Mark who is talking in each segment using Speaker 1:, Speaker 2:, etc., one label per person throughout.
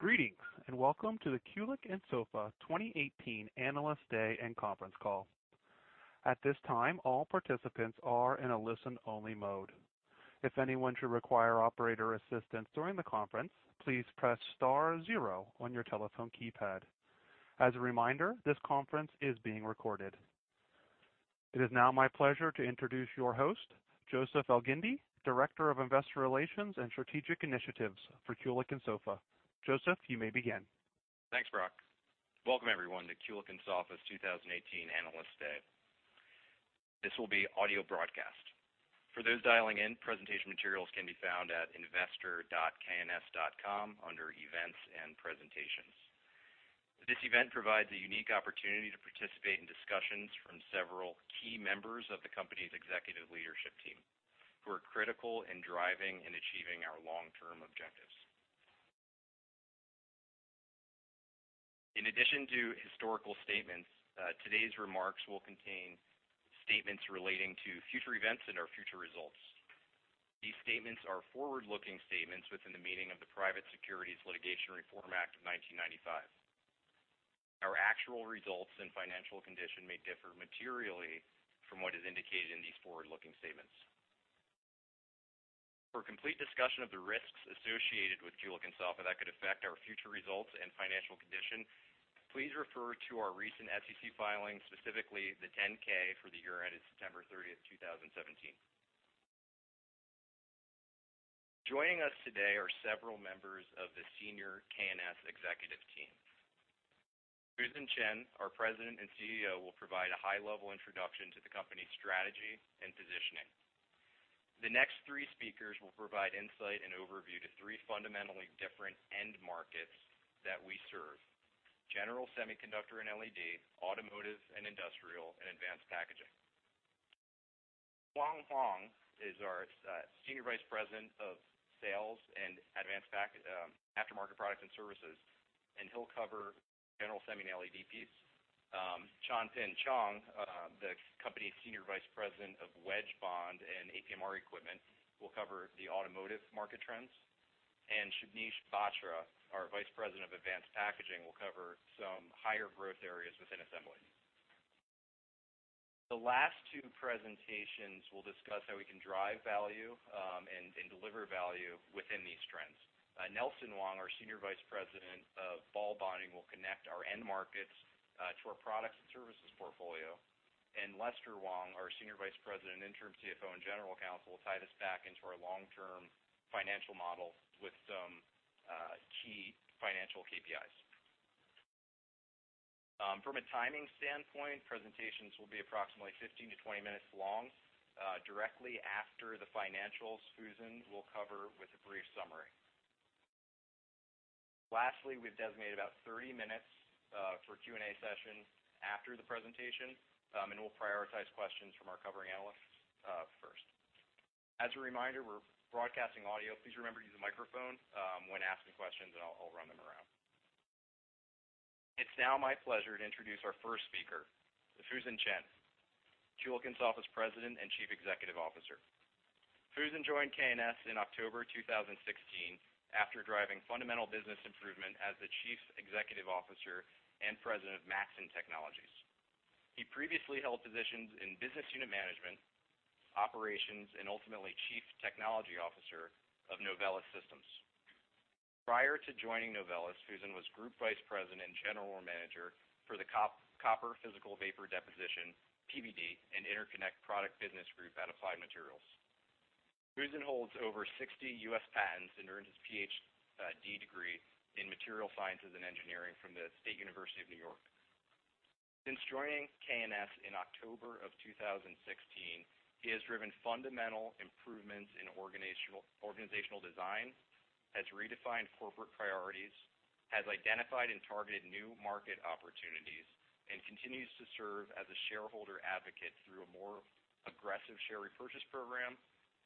Speaker 1: Greetings, welcome to the Kulicke & Soffa 2018 Analyst Day and conference call. At this time, all participants are in a listen-only mode. If anyone should require operator assistance during the conference, please press Star Zero on your telephone keypad. As a reminder, this conference is being recorded. It is now my pleasure to introduce your host, Joseph Elgindy, Director of Investor Relations and Strategic Initiatives for Kulicke & Soffa. Joseph, you may begin.
Speaker 2: Thanks, Brock. Welcome everyone to Kulicke & Soffa's 2018 Analyst Day. This will be audio broadcast. For those dialing in, presentation materials can be found at investor.kns.com under Events and Presentations. This event provides a unique opportunity to participate in discussions from several key members of the company's executive leadership team who are critical in driving and achieving our long-term objectives. In addition to historical statements, today's remarks will contain statements relating to future events and our future results. These statements are forward-looking statements within the meaning of the Private Securities Litigation Reform Act of 1995. Our actual results and financial condition may differ materially from what is indicated in these forward-looking statements. For a complete discussion of the risks associated with Kulicke & Soffa that could affect our future results and financial condition, please refer to our recent SEC filings, specifically the 10-K for the year ended September 30th, 2017. Joining us today are several members of the senior KNS executive team. Fusen Chen, our President and CEO, will provide a high-level introduction to the company's strategy and positioning. The next three speakers will provide insight and overview to three fundamentally different end markets that we serve: general semiconductor and LED, automotive and industrial, and advanced packaging. Kwong Han is our Senior Vice President of Sales and Advanced Aftermarket Products and Services, and he'll cover general semi and LED piece. Chan Pin Chong, the company's Senior Vice President of Wedge Bonder and APMR Equipment, will cover the automotive market trends. Shubneesh Batra, our Vice President of Advanced Packaging, will cover some higher growth areas within assembly. The last two presentations will discuss how we can drive value and deliver value within these trends. Nelson Wong, our Senior Vice President of Ball Bonding, will connect our end markets to our products and services portfolio. Lester Wong, our Senior Vice President, Interim Chief Financial Officer, and General Counsel, will tie this back into our long-term financial model with some key financial KPIs. From a timing standpoint, presentations will be approximately 15-20 minutes long. Directly after the financials, Fusen Chen will cover with a brief summary. Lastly, we've designated about 30 minutes for Q&A session after the presentation, and we'll prioritize questions from our covering analysts first. As a reminder, we're broadcasting audio. Please remember to use the microphone when asking questions, and I'll run them around. It's now my pleasure to introduce our first speaker, Fusen Chen, Kulicke & Soffa's President and Chief Executive Officer. Fusen joined KNS in October 2016 after driving fundamental business improvement as the Chief Executive Officer and President of Mattson Technology. He previously held positions in business unit management, operations, and ultimately Chief Technology Officer of Novellus Systems. Prior to joining Novellus, Fusen was Group Vice President and General Manager for the copper physical vapor deposition, PVD, and interconnect product business group at Applied Materials. Fusen holds over 60 U.S. patents and earned his PhD degree in material sciences and engineering from the State University of New York. Since joining K&S in October of 2016, he has driven fundamental improvements in organizational design, has redefined corporate priorities, has identified and targeted new market opportunities, and continues to serve as a shareholder advocate through a more aggressive share repurchase program,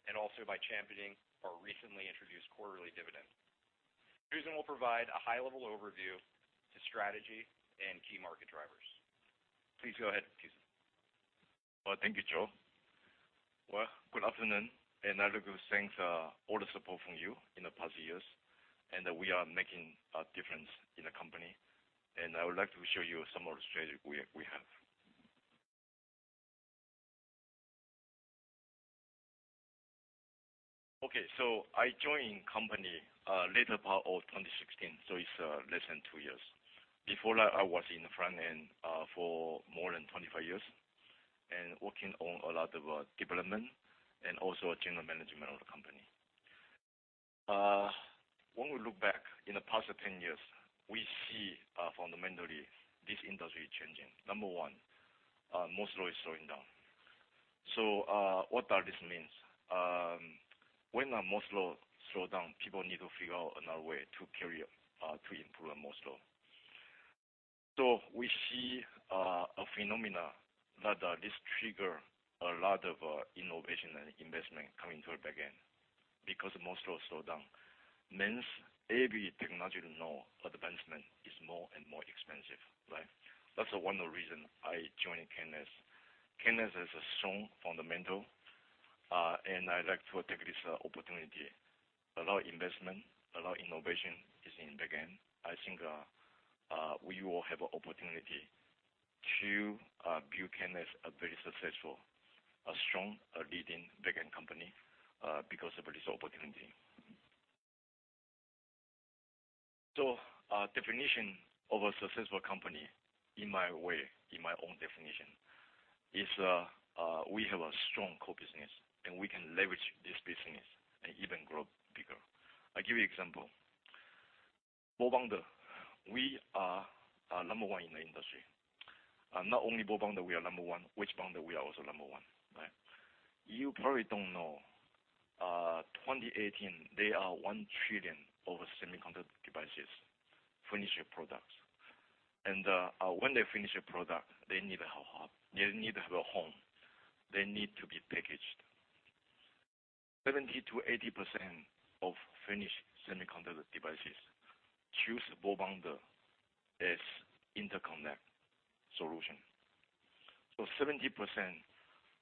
Speaker 2: and also by championing our recently introduced quarterly dividend. Fusen will provide a high-level overview to strategy and key market drivers. Please go ahead, Fusen.
Speaker 3: Well, thank you, Joe Well, good afternoon. I'd like to thank all the support from you in the past years. We are making a difference in the company. I would like to show you some of the strategy we have. Okay, I joined company latter part of 2016. It's less than two years. Before that, I was in the front end for more than 25 years and working on a lot of development and also general management of the company. When we look back in the past 10 years, we see fundamentally this industry changing. Number one, Moore's law is slowing down. What are this means? When a Moore's law slow down, people need to figure out another way to improve the Moore's law. We see a phenomena that this trigger a lot of innovation and investment coming toward back end because Moore's law slow down. Means every technological advancement is more and more expensive, right? That's one of the reason I joined KNS. KNS has a strong fundamental, and I'd like to take this opportunity. A lot of investment, a lot of innovation is in back end. I think we will have opportunity to build KNS a very successful, a strong, a leading back-end company because of this opportunity. Definition of a successful company, in my way, in my own definition, is we have a strong core business, and we can leverage this business and even grow bigger. I give you example. Ball bonder, we are number one in the industry. Not only ball bonder we are number one, wedge bonder we are also number one, right? You probably don't know, 2018, there are one trillion over semiconductor devices, finished products. When they finish a product, they need a home. They need to have a home. They need to be packaged. 70%-80% of finished semiconductor devices choose ball bonder as interconnect solution. 70%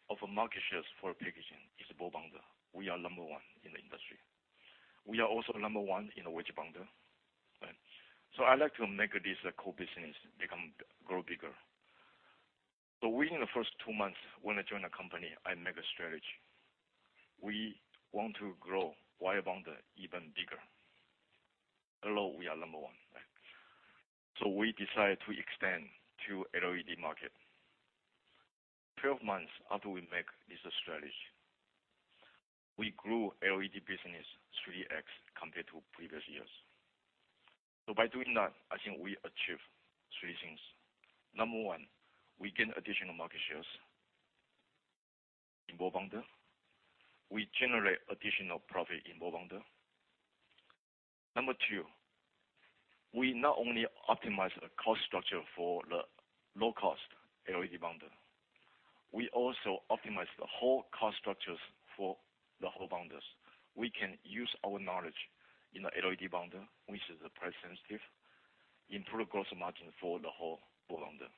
Speaker 3: of market shares for packaging is ball bonder. We are number one in the industry. We are also number one in wedge bonder, right? I like to make this core business become grow bigger. Within the first two months when I joined the company, I make a strategy. We want to grow wire bond even bigger, although we are number one, right? We decide to extend to LED market. 12 months after we make this strategy, we grew LED business 3x compared to previous years. By doing that, I think we achieve three things. Number one, we gain additional market shares in ball bonder. We generate additional profit in ball bonder. Number two, we not only optimize the cost structure for the low-cost LED bonder, we also optimize the whole cost structures for the whole bonders. We can use our knowledge in the LED bonder, which is price-sensitive, improve gross margin for the whole ball bonder.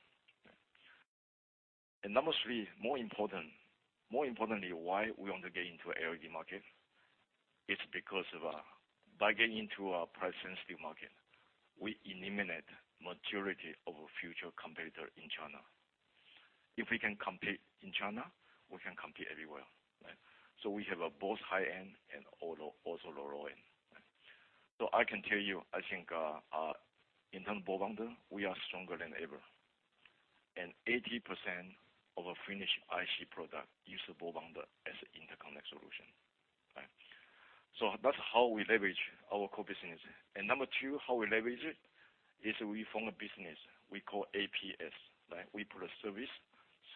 Speaker 3: Number three, more importantly, why we want to get into LED market is because of by getting into a price-sensitive market, we eliminate majority of future competitor in China. If we can compete in China, we can compete everywhere, right? We have both high-end and also low-end. I can tell you, I think, in term ball bonder, we are stronger than ever. 80% of finished IC product use the ball bonder as interconnect solution, right? That's how we leverage our core business. Number two, how we leverage it, is we form a business we call APS, right? We put a service,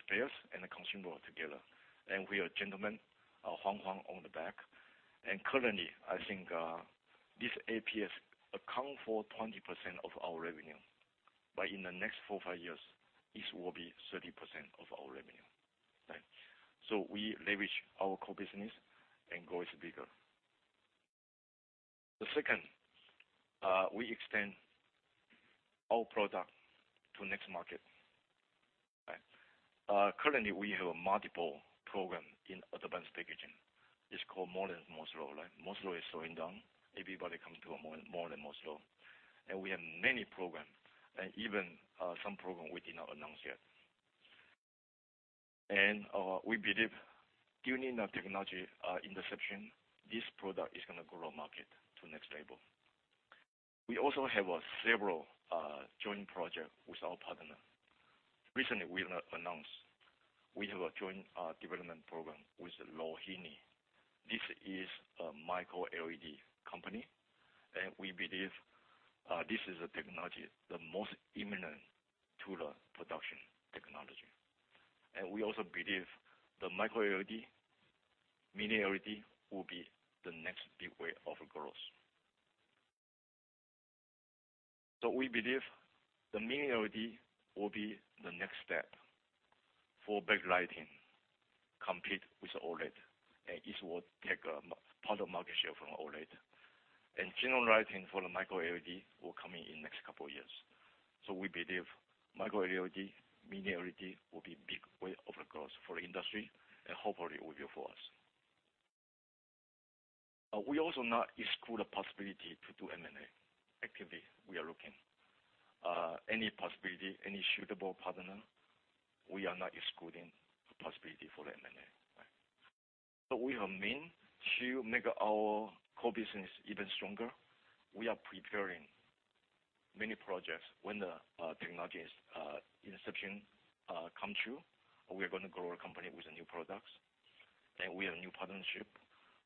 Speaker 3: spares, and the consumable together, and we are gentleman, Kwong on the back. Currently, I think, this APS account for 20% of our revenue. In the next four, five years, this will be 30% of our revenue, right? We leverage our core business and grows bigger. The second, we extend our product to next market. Right? Currently, we have multiple program in advanced packaging, is called more than Moore's Law, right? Moore's Law is slowing down. Everybody comes to a more than Moore's Law. We have many program, and even some program we did not announce yet. We believe giving our technology inception, this product is gonna grow market to next level. We also have several joint project with our partner. Recently, we announced we have a joint development program with Rohinni. This is a micro LED company, and we believe this is a technology, the most imminent to the production technology. We also believe the micro LED, mini LED will be the next big wave of growth. We believe the mini LED will be the next step for backlighting, compete with OLED, and this will take a part of market share from OLED. General lighting for the micro LED will come in in next couple years. We believe micro LED, mini LED will be big wave of growth for industry, and hopefully it will be for us. We also not exclude a possibility to do M&A. Actively, we are looking. Any possibility, any suitable partner, we are not excluding the possibility for M&A, right? We have mean to make our core business even stronger. We are preparing many projects. When the technology is inception, come true, we are gonna grow a company with new products. We have new partnership,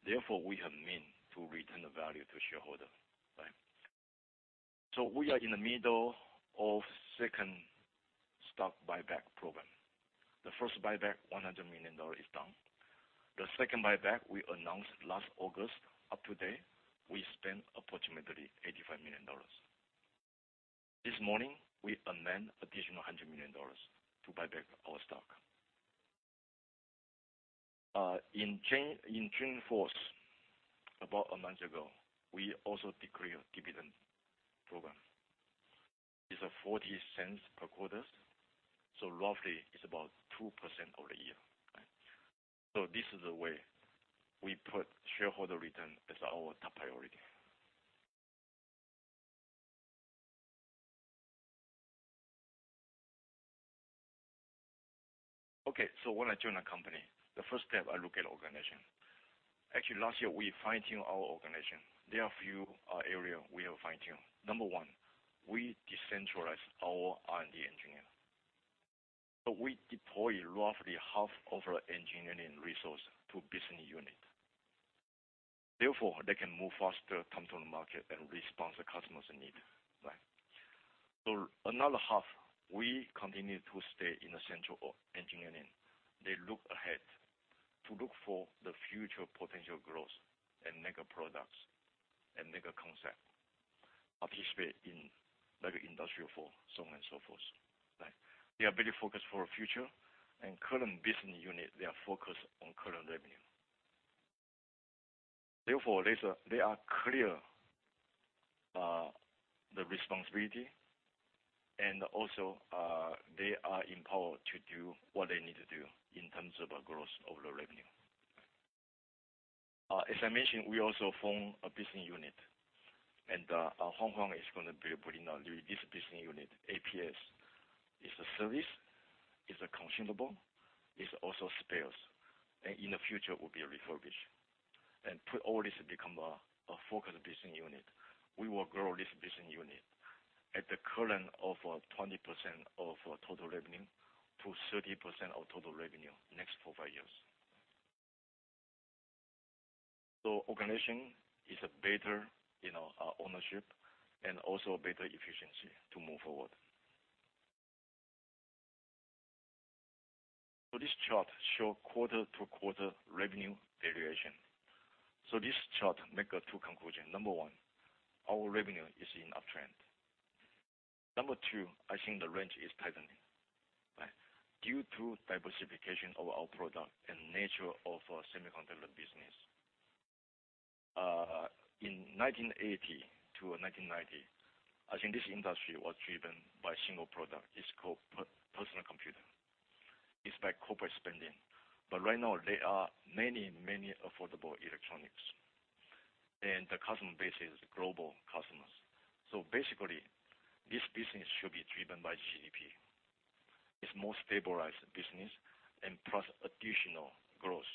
Speaker 3: therefore, we have mean to return the value to shareholder. Right? We are in the middle of second stock buyback program. The first buyback, $100 million is done. The second buyback we announced last August. Up to date, we spent approximately $85 million. This morning, we amend additional $100 million to buy back our stock. In June 4th, about a month ago, we also declared dividend program. It's $0.40 per quarter, so roughly it's about 2% over a year, right? This is the way we put shareholder return as our top priority. Okay. When I join a company, the first step, I look at organization. Actually, last year, we fine-tune our organization. There are a few area we have fine-tuned. Number one, we decentralize our R&D engineer. We deploy roughly half of our engineering resource to business unit. Therefore, they can move faster, come to the market, and respond to customers' need, right? Another half, we continue to stay in the central of engineering. They look ahead to look for the future potential growth and make products and make a concept, participate in like Industry 4.0, so on and so forth, right. They are very focused for future and current business unit, they are focused on current revenue. Therefore, they are clear the responsibility, and also, they are empowered to do what they need to do in terms of growth of the revenue. As I mentioned, we also form a business unit, and Kwong Han is gonna be putting on this business unit, APS. It's a service, it's a consumable, it's also spares, and in the future will be a refurbished. Put all this to become a focused business unit. We will grow this business unit at the current of 20% of total revenue to 30% of total revenue next four, five years. Organization is a better, you know, ownership and also better efficiency to move forward. This chart show quarter-to-quarter revenue variation. This chart make two conclusion. Number one, our revenue is in uptrend. Number two, I think the range is tightening, right? Due to diversification of our product and nature of semiconductor business. In 1980 to 1990, I think this industry was driven by a single product. It's called personal computer. It's by corporate spending. Right now, there are many, many affordable electronics, and the customer base is global customers. Basically, this business should be driven by GDP. It's more stabilized business and plus additional growth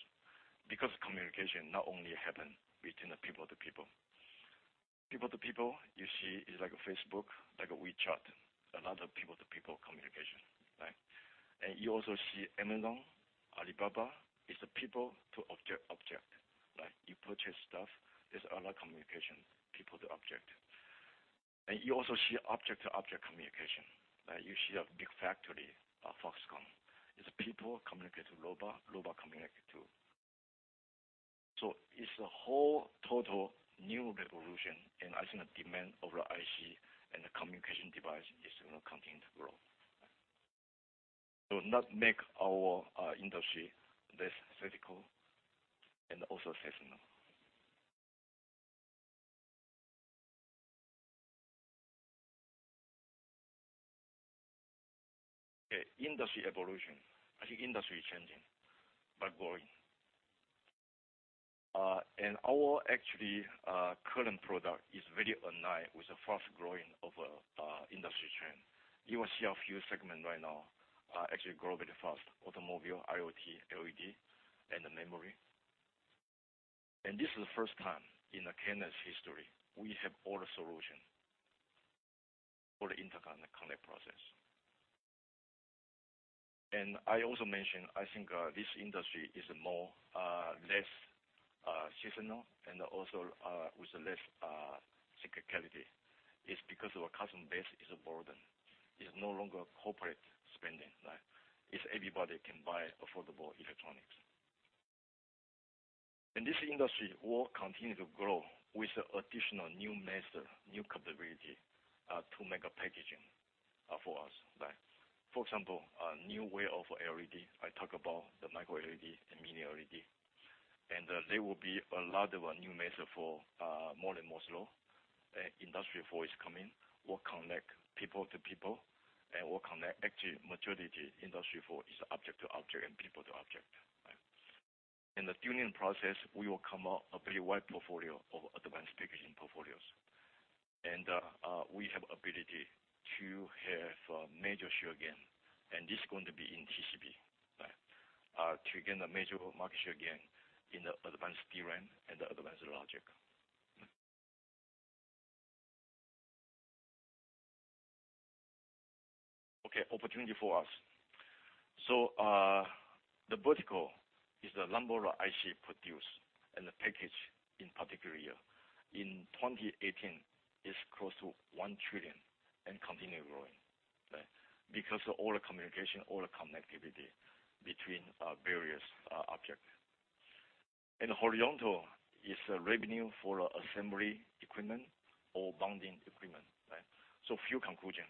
Speaker 3: because communication not only happen between the people to people. People to people, you see, is like a Facebook, like a WeChat. A lot of people to people communication, right? You also see Amazon, Alibaba is the people to object, right? You purchase stuff. There's a lot of communication, people to object. You also see object to object communication, right? You see a big factory, Foxconn. It's people communicate to robot. It's a whole total new revolution, and I think the demand of the IC and the communication device is gonna continue to grow. Not make our industry less cyclical and also seasonal. Okay, industry evolution. I think industry is changing, growing. Our actually, current product is very align with the fast growing of industry trend. You will see a few segment right now, actually grow very fast. Automobile, IoT, LED, and the memory. This is the first time in the K&S history we have all the solution for the interconnect process. I also mentioned, I think, this industry is more, less, seasonal and also, with less, cyclicality. It's because our customer base is broadened. It's no longer corporate spending, right? It's everybody can buy affordable electronics. This industry will continue to grow with the additional new method, new capability, to make a packaging, for us, right? For example, a new way of LED. I talk about the micro LED and mini LED. There will be a lot of, new method for, more than Moore's Law. Industry 4.0 is coming, will connect people to people, will connect actually maturity Industry 4.0 is object to object and people to object, right? In the tuning process, we will come out a very wide portfolio of advanced packaging portfolios. We have ability to have major share gain, and this is going to be in TCB, right? To gain a major market share gain in the advanced DRAM and the advanced logic. Okay, opportunity for us. The vertical is the number of IC produced and the package in particular year. In 2018, it is close to one trillion and continue growing, right? Because of all the communication, all the connectivity between various object. And horizontal is revenue for assembly equipment or bonding equipment, right? Few conclusion.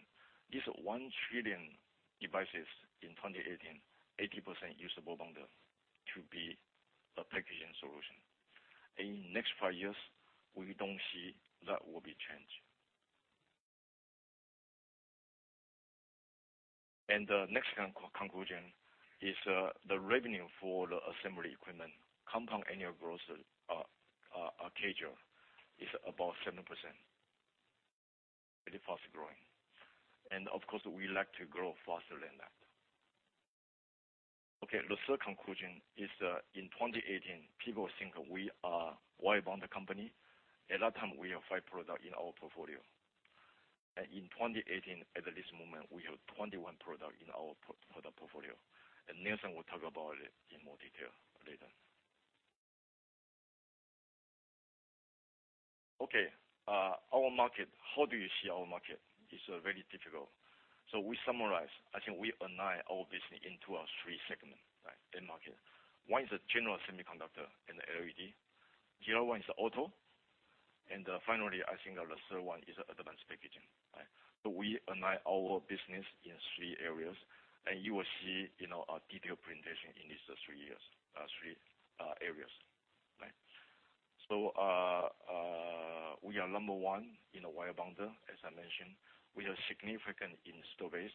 Speaker 3: This one trillion devices in 2018, 80% use a bondable TCB packaging solution. In next five years, we don't see that will be changed. Next conclusion is the revenue for the assembly equipment, compound annual growth CAGR, is about 7%. Very fast growing. Of course, we like to grow faster than that. The third conclusion is in 2018, people think we are wire bond company. At that time, we have five product in our portfolio. In 2018, at this moment, we have 21 product in our product portfolio. Nelson will talk about it in more detail later. Our market. How do you see our market? It's very difficult. We summarize. I think we align our business into three segment, right, end market. One is a general semiconductor and LED. The other one is auto. Finally, I think the last one is advanced packaging, right? We align our business in three areas, and you will see, you know, a detailed presentation in these three areas. Right. We are number one in wire bonders, as I mentioned. We are significant in install base,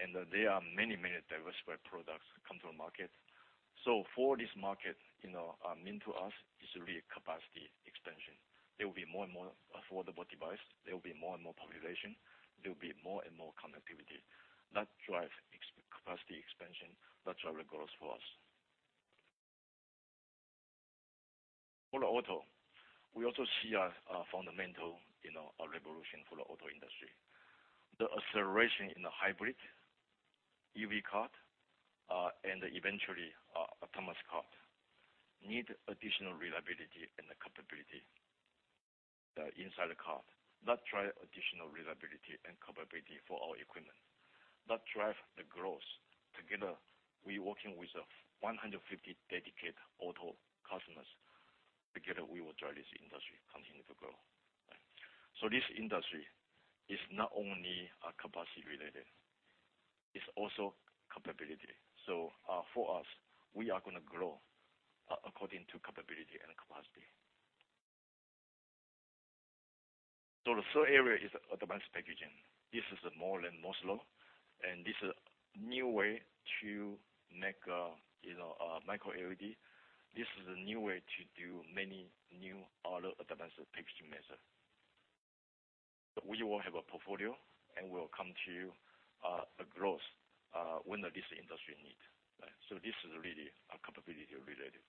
Speaker 3: and there are many diversified products come to the market. For this market, you know, mean to us is really a capacity expansion. There will be more and more affordable device. There will be more and more population, there will be more and more connectivity. That drive capacity expansion, that drive the growth for us. For auto, we also see a fundamental, you know, a revolution for the auto industry. The acceleration in the hybrid EV car, and eventually, autonomous car need additional reliability and capability inside the car. That drive additional reliability and capability for our equipment. That drive the growth. Together, we working with 100 dedicated auto customers. Together, we will drive this industry continue to grow. This industry is not only capacity related, it's also capability. For us, we are gonna grow according to capability and capacity. The third area is advanced packaging. This is the more than Moore's law, and this a new way to make, you know, micro LED. This is a new way to do many new auto advanced packaging method. We will have a portfolio, and we will come to a growth when this industry need. This is really, capability related.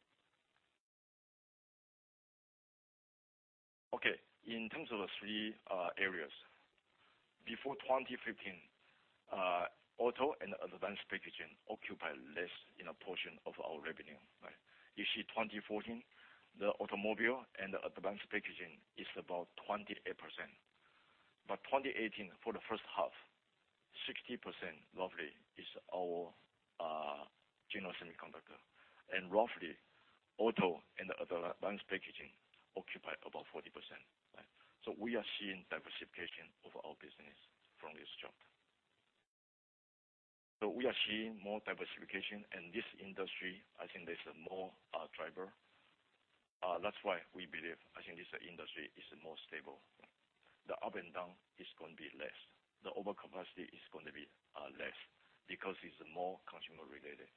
Speaker 3: In terms of the three areas, before 2015, auto and advanced packaging occupy less in a portion of our revenue, right? You see 2014, the automobile and the advanced packaging is about 28%. 2018, for the first half, 60%, roughly, is our general semiconductor. Roughly, auto and advanced packaging occupy about 40%, right? We are seeing diversification of our business from this chart. We are seeing more diversification. In this industry, I think there's a more driver. That's why we believe, I think this industry is more stable. The up and down is gonna be less. The overcapacity is gonna be less because it's more consumer related.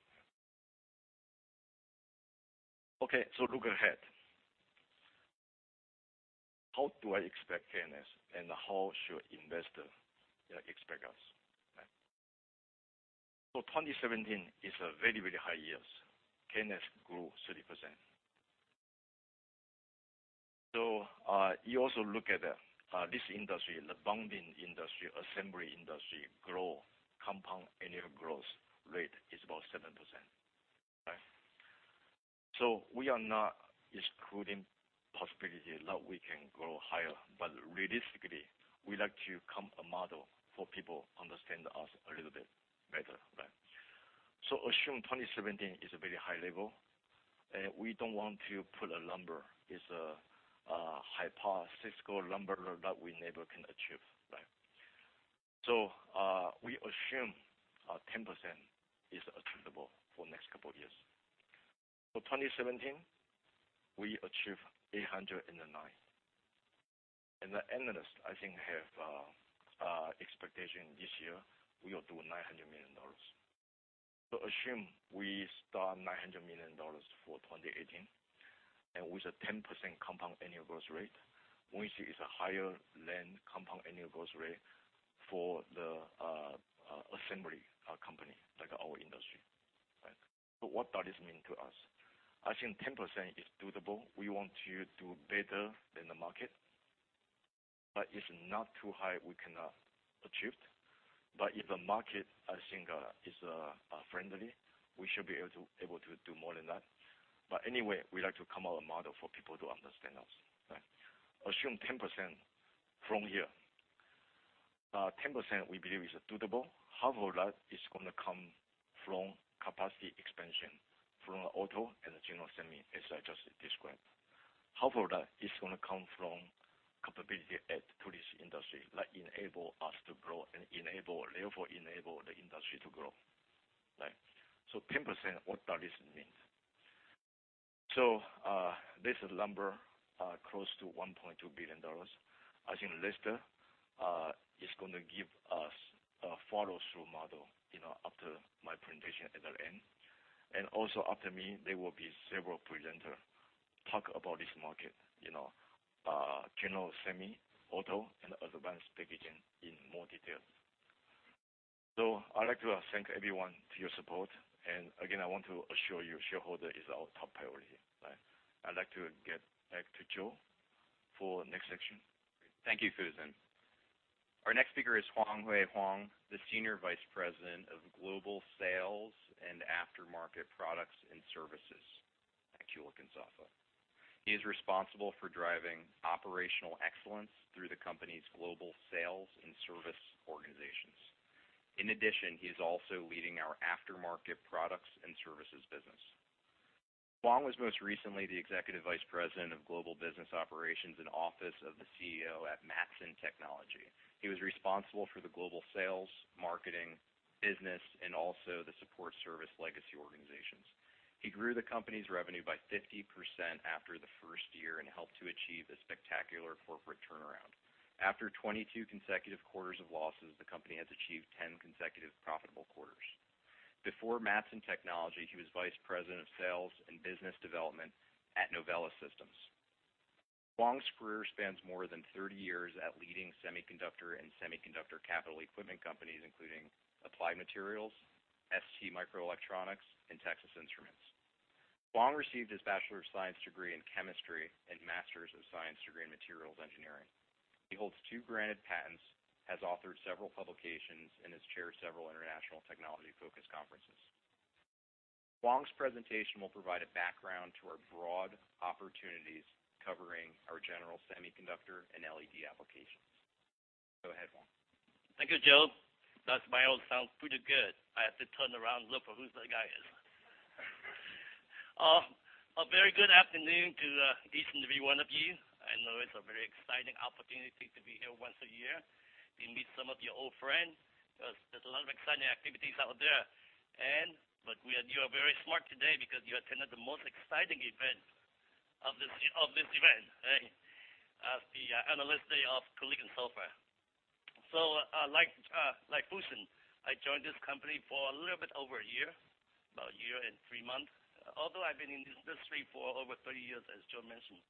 Speaker 3: Look ahead. How do I expect K&S, and how should investor expect us? Right. 2017 is a very, very high years. KNS grew 30%. You also look at this industry, the bonding industry, assembly industry grow. Compound annual growth rate is about 7%. We are not excluding possibility that we can grow higher. Realistically, we like to come a model for people understand us a little bit better. Assume 2017 is a very high level, and we don't want to put a number. It's a hypothetical number that we never can achieve. We assume 10% is achievable for next couple years. For 2017, we achieve $809 million. The analyst, I think, have expectation this year we will do $900 million. Assume we start $900 million for 2018, with a 10% compound annual growth rate, which is higher than compound annual growth rate for the assembly company like our industry. Right. What that is mean to us? I think 10% is doable. We want to do better than the market, it's not too high we cannot achieve. If the market, I think, is friendly, we should be able to do more than that. We like to come out a model for people to understand us. Right. Assume 10% from here. 10% we believe is doable. Half of that is gonna come from capacity expansion from auto and the general semi, as I just described. Half of that is going to come from capability at 2D industry that enable us to grow and enable. Therefore enable the industry to grow, right? Ten percent, what that is mean? This is number close to $1.2 billion. I think Lester is going to give us a follow-through model, you know, after my presentation at the end. Also after me, there will be several presenter talk about this market, you know, general semi, auto, and advanced packaging in more detail. I'd like to thank everyone for your support. Again, I want to assure you shareholder is our top priority, right? I'd like to get back to Joe for next section.
Speaker 2: Thank you, Fusen. Our next speaker is Meng-Kwong Han, the Senior Vice President of Global Sales and Aftermarket Products and Services at Kulicke & Soffa. He is responsible for driving operational excellence through the company's global sales and service organizations. In addition, he is also leading our aftermarket products and services business. Kwong was most recently the Executive Vice President of Global Business Operations and Office of the CEO at Mattson Technology. He was responsible for the global sales, marketing, business, and also the support service legacy organizations. He grew the company's revenue by 50% after the first year and helped to achieve a spectacular corporate turnaround. After 22 consecutive quarters of losses, the company has achieved 10 consecutive profitable quarters. Before Mattson Technology, he was Vice President of Sales and Business Development at Novellus Systems. Kwong's career spans more than 30 years at leading semiconductor and semiconductor capital equipment companies, including Applied Materials, STMicroelectronics, and Texas Instruments. Kwong received his Bachelor of Science degree in Chemistry and Masters of Science degree in Materials Engineering. He holds two granted patents, has authored several publications, and has chaired several international technology-focused conferences. Kwong's presentation will provide a background to our broad opportunities covering our general semiconductor and LED applications. Go ahead, Kwong.
Speaker 4: Thank you, Joe. That bio sounds pretty good. I have to turn around and look for who the guy is. A very good afternoon to each and every one of you. I know it's a very exciting opportunity to be here once a year and meet some of your old friends, because there's a lot of exciting activities out there. But you are very smart today because you attended the most exciting event of this, of this event, right? As the analyst day of Kulicke & Soffa. Like, like Fusen, I joined this company for a little bit over one year, about a year and three months, although I've been in this industry for over 30 years, as Joe mentioned.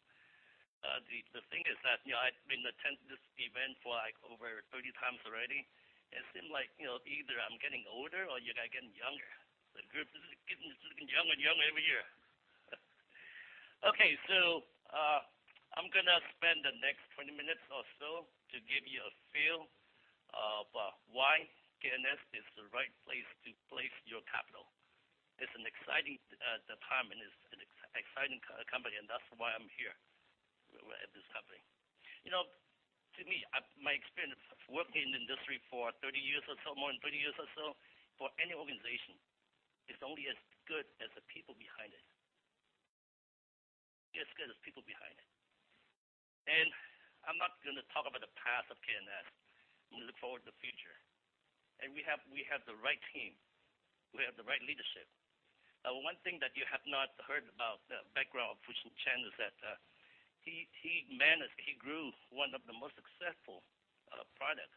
Speaker 4: The, the thing is that, you know, I've been attending this event for, like, over 30 times already. It seems like, you know, either I'm getting older or you guys getting younger. The group is getting younger and younger every year. Okay, I'm gonna spend the next 20 minutes or so to give you a feel of why KNS is the right place to place your capital. It's an exciting time and it's an exciting company, and that's why I'm here at this company. You know, to me, my experience of working in the industry for 30 years or so, more than 30 years or so, for any organization, it's only as good as the people behind it. It's as good as people behind it. I'm not gonna talk about the past of KNS. I'm gonna look forward to the future. We have the right team. We have the right leadership. One thing that you have not heard about the background of Fusen Chen is that he managed, he grew one of the most successful product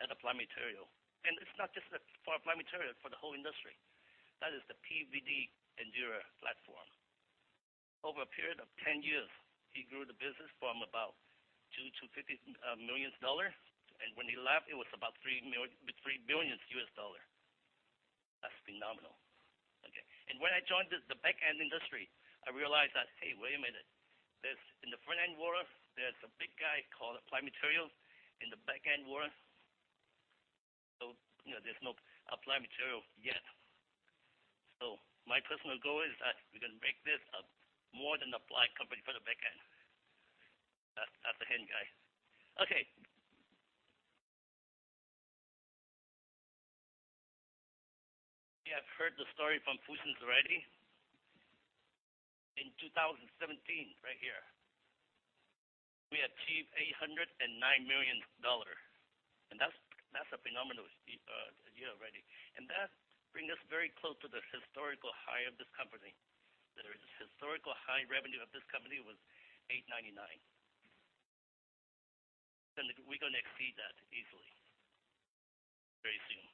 Speaker 4: at Applied Materials. It's not just for Applied Materials, for the whole industry. That is the Endura PVD platform. Over a period of 10 years, he grew the business from about $2 million-$50 million. When he left, it was about $3 billion. That's phenomenal. Okay. When I joined this, the back-end industry, I realized that, hey, wait a minute. There's, in the front-end world, there's a big guy called Applied Materials. In the back-end world, you know, there's no Applied Materials yet. My personal goal is that we're gonna make this a more than Applied company for the back end. That's, that's the aim, guys. Okay. You have heard the story from Fusen already. In 2017, right here, we achieved $809 million. That's a phenomenal year already. That bring us very close to the historical high of this company. The historical high revenue of this company was $899 million. We're gonna exceed that easily, very soon.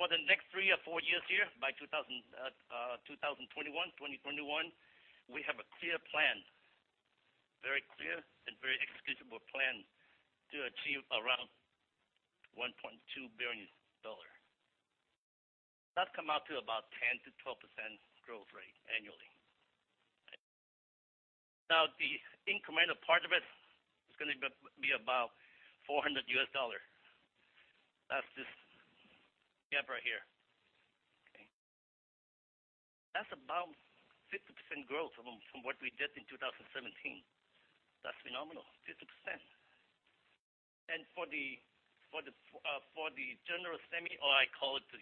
Speaker 4: For the next three or four years here, by 2021, we have a clear plan, very clear and very executable plan to achieve around $1.2 billion. That come out to about 10%-12% growth rate annually. The incremental part of it is gonna be about $400 million. That's this gap right here. That's about 50% growth from what we did in 2017. That's phenomenal, 50%. For the general semi, or I call it the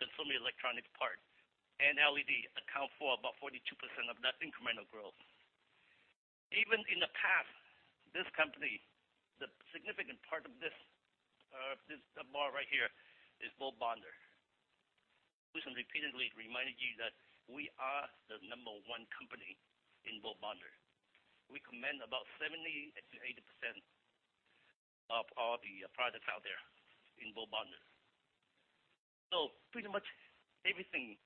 Speaker 4: consumer electronics part, LED account for about 42% of that incremental growth. Even in the past, this company, the significant part of this bar right here is ball bonder. We've repeatedly reminded you that we are the number one company in ball bonder. We command about 70%-80% of all the products out there in ball bonder. Pretty much everything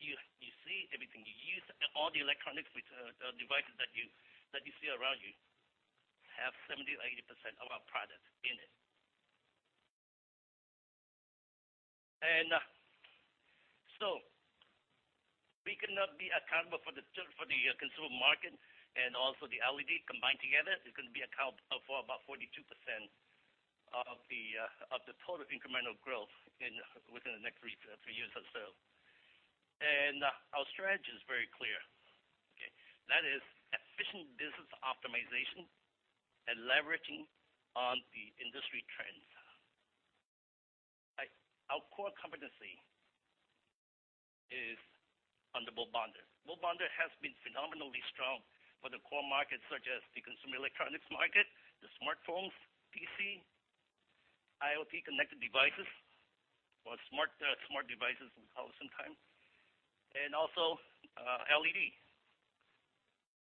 Speaker 4: you see, everything you use, all the electronics with devices that you see around you have 70%-80% of our product in it. We cannot be accountable for the consumer market and also the LED combined together. It can be account for about 42% of the total incremental growth in, within the next three years or so. Our strategy is very clear, okay? That is efficient business optimization and leveraging on the industry trends. Our core competency is on the ball bonder. Ball bonder has been phenomenally strong for the core markets, such as the consumer electronics market, the smartphones, PC, IoT connected devices, or smart devices we call sometimes, and also LED.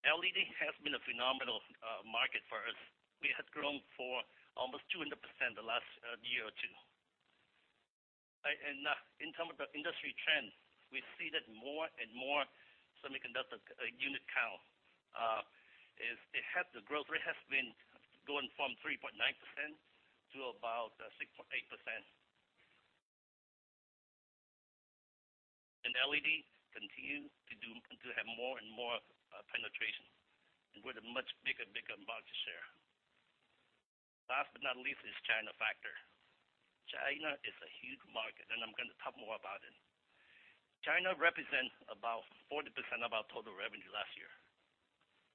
Speaker 4: LED has been a phenomenal market for us. We have grown for almost 200% the last year or two. In term of the industry trend, we see that more and more semiconductor unit count. The growth rate has been going from 3.9% to about 6.8%. LED continue to have more and more penetration with a much bigger market share. Last but not least is China factor. China is a huge market, and I'm gonna talk more about it. China represents about 40% of our total revenue last year,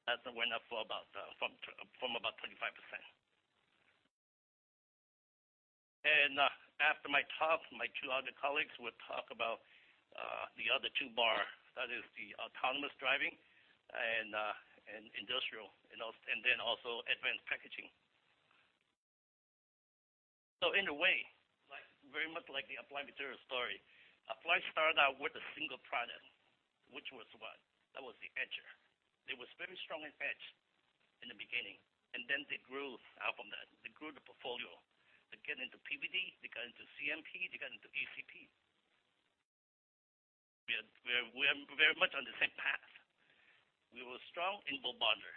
Speaker 4: as it went up for about 25%. After my talk, my two other colleagues will talk about the other two bar. That is the autonomous driving and industrial, and then also advanced packaging. In a way, like very much like the Applied Materials story, Applied started out with a single product, which was what? That was the etcher. They were very strong in etch in the beginning, and then they grew out from that. They grew the portfolio. They got into PVD, they got into CMP, they got into APC. We are very much on the same path. We were strong in ball bonder,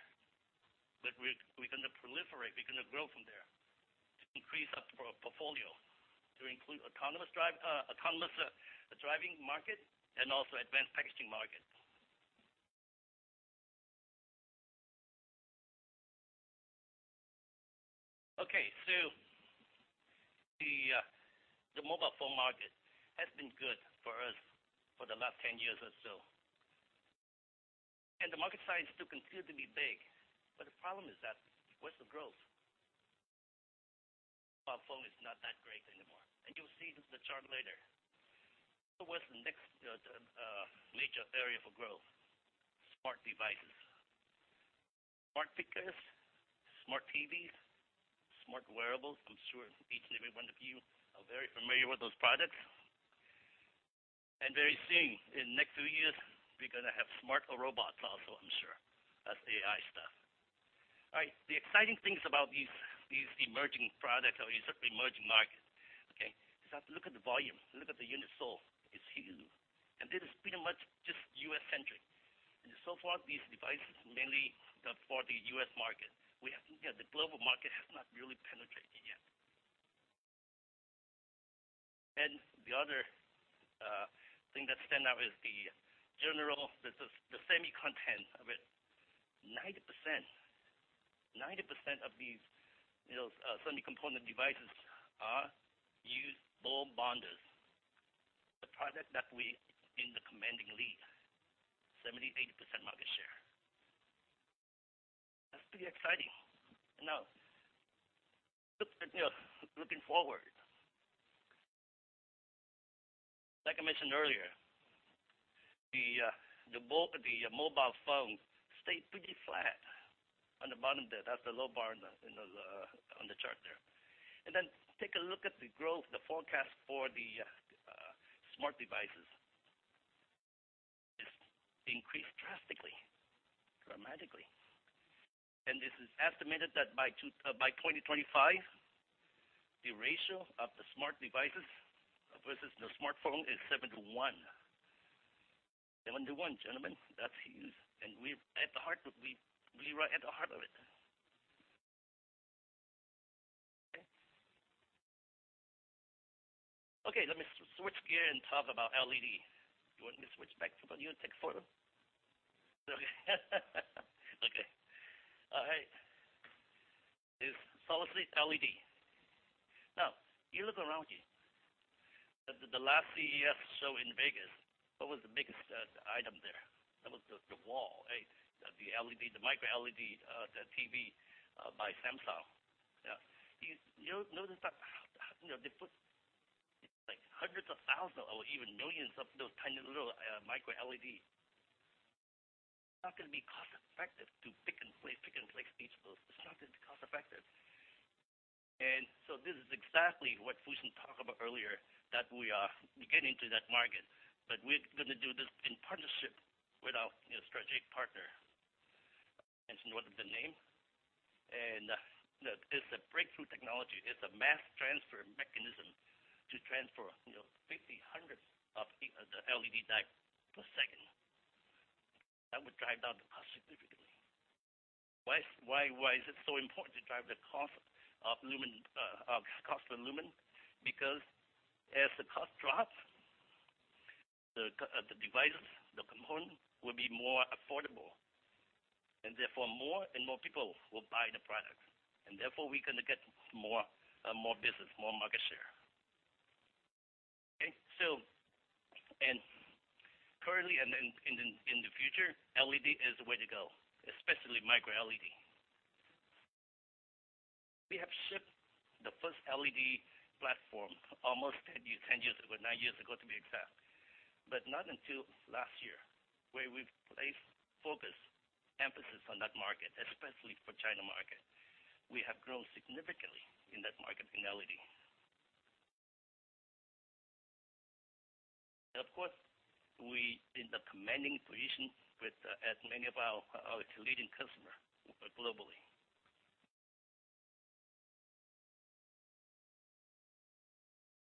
Speaker 4: but we're gonna proliferate, we're gonna grow from there to increase our portfolio to include autonomous driving market and also advanced packaging market. The mobile phone market has been good for us for the last 10 years or so. The market size still continues to be big, but the problem is that where's the growth? Our phone is not that great anymore, and you'll see this in the chart later. What's the next major area for growth? Smart devices. Smart speakers, smart TVs, smart wearables. I'm sure each and every one of you are very familiar with those products. Very soon, in next two years, we're gonna have smarter robots also, I'm sure. That's the AI stuff. All right, the exciting things about these emerging products or these emerging market, okay, is that look at the volume, look at the unit sold. It's huge. This is pretty much just U.S.-centric. So far, these devices mainly are for the U.S. market. We have to get the global market has not really penetrated yet. The other thing that stand out is the general, the semi content of it. 90% of these, you know, semi component devices use ball bonders, the product that we in the commanding lead, 70%-80% market share. That's pretty exciting. Now, look, you know, looking forward, like I mentioned earlier, the mobile phone stayed pretty flat on the bottom there. That's the low bar in the, in the on the chart there. Then take a look at the growth, the forecast for the smart devices. It's increased drastically, dramatically. This is estimated that by 2025, the ratio of the smart devices versus the smartphone is seven to one. seven to one, gentlemen. That's huge. We're at the heart of it. We're right at the heart of it. Okay. Okay, let me switch gear and talk about LED. You want me to switch back to the new tech phone? Is solid-state LED. Now, you look around you. At the last CES show in Vegas, what was the biggest item there? That was the wall, right? The LED, the micro-LED, the TV by Samsung. Yeah. You notice that, you know, they put like hundreds of thousands or even millions of those tiny little micro-LEDs. It's not gonna be cost effective to pick and place each of those. It's not gonna be cost effective. This is exactly what Fusen Chen talked about earlier, that we are getting to that market, but we're gonna do this in partnership with our, you know, strategic partner. Mentioned what is the name. It's a breakthrough technology. It's a mass transfer mechanism to transfer, you know, 50, 100 of the LED die per second. That would drive down the cost significantly. Why, why is it so important to drive the cost of lumen, of cost per lumen? Because as the cost drops, the devices, the component will be more affordable, and therefore more and more people will buy the product. Therefore, we're gonna get more, more business, more market share. Okay. Currently, and in the future, LED is the way to go, especially micro-LED. We have shipped the first LED platform almost 10 years ago, nine years ago to be exact. But not until last year where we've placed focus, emphasis on that market, especially for China market. We have grown significantly in that market in LED. Of course, we in the commanding position with as many of our leading customer globally.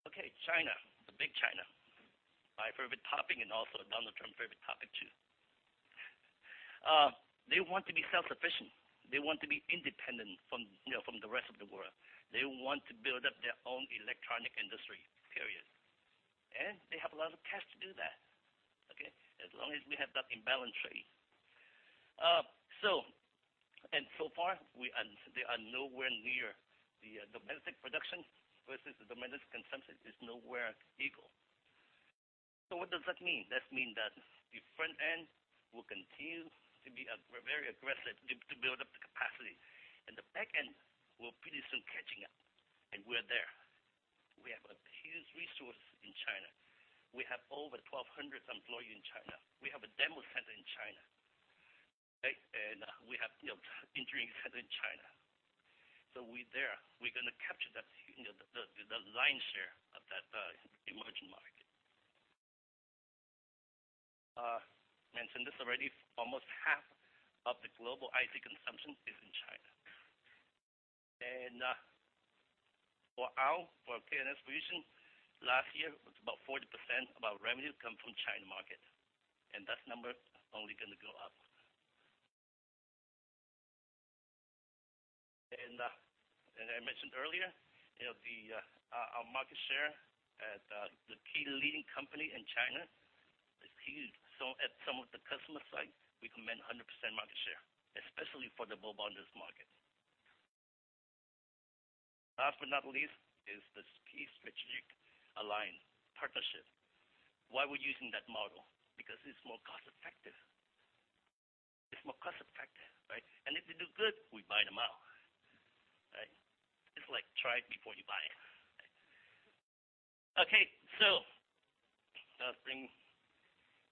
Speaker 4: Okay, China, the big China. My favorite topic and also Donald Trump favorite topic too. They want to be self-sufficient. They want to be independent from, you know, from the rest of the world. They want to build up their own electronic industry, period. They have a lot of cash to do that, okay? As long as we have that imbalanced trade. They are nowhere near the domestic production versus the domestic consumption is nowhere equal. What does that mean? That mean that the front end will continue to be a very aggressive to build up the capacity, and the back end will pretty soon catching up, and we're there. We have a huge resource in China. We have over 1,200 employee in China. We have a demo center in China. Okay? We have, you know, engineering center in China. We there. We're gonna capture that, you know, the, the lion's share of that emerging market. Mentioned this already. Almost half of the global IC consumption is in China. For our, for K&S Vision, last year was about 40% of our revenue come from China market, and that number only gonna go up. And I mentioned earlier, you know, the our market share at the key leading company in China is huge. At some of the customer site, we command 100% market share, especially for the bonders market. Last but not least is this key strategic alliance partnership. Why we're using that model? Because it's more cost effective. It's more cost effective, right? If they do good, we buy them out, right? It's like try it before you buy it. That bring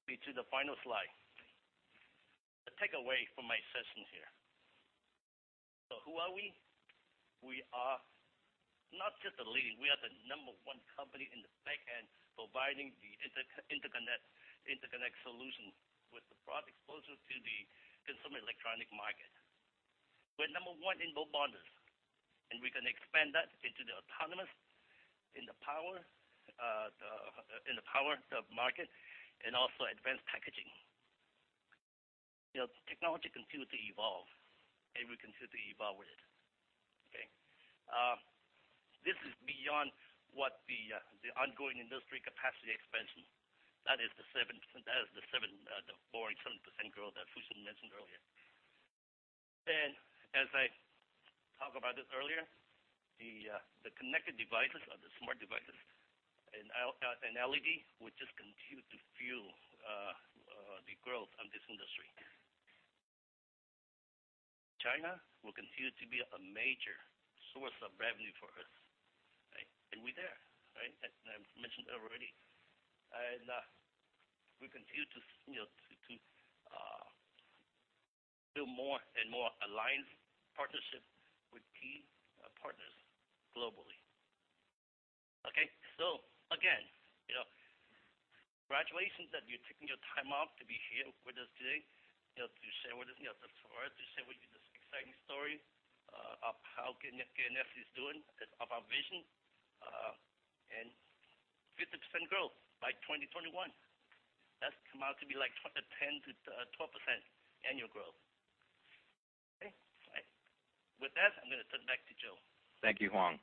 Speaker 4: me to the final slide. The takeaway from my session here. Who are we? We are not just a leading, we are the number one company in the back end providing the interconnect solution with the broad exposure to the consumer electronic market. We're number one in bonders, and we're going to expand that into the autonomous, in the power sub-market and also advanced packaging. You know, technology continue to evolve, and we continue to evolve with it. Okay. This is beyond what the ongoing industry capacity expansion. That is the 7%. That is the 7%, the boring 7% growth that Fusen Chen mentioned earlier. As I talk about this earlier, the connected devices or the smart devices and LED will just continue to fuel the growth of this industry. China will continue to be a major source of revenue for us. Right? We there, right? As I've mentioned already. We continue to build more and more alliance partnership with key partners globally. Okay? Again, congratulations that you're taking your time off to be here with us today, you know, to share with us, you know, the story, to share with you this exciting story of how K&S is doing, of our vision, and 50% growth by 2021. That's come out to be like 10%-12% annual growth. Okay? All right. With that, I'm gonna turn it back.
Speaker 2: Thank you, Kwong.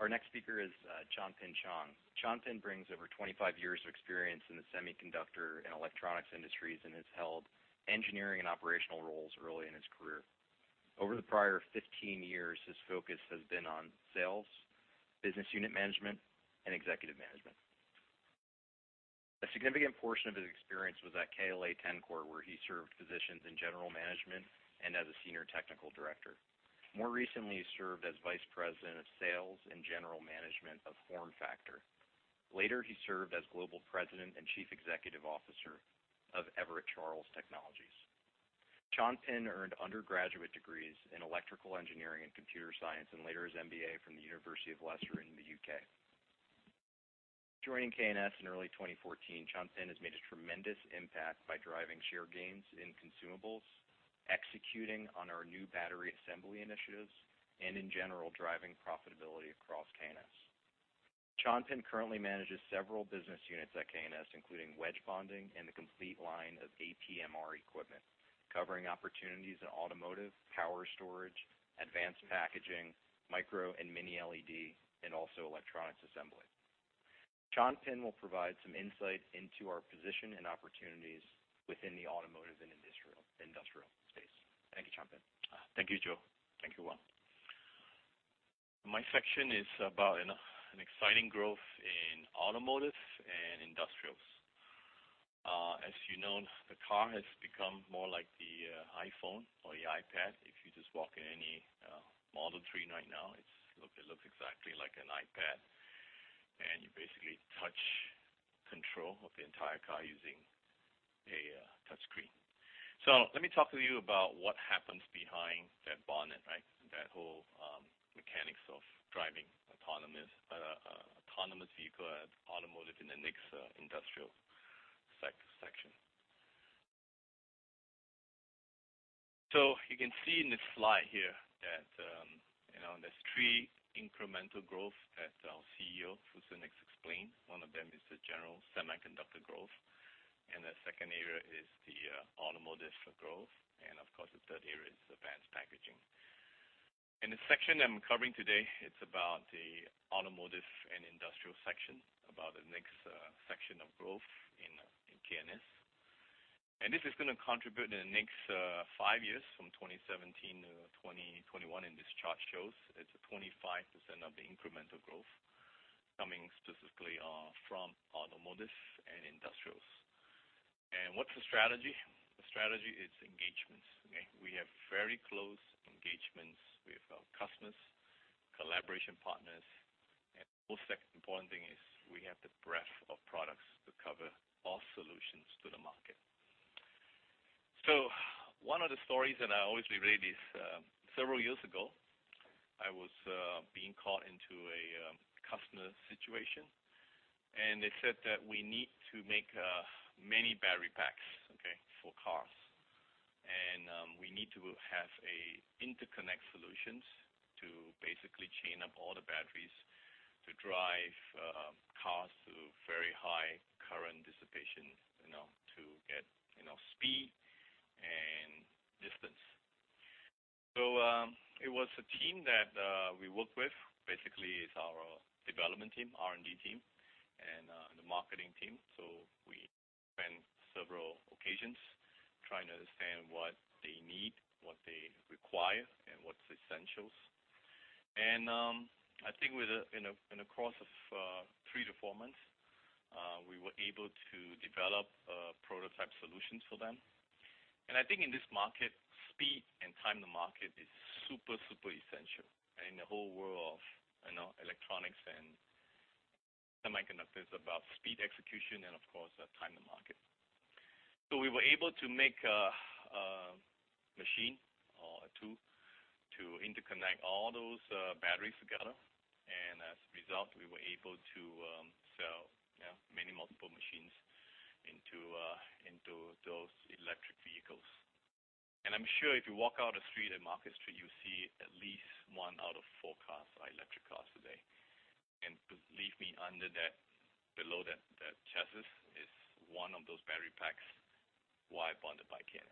Speaker 2: Our next speaker is Chan Pin Chong. Chan Pin Chong brings over 25 years of experience in the semiconductor and electronics industries, and has held engineering and operational roles early in his career. Over the prior 15 years, his focus has been on sales, business unit management, and executive management. A significant portion of his experience was at KLA-Tencor, where he served positions in general management and as a senior technical director. More recently, he served as vice president of sales and general management of FormFactor. Later, he served as global president and chief executive officer of Everett Charles Technologies. Chan Pin Chong earned undergraduate degrees in electrical engineering and computer science, and later his MBA from the University of Leicester in the U.K. Joining K&S in early 2014, Chan Pin has made a tremendous impact by driving share gains in consumables, executing on our new battery assembly initiatives, and in general, driving profitability across K&S. Chan Pin currently manages several business units at K&S, including wedge bonding and the complete line of APMR equipment, covering opportunities in automotive, power storage, advanced packaging, micro and mini-LED, and also electronics assembly. Chan Pin will provide some insight into our position and opportunities within the automotive and industrial space. Thank you, Chan Pin.
Speaker 5: Thank you, Joe. Thank you, Kwong. My section is about an exciting growth in automotive and industrials. As you know, the car has become more like the iPhone or the iPad. If you just walk in any Model 3 right now, it looks exactly like an iPad. You basically touch control of the entire car using a touch screen. Let me talk to you about what happens behind that bonnet, right? That whole mechanics of driving autonomous autonomous vehicle at automotive in the next industrial section. You can see in this slide here that, you know, there's three incremental growth that our CEO, Fusen Chen, has explained. One of them is the general semiconductor growth, the second area is the automotive growth, and of course, the third area is advanced packaging. In the section I'm covering today, it's about the automotive and industrial section, about the next section of growth in K&S. This is gonna contribute in the next five years, from 2017-2021, and this chart shows it's 25% of the incremental growth coming specifically from automotive and industrials. What's the strategy? The strategy is engagements, okay? We have very close engagements with our customers, collaboration partners, and most second important thing is we have the breadth of products to cover all solutions to the market. One of the stories, and I always reread this, several years ago, I was being called into a customer situation, and they said that we need to make many battery packs, okay, for cars. We need to have interconnect solutions to basically chain up all the batteries to drive cars to very high current dissipation, you know, to get, you know, speed and distance. It was a team that we worked with, basically it's our development team, R&D team and the marketing team. We spent several occasions trying to understand what they need, what they require, and what's essentials. I think in a course of three to four months, we were able to develop prototype solutions for them. I think in this market, speed and time to market is super essential. In the whole world of, you know, electronics and semiconductors, it's about speed, execution, and of course, time to market. We were able to make a machine or a tool to interconnect all those batteries together. As a result, we were able to sell, you know, many multiple machines into those electric vehicles. I'm sure if you walk out a street, in Market Street, you see at least one out of four cars are electric cars today. Believe me, under that, below that chassis is one of those battery packs wire bonded by K&S.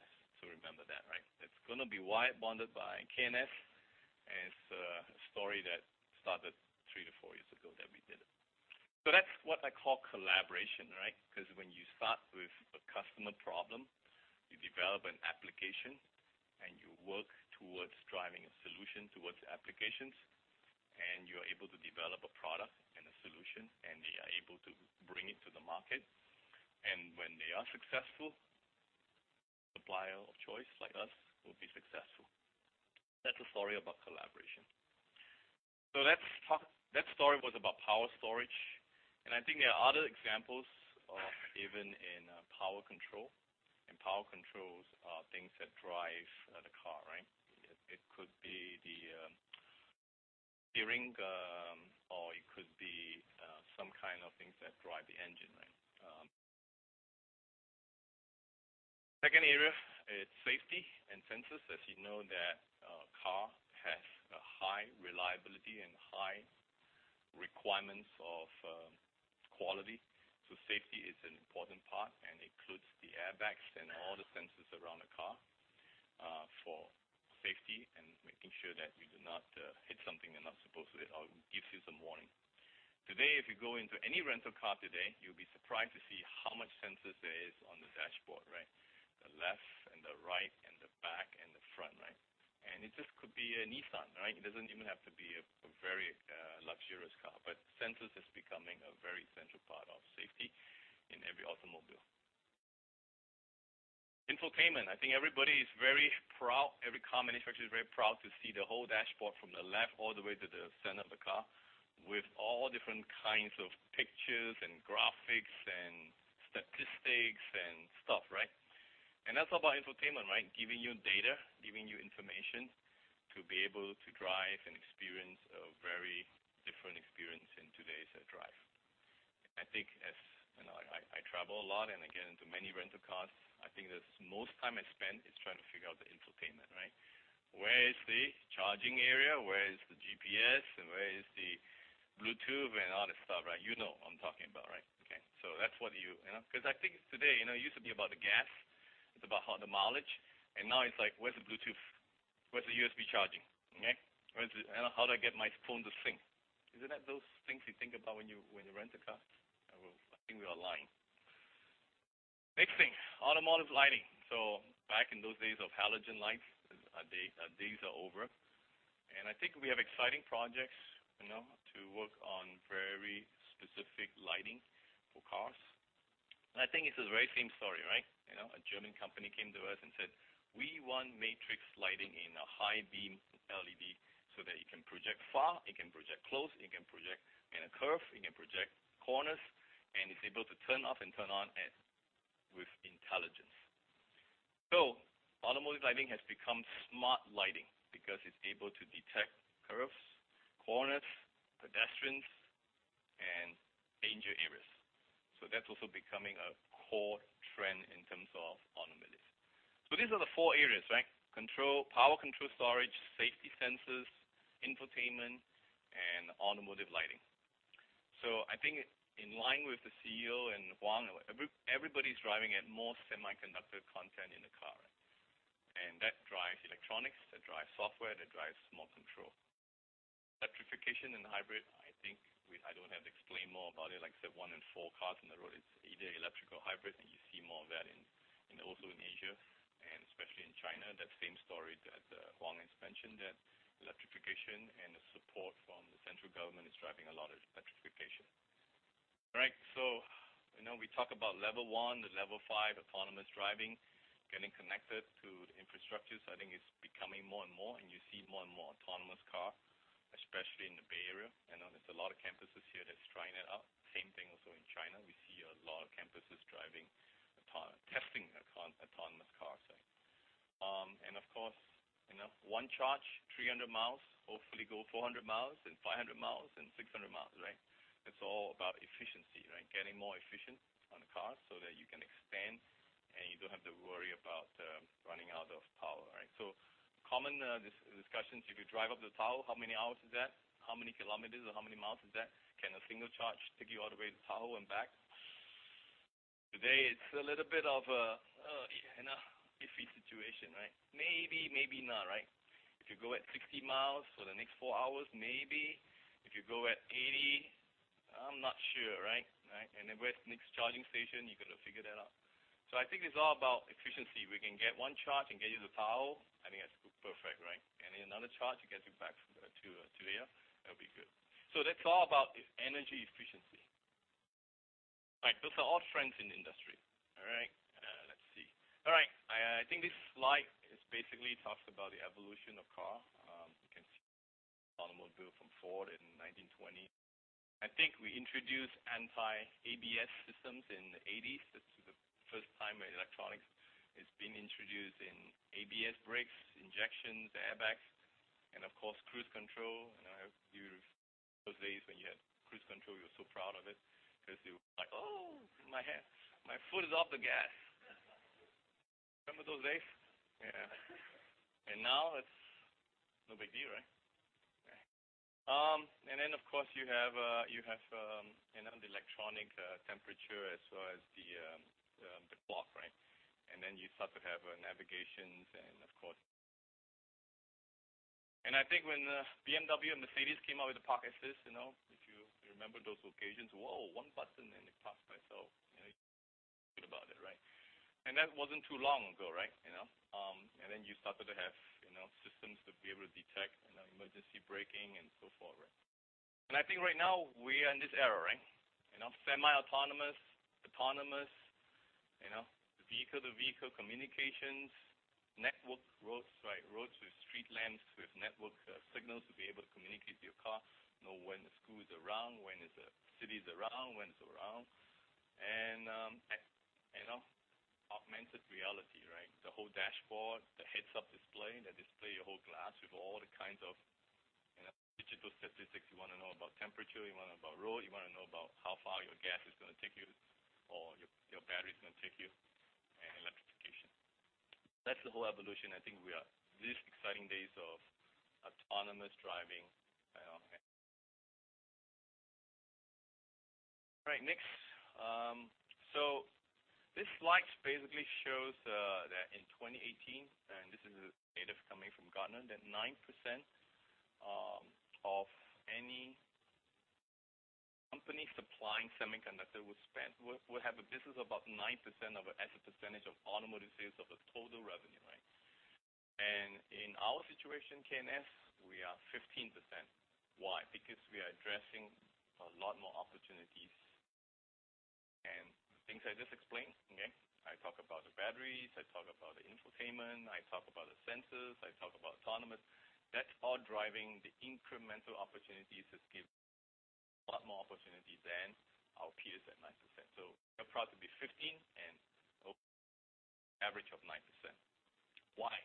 Speaker 5: Remember that, right? It's gonna be wire bonded by K&S, and it's a story that started three to four years ago that we did it. That's what I call collaboration, right? Because when you start with a customer problem, you develop an application, you work towards driving a solution towards applications, you are able to develop a product and a solution, they are able to bring it to the market. When they are successful, supplier of choice, like us, will be successful. That's a story about collaboration. That story was about power storage, and I think there are other examples of even in power control. Power controls are things that drive the car, right? It could be the steering, or it could be some kind of things that drive the engine, right? Second area is safety and sensors. As you know, the car has a high reliability and requirements of quality. Safety is an important part, and includes the airbags and all the sensors around the car, for safety and making sure that you do not hit something you're not supposed to hit, or it gives you some warning. Today, if you go into any rental car today, you'll be surprised to see how much sensors there is on the dashboard, right? The left and the right and the back and the front, right? It just could be a Nissan, right? It doesn't even have to be a very luxurious car, but sensors is becoming a very central part of safety in every automobile. Infotainment, I think everybody is very proud, every car manufacturer is very proud to see the whole dashboard from the left all the way to the center of the car, with all different kinds of pictures and graphics and statistics and stuff, right? That's all about infotainment, right? Giving you data, giving you information to be able to drive and experience a very different experience in today's drive. I think as, you know, I travel a lot and I get into many rental cars, I think the most time I spend is trying to figure out the infotainment, right? Where is the charging area? Where is the GPS? Where is the Bluetooth and all that stuff, right? You know what I'm talking about, right? Okay. That's what you know. 'Cause I think today, you know, it used to be about the gas. It's about how the mileage. Now it's like, where's the Bluetooth? Where's the USB charging? Okay? How do I get my phone to sync? Isn't that those things you think about when you, when you rent a car? Well, I think we are aligned. Next thing, automotive lighting. Back in those days of halogen lights, the days are over. I think we have exciting projects, you know, to work on very specific lighting for cars. I think it's the very same story, right? You know, a German company came to us and said, "We want matrix lighting in a high beam LED so that it can project far, it can project close, it can project in a curve, it can project corners, and it's able to turn off and turn on at, with intelligence." Automotive lighting has become smart lighting because it's able to detect curves, corners, pedestrians, and danger areas. That's also becoming a core trend in terms of automotives. These are the four areas, right? Control, power control storage, safety sensors, infotainment, and automotive lighting. I think in line with the CEO and Kwong, everybody's driving at more semiconductor content in the car, and that drives electronics, that drives software, that drives more control. Electrification and hybrid, I think I don't have to explain more about it. Like I said, one in four cars on the road is either electric or hybrid, and you see more of that in also in Asia, and especially in China, that same story that Kwong has mentioned, that electrification and the support from the central government is driving a lot of electrification. All right. You know, we talk about level one to level five autonomous driving, getting connected to the infrastructure. I think it's becoming more and more, and you see more and more autonomous car, especially in the Bay Area. You know, there's a lot of campuses here that's trying it out. Same thing also in China. We see a lot of campuses driving autonomous cars, right? Of course, you know, one charge, 300 miles, hopefully go 400 mi, then 500 mi, then 600 mi, right? It's all about efficiency, right? Getting more efficient on the cars so that you can expand, and you don't have to worry about running out of power, right? Common discussions, if you drive up to Tahoe, how many hours is that? How many kilometers or how many miles is that? Can a single charge take you all the way to Tahoe and back? Today it's a little bit of a, you know, iffy situation, right? Maybe, maybe not, right? If you go at 60 mi for the next four hours, maybe. If you go at 80 mi, I'm not sure, right? Right. Where's the next charging station? You gotta figure that out. I think it's all about efficiency. We can get 1 charge and get you to Tahoe, I think that's perfect, right? Another charge to get you back to here, that'll be good. That's all about e-energy efficiency. All right. Those are all trends in industry. All right. Let's see. All right. I think this slide basically talks about the evolution of car. You can see automobile from Ford in 1920. I think we introduced ABS systems in the 1980s. That's the first time where electronics is being introduced in ABS brakes, injections, the airbags, and of course, cruise control. You know, those days when you had cruise control, you were so proud of it 'cause you were like, "Oh, my hand, my foot is off the gas." Remember those days? Yeah. Now it's no big deal, right? Of course, you have, you have, you know, the electronic, temperature as well as the clock. You start to have, navigations and of course I think when, BMW and Mercedes came out with the Park Assist, you know, if you remember those occasions, whoa, one button and it parks by itself. You know, good about it. That wasn't too long ago. You know. You started to have, you know, systems to be able to detect, you know, emergency braking and so forth. I think right now we are in this era. You know, semi-autonomous, autonomous, you know, the vehicle-to-vehicle communications, network roads, right, roads with street lamps, with network, signals to be able to communicate with your car. Know when the school is around, when is the cities around, when it's around. you know, augmented reality, right? The whole dashboard, the heads-up display, the display, your whole glass with all the kinds of, you know, digital statistics. You wanna know about temperature, you wanna know about road, you wanna know about how far your gas is gonna take you. That's the whole evolution. I think we are these exciting days of autonomous driving and okay. Right next. This slide basically shows that in 2018, and this is data coming from Gartner, that 9% of any company supplying semiconductor will have a business about 9% as a percentage of automotive sales of a total revenue, right? In our situation, K&S, we are 15%. Why? Because we are addressing a lot more opportunities. The things I just explained, okay? I talk about the batteries, I talk about the infotainment, I talk about the sensors, I talk about autonomous. That's all driving the incremental opportunities to give a lot more opportunities than our peers at 9%. We're proud to be 15 and over average of 9%. Why?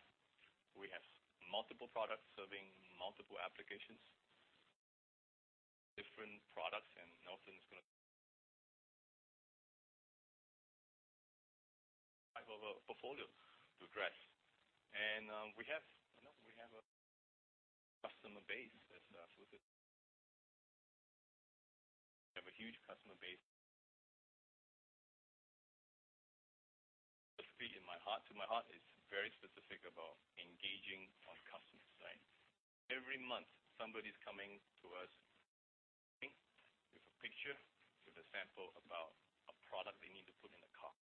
Speaker 5: We have multiple products serving multiple applications. Different products, nothing's gonna Type of a portfolio to address. We have, you know, we have a huge customer base. Specifically to my heart is very specific about engaging on customers, right? Every month, somebody's coming to us with a picture, with a sample about a product they need to put in a car.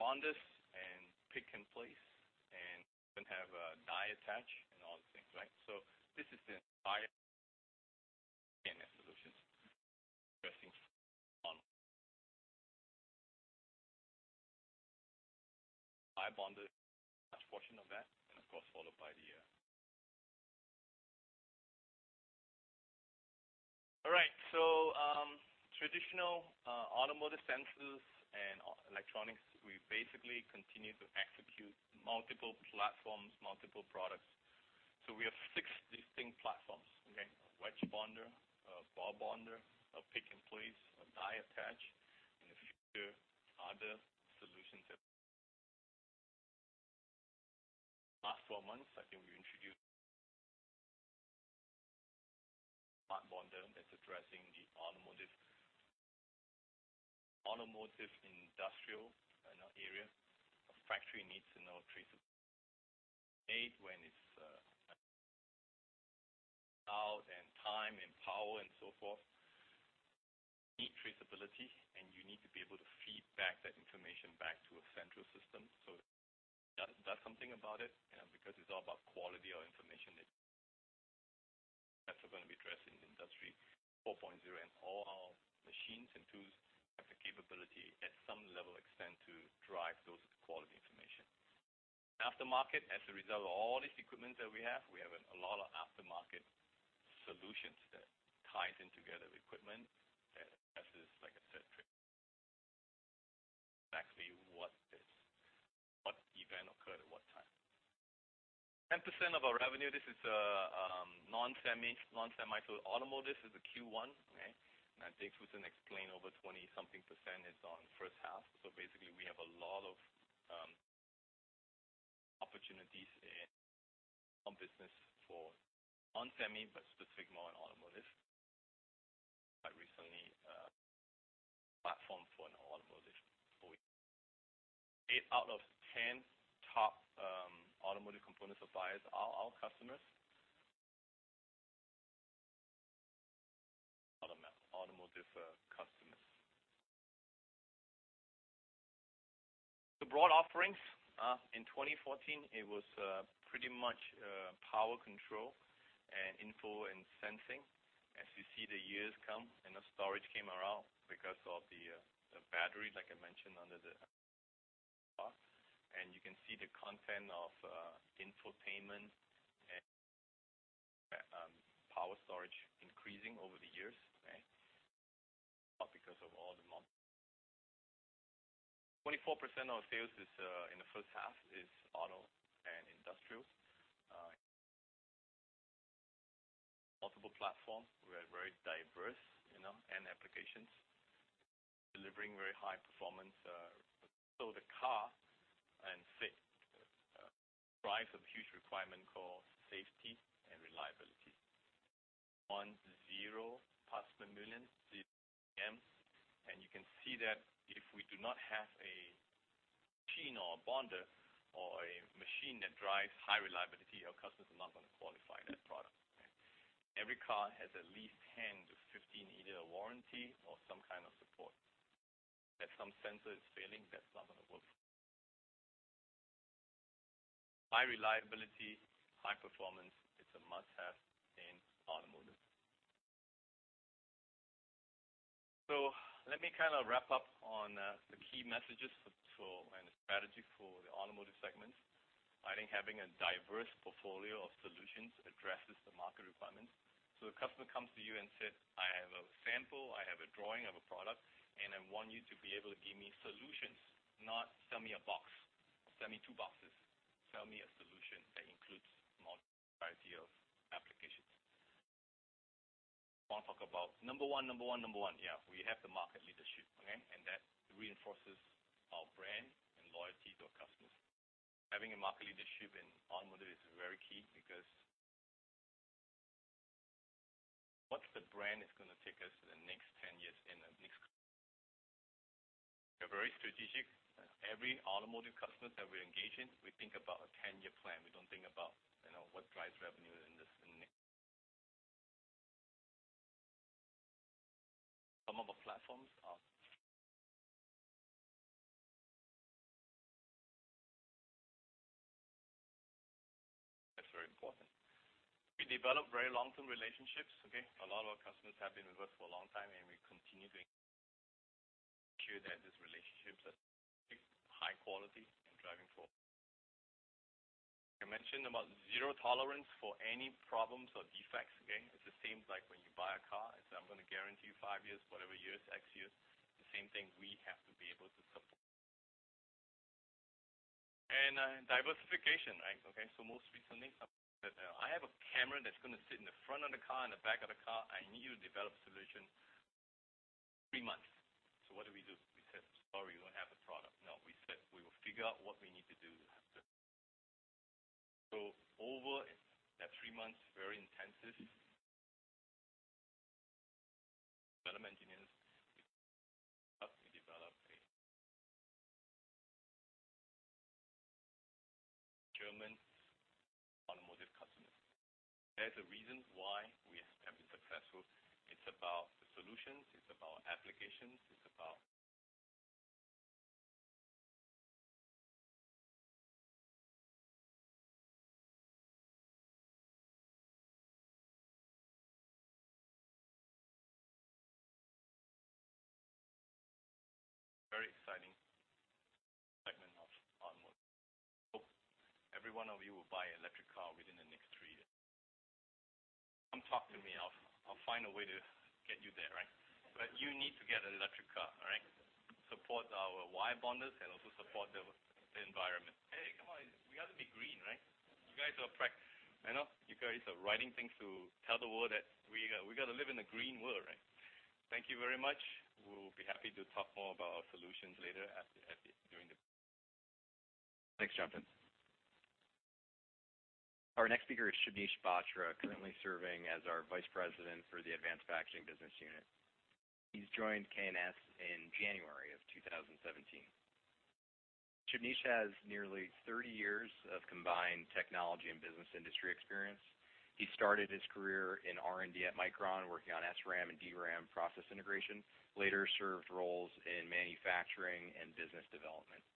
Speaker 5: Bonders and pick and place, even have a die attach and all these things, right? This is the entire K&S solutions addressing on die bonder. All right. Traditional automotive sensors and electronics, we basically continue to execute multiple platforms, multiple products. We have six distinct platforms, okay? Wedge bonder, a ball bonder, a pick and place, a die attach, in the future, other solutions that Last four months, I think we introduced Smart bonder that's addressing the automotive, industrial, you know, area. A factory needs to know traceability. Made, when it's out, and time, and power, and so forth. Need traceability, you need to be able to feed back that information back to a central system. Does something about it, you know, because it's all about quality of information that That's what we're gonna be addressing in Industry 4.0. All our machines and tools have the capability at some level extent to drive those quality information. Aftermarket, as a result of all this equipment that we have, we have a lot of aftermarket solutions that ties in together with equipment. That, as is, like I said, trace exactly what is, what event occurred at what time. 10% of our revenue, this is non-semi. Automotive is the Q1, okay? I think we can explain over 20 something % is on first half. Basically, we have a lot of opportunities in some business for non-semi, but specific more on automotive. Recently, platform for an automotive. eight out of 10 top automotive component suppliers are our customers. Automotive customers. The broad offerings, in 2014, it was pretty much power control and info and sensing. As you see, the years come, and the storage came around because of the battery, like I mentioned, under the car. You can see the content of infotainment and power storage increasing over the years, okay. Because of all the mobile 24% of sales is, in the first half is auto and industrial. Multiple platforms, we are very diverse, you know, and applications. Delivering very high performance, so the car and safe drives a huge requirement called safety and reliability. 10 parts per million, DPPM. You can see that if we do not have a machine or a bonder or a machine that drives high reliability, our customers are not gonna qualify that product, okay. Every car has at least 10 to 15, either a warranty or some kind of support. If some sensor is failing, that's not going to work. High reliability, high performance, it's a must-have in automotive. Let me kind of wrap up on the key messages and the strategy for the automotive segments. I think having a diverse portfolio of solutions addresses the market requirements. A customer comes to you and says, "I have a sample, I have a drawing of a product, and I want you to be able to give me solutions, not sell me a box. Sell me two boxes. I want to talk about number one. Yeah, we have the market leadership, okay? That reinforces our brand and loyalty to our customers. Having a market leadership in automotive is very key because the brand is gonna take us to the next 10 years. We're very strategic. Every automotive customer that we engage in, we think about a 10-year plan. We don't think about, you know, what drives revenue. Some of our platforms are. That's very important. We develop very long-term relationships, okay? A lot of our customers have been with us for a long time. We continue to ensure that these relationships are high quality and driving for. I mentioned about zero tolerance for any problems or defects. Again, it's the same like when you buy a car, and say, "I'm gonna guarantee you five years, whatever years, X years." The same thing, we have to be able to support. Diversification, right? Most recently, someone said, "I have a camera that's gonna sit in the front of the car and the back of the car. I need you to develop a solution, three months." What do we do? We said, "Sorry, we don't have a product." No, we said, "We will figure out what we need to do to have the." Over that three months, very intensive. Development engineers, we helped to develop a German automotive customer. There's a reason why we have been successful. It's about the solutions, it's about applications, it's about Very exciting segment of automotive. Hope every one of you will buy electric car within the next three years. Come talk to me, I'll find a way to get you there, right? You need to get an electric car, all right? Support our wire bonders and also support the environment. Hey, come on, we got to be green, right? You guys are, you know, you guys are writing things to tell the world that we got to live in a green world, right? Thank you very much. We'll be happy to talk more about our solutions later.
Speaker 2: Thanks, Chan Pin. Our next speaker is Shubneesh Batra, currently serving as our Vice President for the Advanced Packaging Business Unit. He joined K&S in January of 2017. Shubneesh has nearly 30 years of combined technology and business industry experience. He started his career in R&D at Micron, working on SRAM and DRAM process integration, later served roles in manufacturing and business development.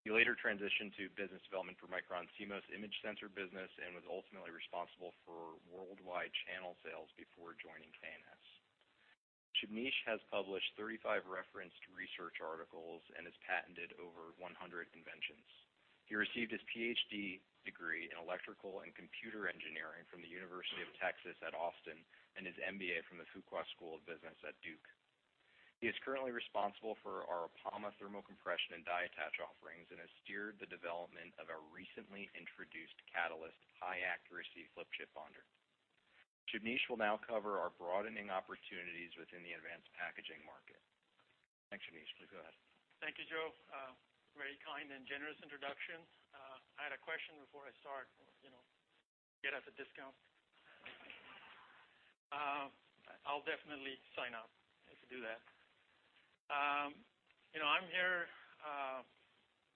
Speaker 2: He later transitioned to business development for Micron's CMOS image sensor business and was ultimately responsible for worldwide channel sales before joining K&S. Shubneesh has published 35 referenced research articles and has patented over 100 inventions. He received his PhD degree in electrical and computer engineering from the University of Texas at Austin, and his MBA from the Fuqua School of Business at Duke. He is currently responsible for our APAMA thermo-compression and die attach offerings, and has steered the development of our recently introduced Katalyst high accuracy flip chip bonder. Shubneesh will now cover our broadening opportunities within the advanced packaging market. Thanks, Shubneesh. Please go ahead.
Speaker 6: Thank you, Joe. Very kind and generous introduction. I had a question before I start, you know, get us a discount. I'll definitely sign up, if you do that. You know, I'm here,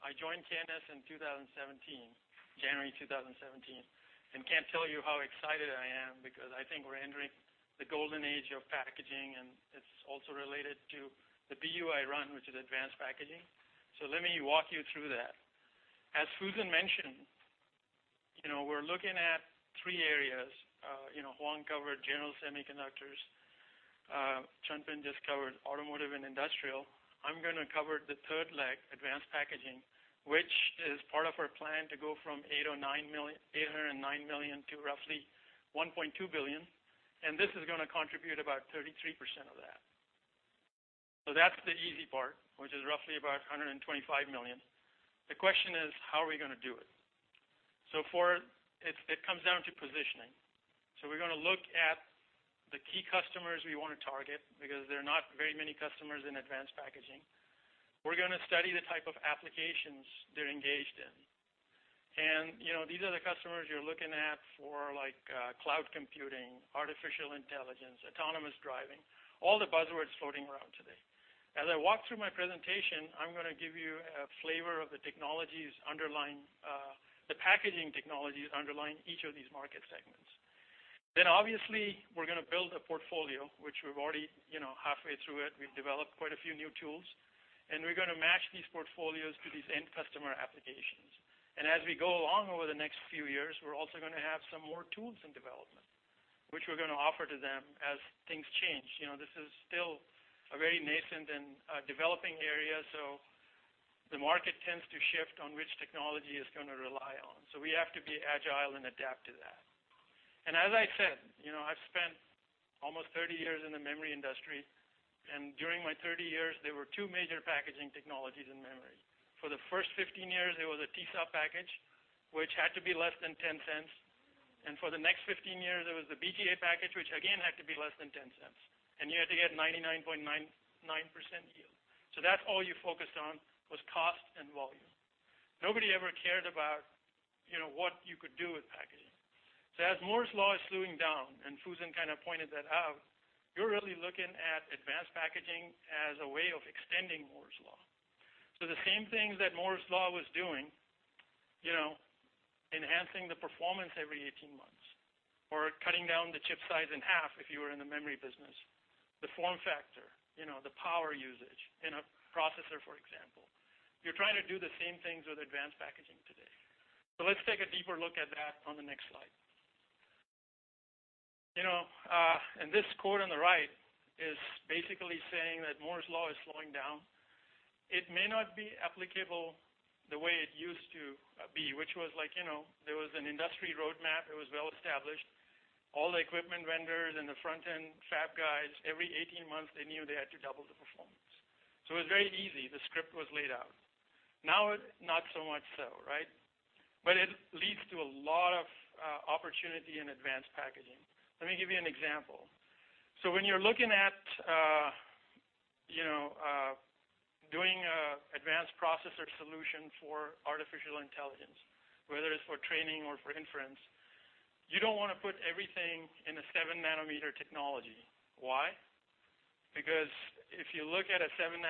Speaker 6: I joined K&S in January 2017, and can't tell you how excited I am because I think we're entering the golden age of packaging, and it's also related to the BU I run, which is advanced packaging. Let me walk you through that. As Fusen Chen mentioned, you know, we're looking at three areas. You know, Kwong covered general semiconductors, Chan Pin Chong just covered automotive and industrial. I'm gonna cover the third leg, advanced packaging, which is part of our plan to go from $809 million to roughly $1.2 billion, and this is gonna contribute about 33% of that. That's the easy part, which is roughly about $125 million. The question is: How are we gonna do it? For it comes down to positioning. We're gonna look at the key customers we wanna target, because there are not very many customers in advanced packaging. We're gonna study the type of applications they're engaged in. You know, these are the customers you're looking at for, like, cloud computing, artificial intelligence, autonomous driving, all the buzzwords floating around today. As I walk through my presentation, I'm gonna give you a flavor of the technologies underlying, the packaging technologies underlying each of these market segments. Obviously, we're gonna build a portfolio, which we're already, you know, halfway through it. We've developed quite a few new tools, and we're gonna match these portfolios to these end customer applications. As we go along over the next few years, we're also gonna have some more tools in development, which we're gonna offer to them as things change. You know, this is still a very nascent and developing area, the market tends to shift on which technology it's gonna rely on. We have to be agile and adapt to that. As I said, you know, I've spent almost 30 years in the memory industry. During my 30 years, there were two major packaging technologies in memory. For the first 15 years, there was a TSOP package, which had to be less than $0.10. For the next 15 years, there was the BGA package, which again, had to be less than $0.10, and you had to get 99.99% yield. That's all you focused on, was cost and volume. Nobody ever cared about, you know, what you could do with packaging. As Moore's Law is slowing down, and Fusen Chen kind of pointed that out, you're really looking at advanced packaging as a way of extending Moore's Law. The same things that Moore's Law was doing, you know, enhancing the performance every 18 months or cutting down the chip size in half if you were in the memory business, the form factor, you know, the power usage in a processor, for example. You're trying to do the same things with advanced packaging today. Let's take a deeper look at that on the next slide. You know, this quote on the right is basically saying that Moore's Law is slowing down. It may not be applicable the way it used to be, which was like, you know, there was an industry roadmap, it was well-established. All the equipment vendors and the front-end fab guys, every 18 months they knew they had to double the performance. It was very easy. The script was laid out. Not so much so, right? It leads to a lot of opportunity in advanced packaging. Let me give you an example. When you're looking at, you know, doing advanced processor solution for artificial intelligence, whether it's for training or for inference, you don't wanna put everything in a 7-nm technology. Why? Because if you look at a 7-nm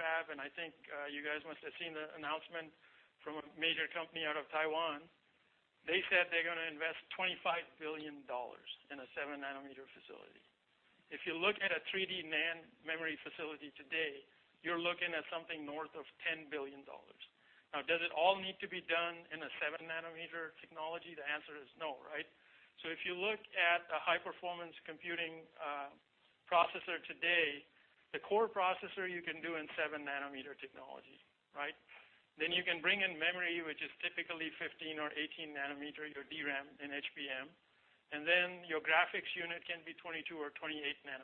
Speaker 6: fab, and I think, you guys must have seen the announcement from a major company out of Taiwan, they said they're gonna invest $25 billion in a 7-nm facility. If you look at a 3D NAND memory facility today, you're looking at something north of $10 billion. Does it all need to be done in a 7-nm technology? The answer is no, right? If you look at a high-performance computing processor today, the core processor you can do in 7-nm technology, right? You can bring in memory, which is typically 15 nm or 18 nm, your DRAM and HBM, and then your graphics unit can be 22 nm or 28 nm.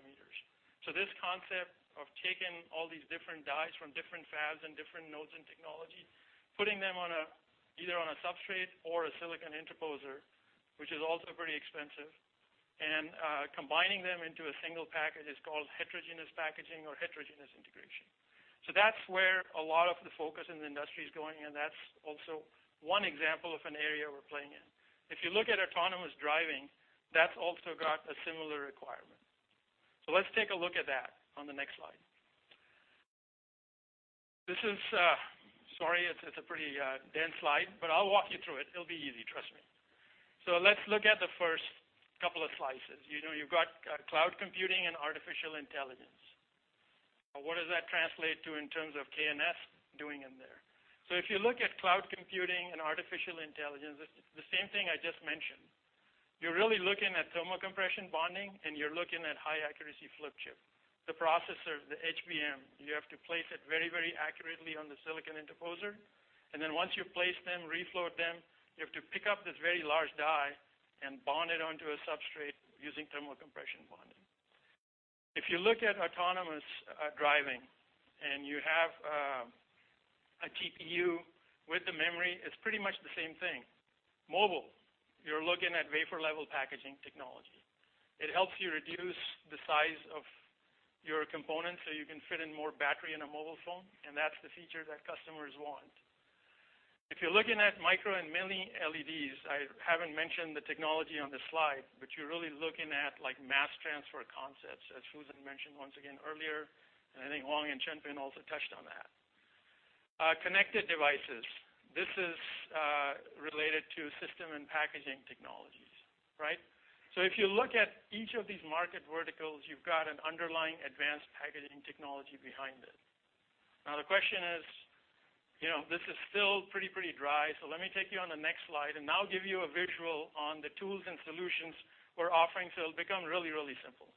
Speaker 6: This concept of taking all these different dies from different fabs and different nodes and technology, putting them on a, either on a substrate or a silicon interposer, which is also pretty expensive, and combining them into a single package is called heterogeneous packaging or heterogeneous integration. That's where a lot of the focus in the industry is going, and that's also one example of an area we're playing in. If you look at autonomous driving, that's also got a similar requirement. Let's take a look at that on the next slide. This is, sorry, it's a pretty dense slide, but I'll walk you through it. It'll be easy, trust me. Let's look at the first couple of slices. You know, you've got cloud computing and artificial intelligence. What does that translate to in terms of K&S doing in there? If you look at cloud computing and artificial intelligence, it's the same thing I just mentioned. You're really looking at thermal compression bonding, and you're looking at high-accuracy flip chip. The processor, the HBM, you have to place it very accurately on the silicon interposer. Once you've placed them, reflowed them, you have to pick up this very large die and bond it onto a substrate using thermal compression bonding. If you look at autonomous driving and you have a TPU with the memory, it's pretty much the same thing. Mobile, you're looking at wafer-level packaging technology. It helps you reduce the size of your components, so you can fit in more battery in a mobile phone, and that's the feature that customers want. If you're looking at micro and mini LEDs, I haven't mentioned the technology on this slide, but you're really looking at like mass transfer concepts, as Fusen Chen mentioned once again earlier, and I think Kwong and Chan Pin Chong also touched on that. Connected devices. This is related to system and packaging technologies, right? If you look at each of these market verticals, you've got an underlying advanced packaging technology behind it. Now, the question is, you know, this is still pretty dry, so let me take you on the next slide, and I'll give you a visual on the tools and solutions we're offering, so it'll become really, really simple.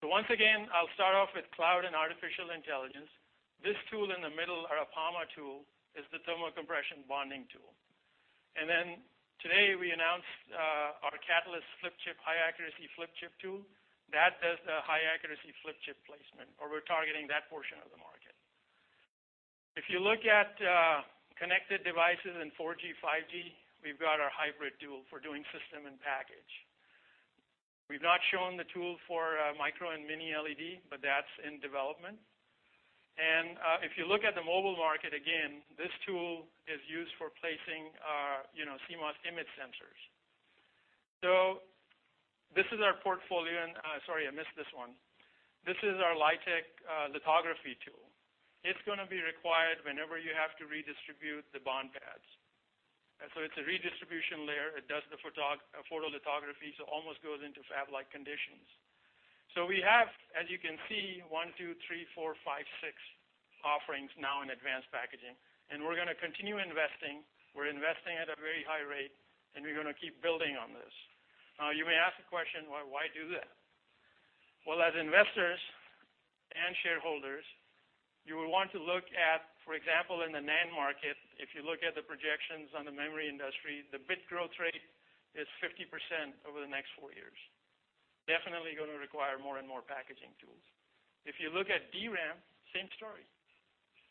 Speaker 6: Once again, I'll start off with cloud and artificial intelligence. This tool in the middle, our APAMA tool, is the thermo-compression bonding tool. Today, we announced our Katalyst flip-chip, high-accuracy flip-chip tool. That does the high-accuracy flip-chip placement, or we're targeting that portion of the market. If you look at connected devices in 4G, 5G, we've got our hybrid tool for doing system-in-package. We've not shown the tool for micro and mini LED, but that's in development. If you look at the mobile market, again, this tool is used for placing, you know, CMOS image sensors. This is our portfolio, and, sorry, I missed this one. This is our LITEQ lithography tool. It's gonna be required whenever you have to redistribute the bond pads. It's a redistribution layer. It does the photolithography, almost goes into fab-like conditions. We have, as you can see, one, two, three, four, five, six offerings now in advanced packaging, and we're gonna continue investing. We're investing at a very high rate, we're gonna keep building on this. You may ask the question, well, why do that? Well, as investors and shareholders, you would want to look at, for example, in the NAND market, if you look at the projections on the memory industry, the bit growth rate is 50% over the next four years. Definitely gonna require more and more packaging tools. If you look at DRAM, same story.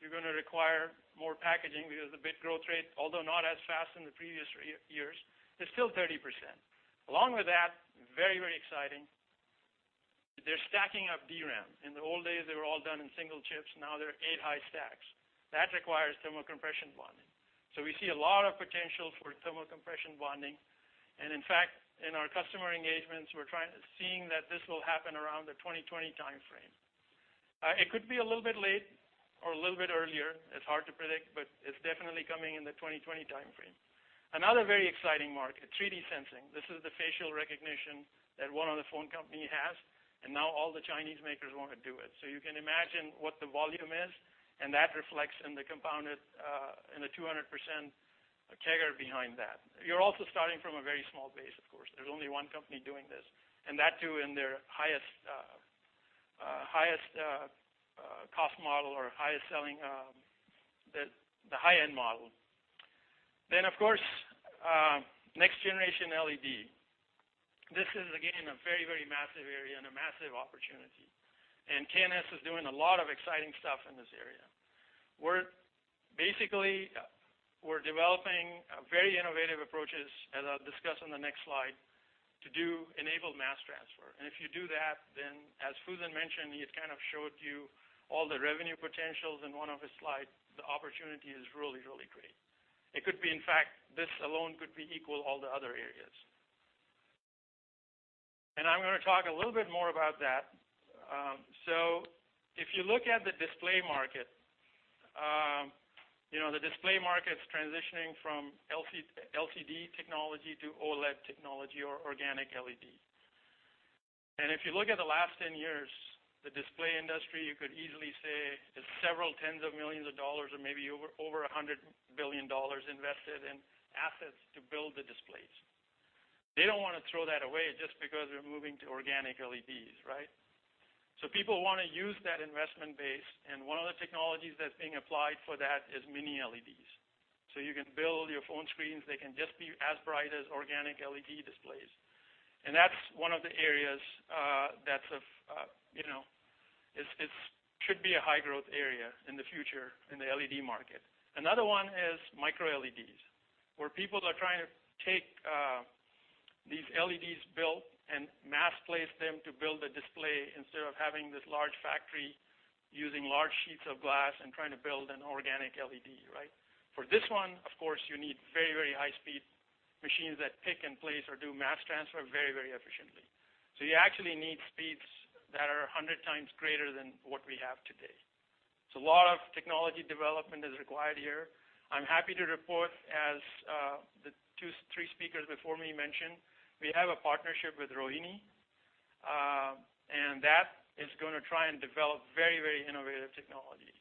Speaker 6: You're gonna require more packaging because the bit growth rate, although not as fast in the previous years, is still 30%. Along with that, very exciting, they're stacking up DRAM. In the old days, they were all done in single chips. Now they're eight high stacks. That requires thermal compression bonding. We see a lot of potential for thermal compression bonding. In fact, in our customer engagements, we're seeing that this will happen around the 2020 timeframe. It could be a little bit late or a little bit earlier, it's hard to predict, but it's definitely coming in the 2020 timeframe. Another very exciting market, 3D sensing. This is the facial recognition that one other phone company has, and now all the Chinese makers wanna do it. You can imagine what the volume is, and that reflects in the compounded, in the 200% CAGR behind that. You're also starting from a very small base, of course. There's only one company doing this, and that too in their highest cost model or highest selling, the high-end model. Of course, next generation LED. This is again, a very massive area and a massive opportunity. KNS is doing a lot of exciting stuff in this area. We're developing very innovative approaches, as I'll discuss on the next slide, to do enabled mass transfer. If you do that, then as Fusen Chen mentioned, he had kind of showed you all the revenue potentials in one of his slides, the opportunity is really great. It could be, in fact, this alone could be equal all the other areas. I'm gonna talk a little bit more about that. If you look at the display market, the display market's transitioning from LCD technology to OLED technology or organic LED. If you look at the last 10 years, the display industry, you could easily say is several tens of millions of dollars or maybe over $100 billion invested in assets to build the displays. They don't want to throw that away just because they're moving to organic LEDs, right? People wanna use that investment base, and one of the technologies that's being applied for that is mini LEDs. You can build your phone screens, they can just be as bright as organic LED displays. That's one of the areas that's of, it should be a high growth area in the future in the LED market. Another one is micro LEDs, where people are trying to take these LEDs built and mass place them to build a display instead of having this large factory using large sheets of glass and trying to build an organic LED, right? For this one, of course, you need very, very high speed machines that pick and place or do mass transfer very, very efficiently. So you actually need speeds that are 100x greater than what we have today. So a lot of technology development is required here. I'm happy to report, as the three speakers before me mentioned, we have a partnership with Rohinni, and that is gonna try and develop very, very innovative technology.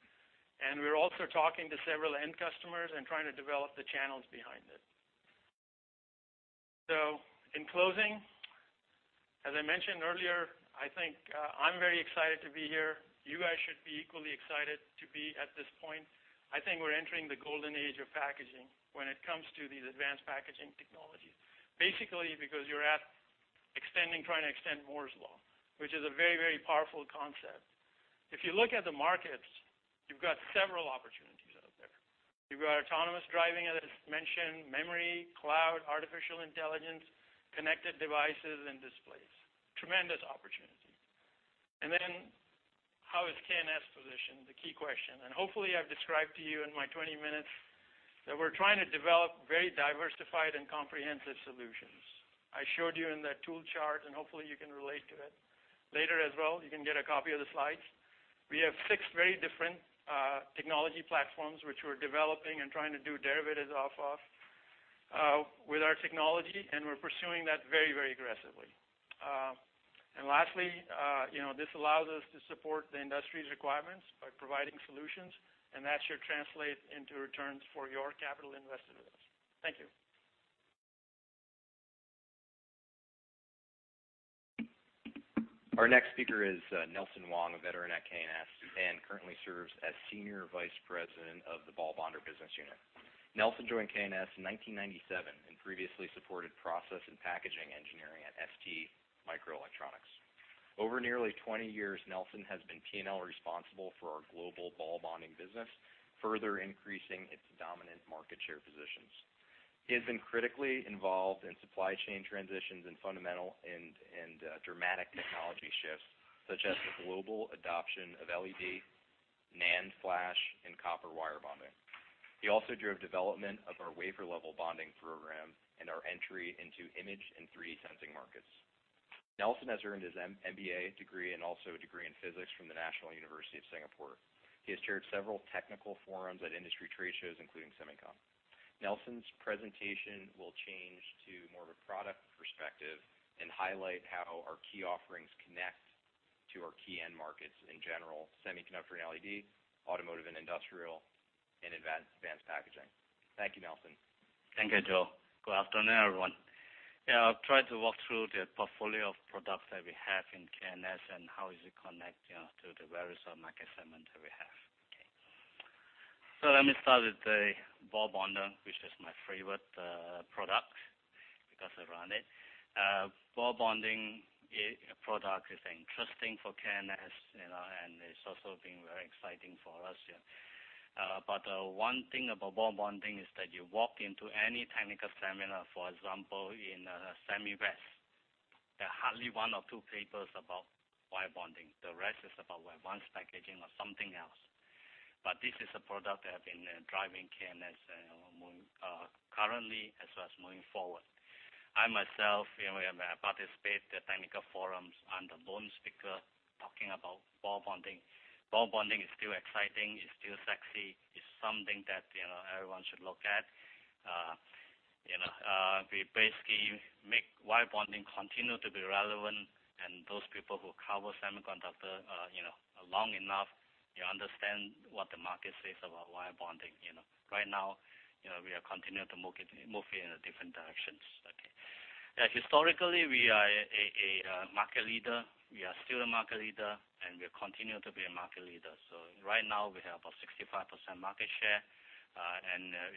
Speaker 6: We're also talking to several end customers and trying to develop the channels behind it. In closing, as I mentioned earlier, I think, I'm very excited to be here. You guys should be equally excited to be at this point. I think we're entering the golden age of packaging when it comes to these advanced packaging technologies. Basically because you're trying to extend Moore's Law, which is a very, very powerful concept. If you look at the markets, you've got several opportunities out there. You've got autonomous driving, as mentioned, memory, cloud, artificial intelligence, connected devices, and displays. Tremendous opportunity. How is KNS positioned? The key question. Hopefully, I've described to you in my 20 minutes that we're trying to develop very diversified and comprehensive solutions. I showed you in that tool chart, and hopefully you can relate to it. Later as well, you can get a copy of the slides. We have six very different technology platforms which we're developing and trying to do derivatives off with our technology. We're pursuing that very, very aggressively. Lastly, you know, this allows us to support the industry's requirements by providing solutions. That should translate into returns for your capital invested with us. Thank you.
Speaker 2: Our next speaker is Nelson Wong, a veteran at KNS, and currently serves as Senior Vice President of the Ball Bonder Business Unit. Nelson joined KNS in 1997 and previously supported process and packaging engineering at STMicroelectronics. Over nearly 20 years, Nelson has been P&L responsible for our global ball bonding business, further increasing its dominant market share positions. He has been critically involved in supply chain transitions and fundamental and dramatic technology shifts such as the global adoption of LED, NAND flash, and copper wire bonding. He also drove development of our wafer level bonding program and our entry into image and 3D sensing markets. Nelson has earned his MBA degree and also a degree in physics from the National University of Singapore. He has chaired several technical forums at industry trade shows, including SEMICON. Nelson's presentation will change to more of a product perspective and highlight how our key offerings connect to our key end markets in general, semiconductor and LED, automotive and industrial, advanced packaging. Thank you, Nelson.
Speaker 7: Thank you, Joe. Good afternoon, everyone. I'll try to walk through the portfolio of products that we have in K&S, and how is it connecting us to the various market segment that we have. Let me start with the ball bonder, which is my favorite product because I run it. Ball bonding product is interesting for K&S, you know, and it's also been very exciting for us. One thing about ball bonding is that you walk into any technical seminar, for example, in SEMICON West, there are hardly one or two papers about wire bonding. The rest is about advanced packaging or something else. This is a product that have been driving K&S more currently as well as moving forward. I myself, you know, have participated the technical forums. I'm the lone speaker talking about ball bonding. Ball bonding is still exciting. It's still sexy. It's something that, you know, everyone should look at. You know, we basically make wire bonding continue to be relevant. Those people who cover semiconductor, you know, long enough, they understand what the market says about wire bonding, you know. Right now, you know, we are continuing to move it in different directions. Okay. Historically, we are a market leader. We are still a market leader. We'll continue to be a market leader. Right now, we have about 65% market share.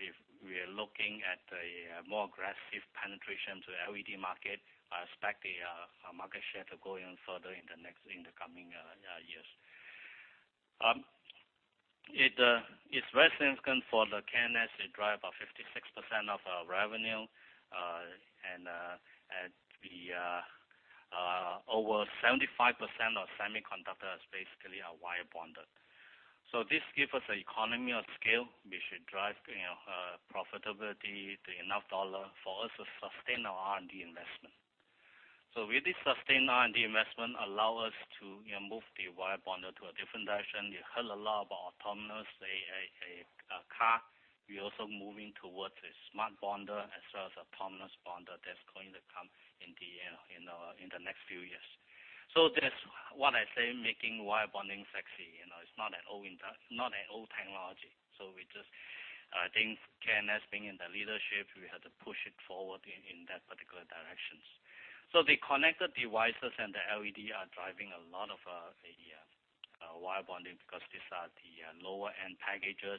Speaker 7: If we are looking at a more aggressive penetration to LED market, I expect the market share to grow even further in the next, in the coming years. It's very significant for the K&S. It drive about 56% of our revenue. Over 75% of semiconductor is basically are wire bonded. This give us economy of scale, which should drive, you know, profitability to enough dollar for us to sustain our R&D investment. With this sustained R&D investment allow us to, you know, move the wire bonder to a different direction. You heard a lot about autonomous, say, a car. We're also moving towards a smart bonder as well as autonomous bonder that's going to come in the next few years. That's why I say making wire bonding sexy. You know, it's not an old technology. We just, I think K&S being in the leadership, we had to push it forward in that particular directions. The connected devices and the LED are driving a lot of the wire bonding because these are the lower-end packages,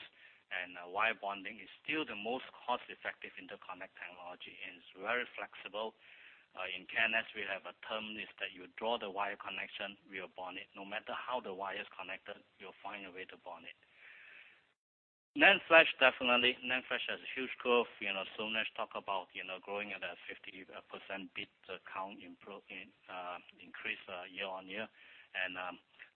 Speaker 7: and wire bonding is still the most cost-effective interconnect technology, and it's very flexible. In K&S, we have a term, is that you draw the wire connection, we will bond it. No matter how the wire is connected, we'll find a way to bond it. NAND flash, definitely NAND flash has huge growth. You know, Shubneesh talk about, you know, growing at a 50% bit count increase year on year.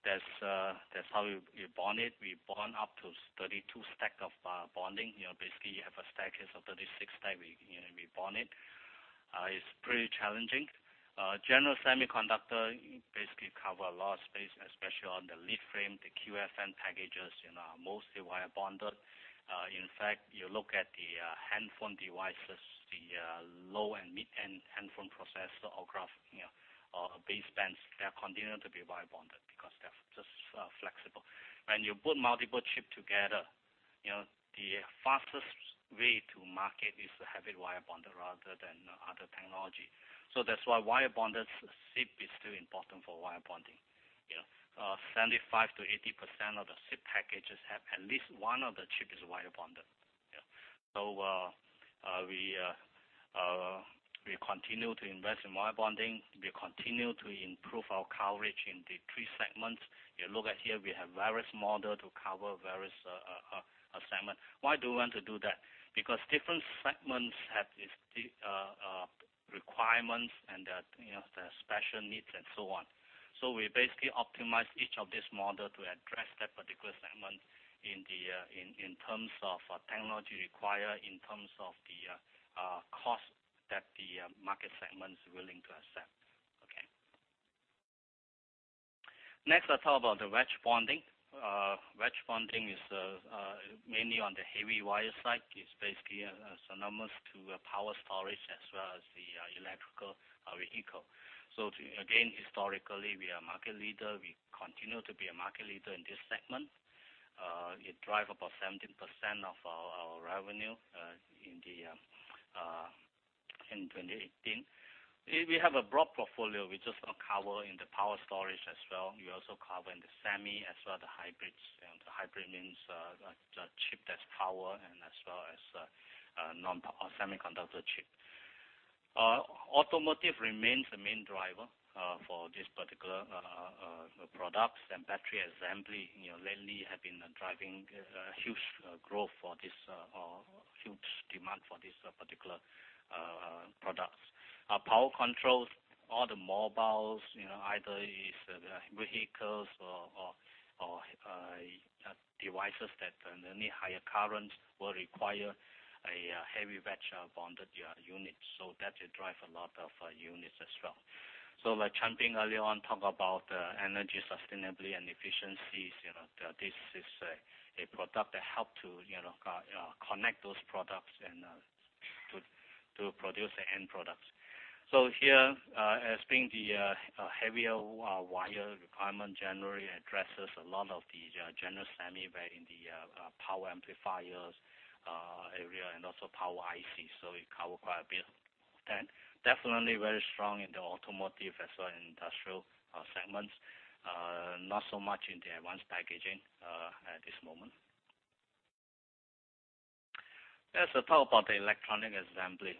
Speaker 7: That's how we bond it. We bond up to 32 stack of bonding. You know, basically you have a stack is of 36 die, we, you know, we bond it. It's pretty challenging. General semiconductor basically cover a lot of space, especially on the lead frame, the QFN packages, you know, are mostly wire bonded. In fact, you look at the handphone devices, the low and mid-end handphone processor or graphics, you know, or basebands, they are continuing to be wire bonded because they're just flexible. When you put multiple chip together, you know, the fastest way to market is to have it wire bonded rather than other technology. That's why wire bonders SIP is still important for wire bonding, you know. 75%-80% of the SIP packages have at least one of the chip is wire bonded. Yeah. We continue to invest in wire bonding. We continue to improve our coverage in the three segments. You look at here, we have various model to cover various segment. Why do we want to do that? Because different segments have its requirements and their, you know, their special needs and so on. We basically optimize each of this model to address that particular segment in terms of technology required, in terms of the cost that the market segment is willing to accept. Okay. Next, I'll talk about the wedge bonding. Wedge bonding is mainly on the heavy wire side. It's basically synonymous to power storage as well as the electrical vehicle. Again, historically, we are a market leader. We continue to be a market leader in this segment. It drive about 17% of our revenue in 2018. We have a broad portfolio. We just don't cover in the power storage as well. We also cover in the semi as well, the hybrids. The hybrid means the chip that's power and as well as non-semiconductor chip. Automotive remains the main driver for this particular products, and battery assembly, you know, lately have been driving a huge growth for this or huge demand for this particular products. Power controls, all the mobiles, you know, either is the vehicles or devices that need higher current will require a heavy wedge bonded unit. That will drive a lot of units as well. Like Chan Pin Chong early on talk about energy sustainability and efficiencies, you know, this is a product that help to, you know, connect those products and to produce the end product. Here, as being the heavier wire requirement, generally addresses a lot of the general semi but in the power amplifiers area, and also power ICs, it cover quite a bit of that. Definitely very strong in the automotive as well industrial segments. Not so much in the advanced packaging at this moment. Let's talk about the electronic assembly.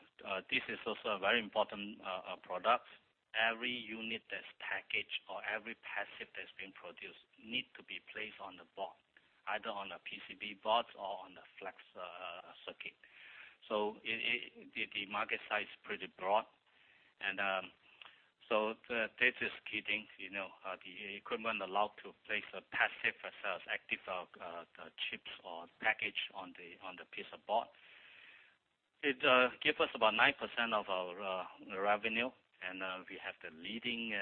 Speaker 7: This is also a very important product. Every unit that's packaged or every passive that's been produced need to be placed on the board, either on a PCB boards or on a flex circuit. The market size is pretty broad and, the test is keeping, you know, the equipment allowed to place a passive as well as active chips or package on the piece of board. It give us about 9% of our revenue, and we have the leading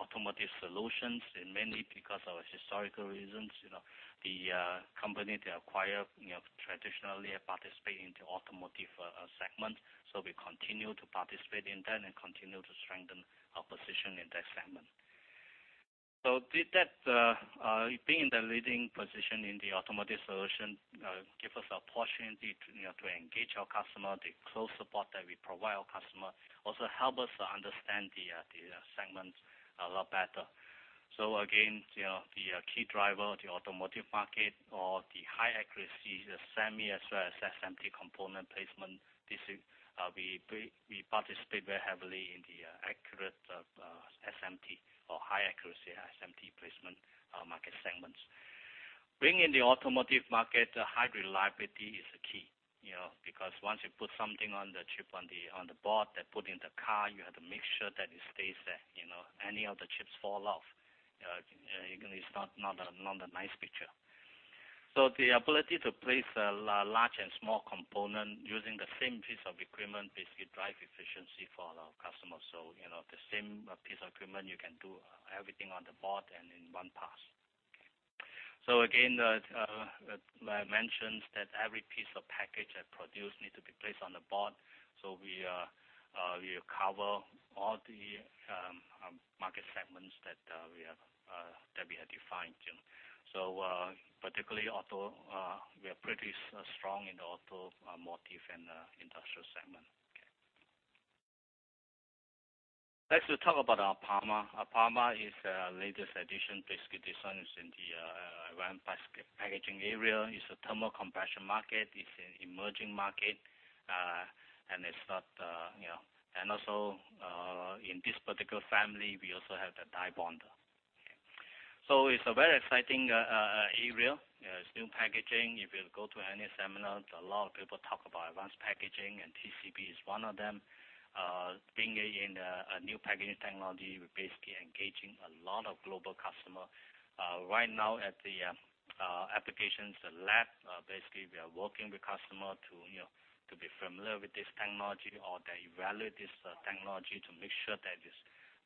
Speaker 7: automotive solutions, and mainly because of historical reasons. You know, the company they acquire, you know, traditionally participate in the automotive segment. We continue to participate in that and continue to strengthen our position in that segment. With that, being in the leading position in the automotive solution, give us opportunity to, you know, to engage our customer. The close support that we provide our customer also help us to understand the segments a lot better. Again, you know, the key driver, the automotive market or the high accuracy, the semi as well as SMT component placement, this is, we participate very heavily in the accurate of SMT or high accuracy SMT placement market segments. Being in the automotive market, high reliability is the key, you know, because once you put something on the chip on the board, they put in the car, you have to make sure that it stays there. You know, any of the chips fall off, you know, it's not a nice picture. The ability to place a large and small component using the same piece of equipment basically drive efficiency for our customers. You know, the same piece of equipment, you can do everything on the board and in one pass. I mentioned that every piece of package that produced need to be placed on the board. We cover all the market segments that we have defined. Particularly auto, we are pretty strong in the automotive and industrial segment. Let's talk about our APAMA. Our APAMA is a latest addition. This one is in the advanced packaging area. It's a thermal compression market. It's an emerging market. Also, in this particular family, we also have the die bonder. It's a very exciting area. It's new packaging. If you go to any seminar, there are a lot of people talk about advanced packaging. TCB is one of them. Being in a new packaging technology, we're basically engaging a lot of global customer. Right now at the applications lab, basically, we are working with customer to, you know, to be familiar with this technology or they evaluate this technology to make sure that it's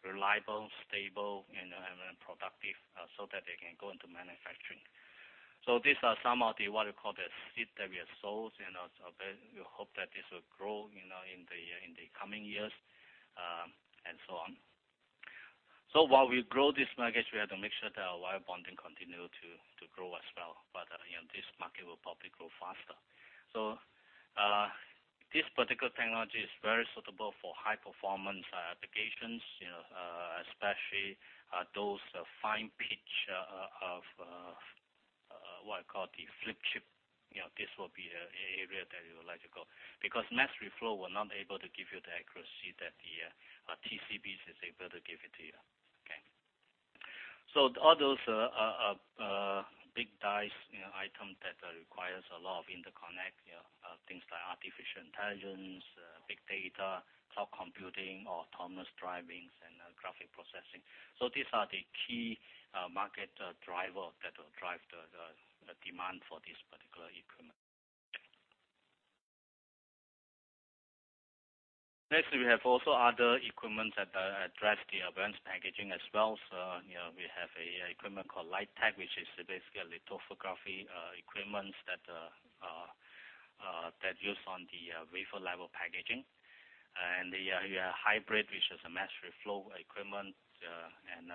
Speaker 7: reliable, stable and productive so that they can go into manufacturing. These are some of the, what you call the seed that we have sowed, you know, we hope that this will grow, you know, in the coming years and so on. While we grow this market, we have to make sure that our wire bonding continue to grow as well. You know, this market will probably grow faster. This particular technology is very suitable for high-performance applications, you know, especially those fine pitch of what you call the flip chip. You know, this will be a area that we would like to go. Because mass reflow will not able to give you the accuracy that the TCB is able to give it to you. Okay. All those big dice, you know, item that requires a lot of interconnect, you know, things like artificial intelligence, big data, cloud computing or autonomous driving and graphic processing. These are the key market driver that will drive the demand for this particular equipment. Next, we have also other equipment that address the advanced packaging as well. You know, we have a equipment called LITEQ, which is basically lithography equipments that use on the wafer level packaging. The hybrid, which is a mass reflow equipment and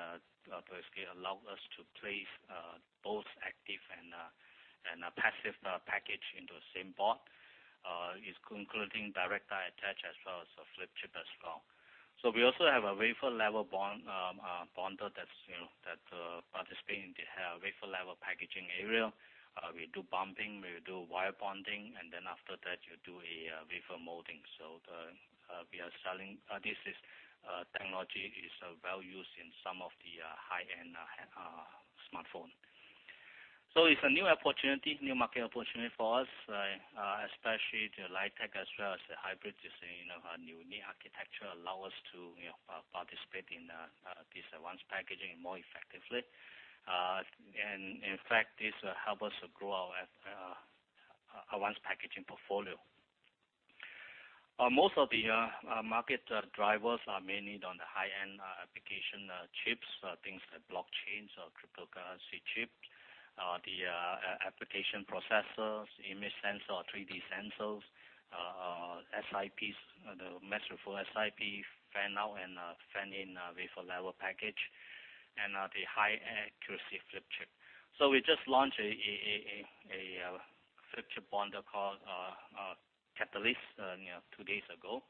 Speaker 7: basically allow us to place both active and a passive package into the same board is including direct die attach as well as a flip chip as well. We also have a wafer level ball bonder that's you know that participate in the wafer level packaging area. We do bumping, we do wire bonding, and then after that you do a wafer molding. The we are selling this technology is well used in some of the high-end smartphone. It's a new opportunity, new market opportunity for us, especially the LITEQ as well as the hybrid. It's a new architecture allow us to, you know, participate in this advanced packaging more effectively. In fact, this help us grow our advanced packaging portfolio. Most of the market drivers are mainly on the high end application chips, things like blockchains or cryptocurrency chips. The application processors, image sensor, or 3D sensors, SIPs, the [metro] for SIP, fan out and fan in wafer level package and the high accuracy flip chip. We just launched a flip chip bonder called Katalyst, you know, two days ago.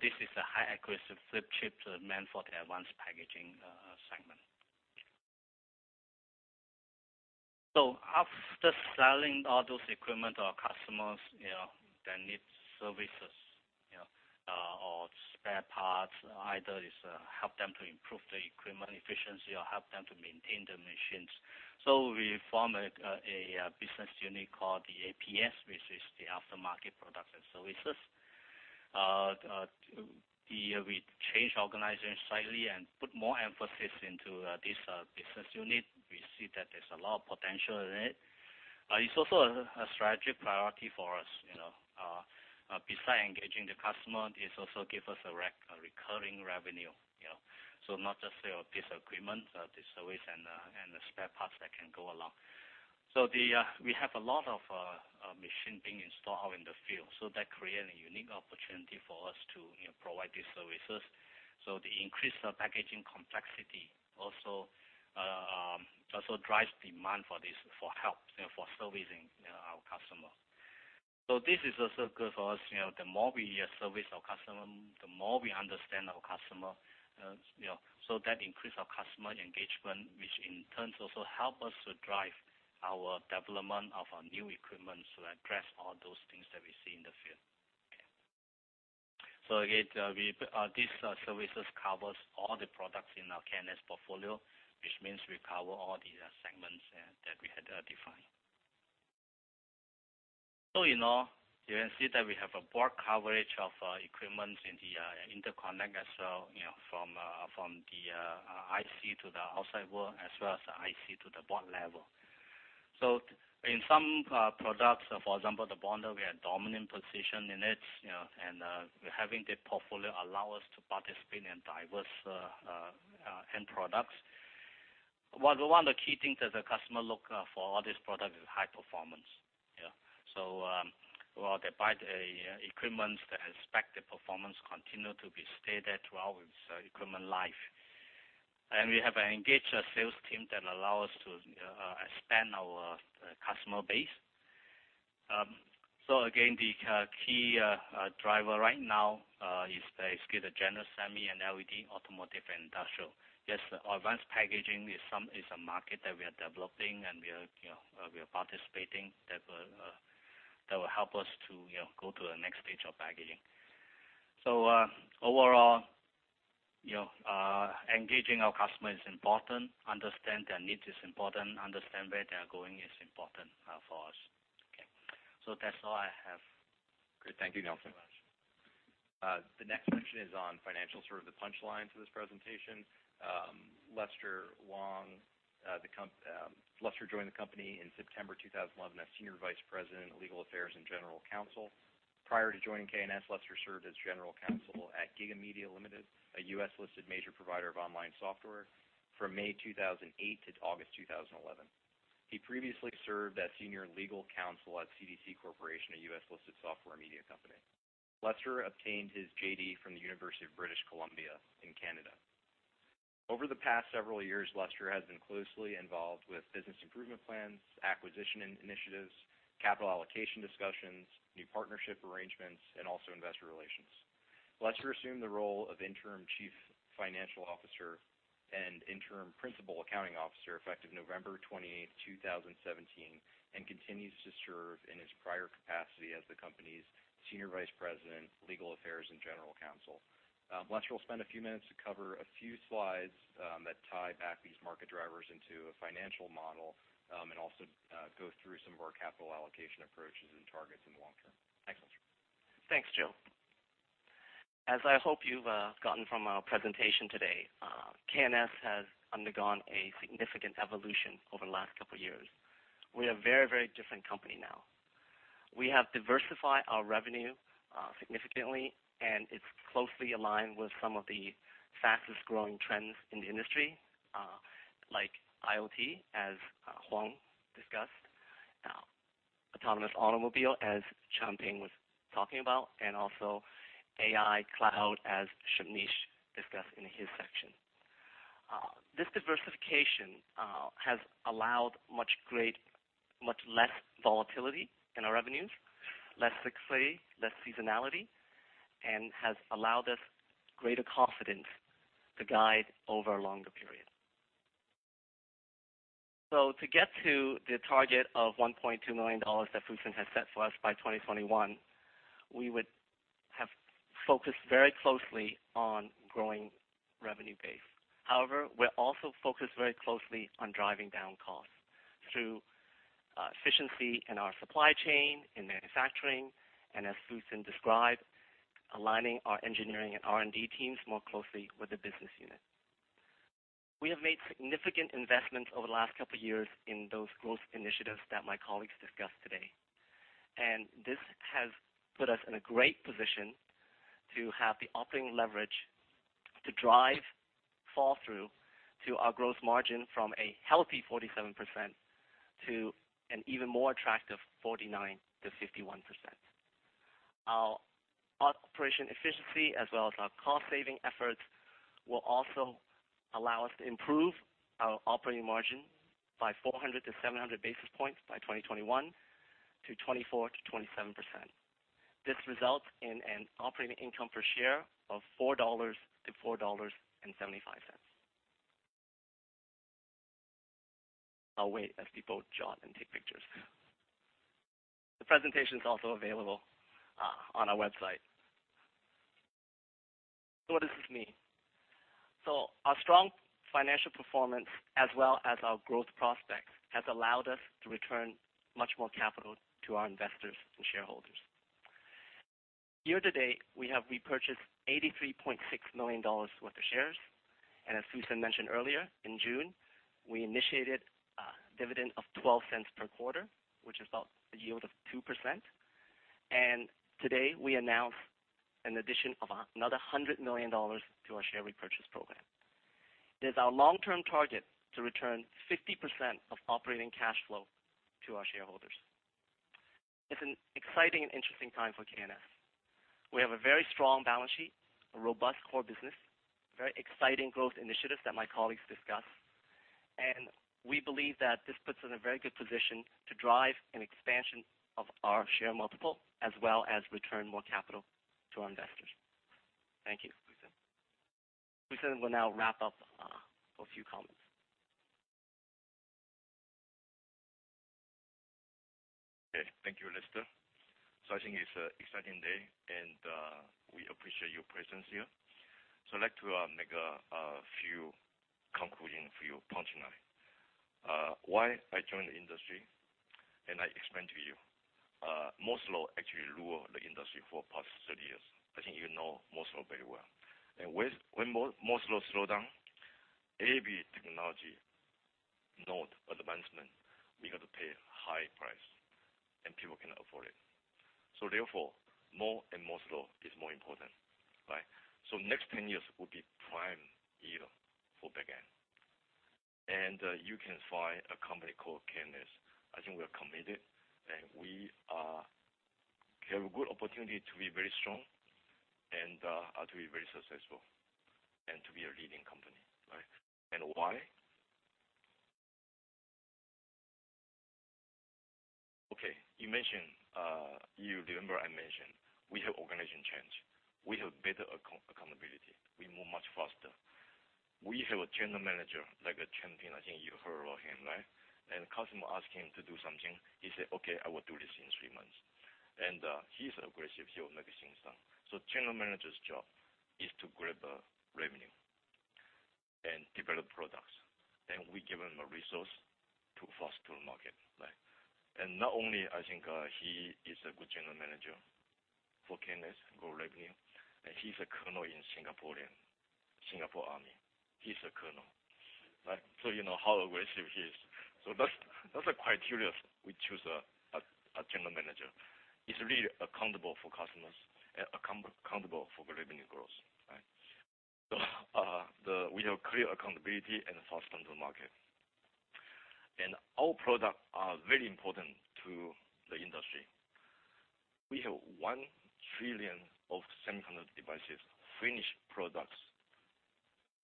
Speaker 7: This is a high accuracy flip chip meant for the advanced packaging segment. After selling all those equipment, our customers, you know, they need services, you know, or spare parts. Either it's help them to improve the equipment efficiency or help them to maintain the machines. We formed a business unit called the APS, which is the Aftermarket Product and Services. The, we changed organization slightly and put more emphasis into this business unit. We see that there's a lot of potential in it. It's also a strategy priority for us, you know. Beside engaging the customer, it also give us a recurring revenue, you know. Not just sell a piece of equipment, the service and the spare parts that can go along. We have a lot of machine being installed out in the field, so that create a unique opportunity for us to, you know, provide these services. The increased packaging complexity also drives demand for this for help, you know, for servicing, you know, our customers. This is also good for us. You know, the more we service our customer, the more we understand our customer, you know. That increase our customer engagement, which in turn also help us to drive our development of our new equipment to address all those things that we see in the field. Okay. Again, these services covers all the products in our K&S portfolio, which means we cover all the segments that we had defined. You know, you can see that we have a broad coverage of equipment in the interconnect as well, you know, from from the IC to the outside world, as well as the IC to the board level. In some products, for example, the bonder, we have dominant position in it, you know, and having the portfolio allow us to participate in diverse end products. One of the key things that the customer look for all this product is high performance. Yeah. Well, they buy the equipments, they expect the performance continue to be stayed there throughout its equipment life. And we have an engaged sales team that allow us to expand our customer base. Again, the key driver right now is basically the general semi and LED, automotive, and industrial. Yes, advanced packaging is a market that we are developing, and we are, you know, we are participating that will help us to, you know, go to the next stage of packaging. Overall, you know, engaging our customer is important, understand their needs is important, understand where they are going is important, for us. Okay. That's all I have.
Speaker 2: Great. Thank you, Nelson. The next section is on financial, sort of the punchline to this presentation. Lester Wong joined the company in September 2011 as Senior Vice President, Legal Affairs and General Counsel. Prior to joining K&S, Lester served as General Counsel at GigaMedia Limited, a U.S.-listed major provider of online software, from May 2008 to August 2011. He previously served as Senior Legal Counsel at CDC Corporation, a U.S.-listed software media company. Lester obtained his J.D. from the University of British Columbia in Canada. Over the past several years, Lester has been closely involved with business improvement plans, acquisition initiatives, capital allocation discussions, new partnership arrangements, and also investor relations. Lester assumed the role of Interim Chief Financial Officer and Interim Principal Accounting Officer effective November 28, 2017, and continues to serve in his prior capacity as the company's Senior Vice President, Legal Affairs and General Counsel. Lester will spend a few minutes to cover a few slides that tie back these market drivers into a financial model, and also go through some of our capital allocation approaches and targets in the long term. Thanks, Lester.
Speaker 8: Thanks, Joe. As I hope you've gotten from our presentation today, K&S has undergone a significant evolution over the last couple years. We're a very different company now. We have diversified our revenue significantly, and it's closely aligned with some of the fastest-growing trends in the industry, like IoT, as Kwong discussed, autonomous automobile, as Chan Pin Chong was talking about, and also AI cloud, as Shubneesh discussed in his section. This diversification has allowed much less volatility in our revenues, less cyclicality, less seasonality, and has allowed us greater confidence to guide over a longer period. To get to the target of $1.2 million that Fusen Chen has set for us by 2021, we would have focused very closely on growing revenue base. However, we're also focused very closely on driving down costs through efficiency in our supply chain, in manufacturing, and as Fusen described, aligning our engineering and R&D teams more closely with the business unit. We have made significant investments over the last couple of years in those growth initiatives that my colleagues discussed today. This has put us in a great position to have the operating leverage to drive fall through to our gross margin from a healthy 47% to an even more attractive 49%-51%. Our operation efficiency as well as our cost-saving efforts will also allow us to improve our operating margin by 400 to 700 basis points by 2021 to 24%-27%. This results in an operating income per share of $4.00-$4.75. I'll wait as people jot and take pictures. The presentation is also available on our website. What does this mean? Our strong financial performance as well as our growth prospects has allowed us to return much more capital to our investors and shareholders. Year-to-date, we have repurchased $83.6 million worth of shares. As Fusen mentioned earlier, in June, we initiated a dividend of $0.12 per quarter, which is about a yield of 2%. Today, we announce an addition of another $100 million to our share repurchase program. It is our long-term target to return 50% of operating cash flow to our shareholders. It's an exciting and interesting time for KNS. We have a very strong balance sheet, a robust core business, very exciting growth initiatives that my colleagues discussed, and we believe that this puts us in a very good position to drive an expansion of our share multiple as well as return more capital to our investors. Thank you. Fusen Chen. Fusen Chen will now wrap up for a few comments.
Speaker 3: Okay. Thank you, Lester Wong. I think it's an exciting day, and we appreciate your presence here. I'd like to make a few concluding for you tonight. Why I joined the industry, and I explained to you. Moore's law actually rule the industry for past 30 years. I think you know Moore's law very well. When Moore's law slow down, AP technology not advancement, we have to pay high price, and people cannot afford it. Therefore, more and Moore's law is more important, right? Next 10 years will be prime year for back-end. You can find a company called KNS. I think we are committed, and we have a good opportunity to be very strong and to be very successful and to be a leading company, right? Why? You mentioned, you remember I mentioned we have organization change. We have better accountability. We move much faster. We have a general manager, like the Chan Pin. I think you heard about him, right? Customer ask him to do something, he say, "Okay, I will do this in three months." He's aggressive. He will make things done. General manager's job is to grab revenue and develop products. We give him a resource to fast to market, right? Not only I think, he is a good general manager for K&S, grow revenue, and he's a colonel in Singaporean, Singapore army. He's a colonel, right? You know how aggressive he is. That's a criteria we choose a general manager. He's really accountable for customers, accountable for revenue growth, right? We have clear accountability and fast time to market. Our products are very important to the industry. We have one trillion of semiconductor devices, finished products,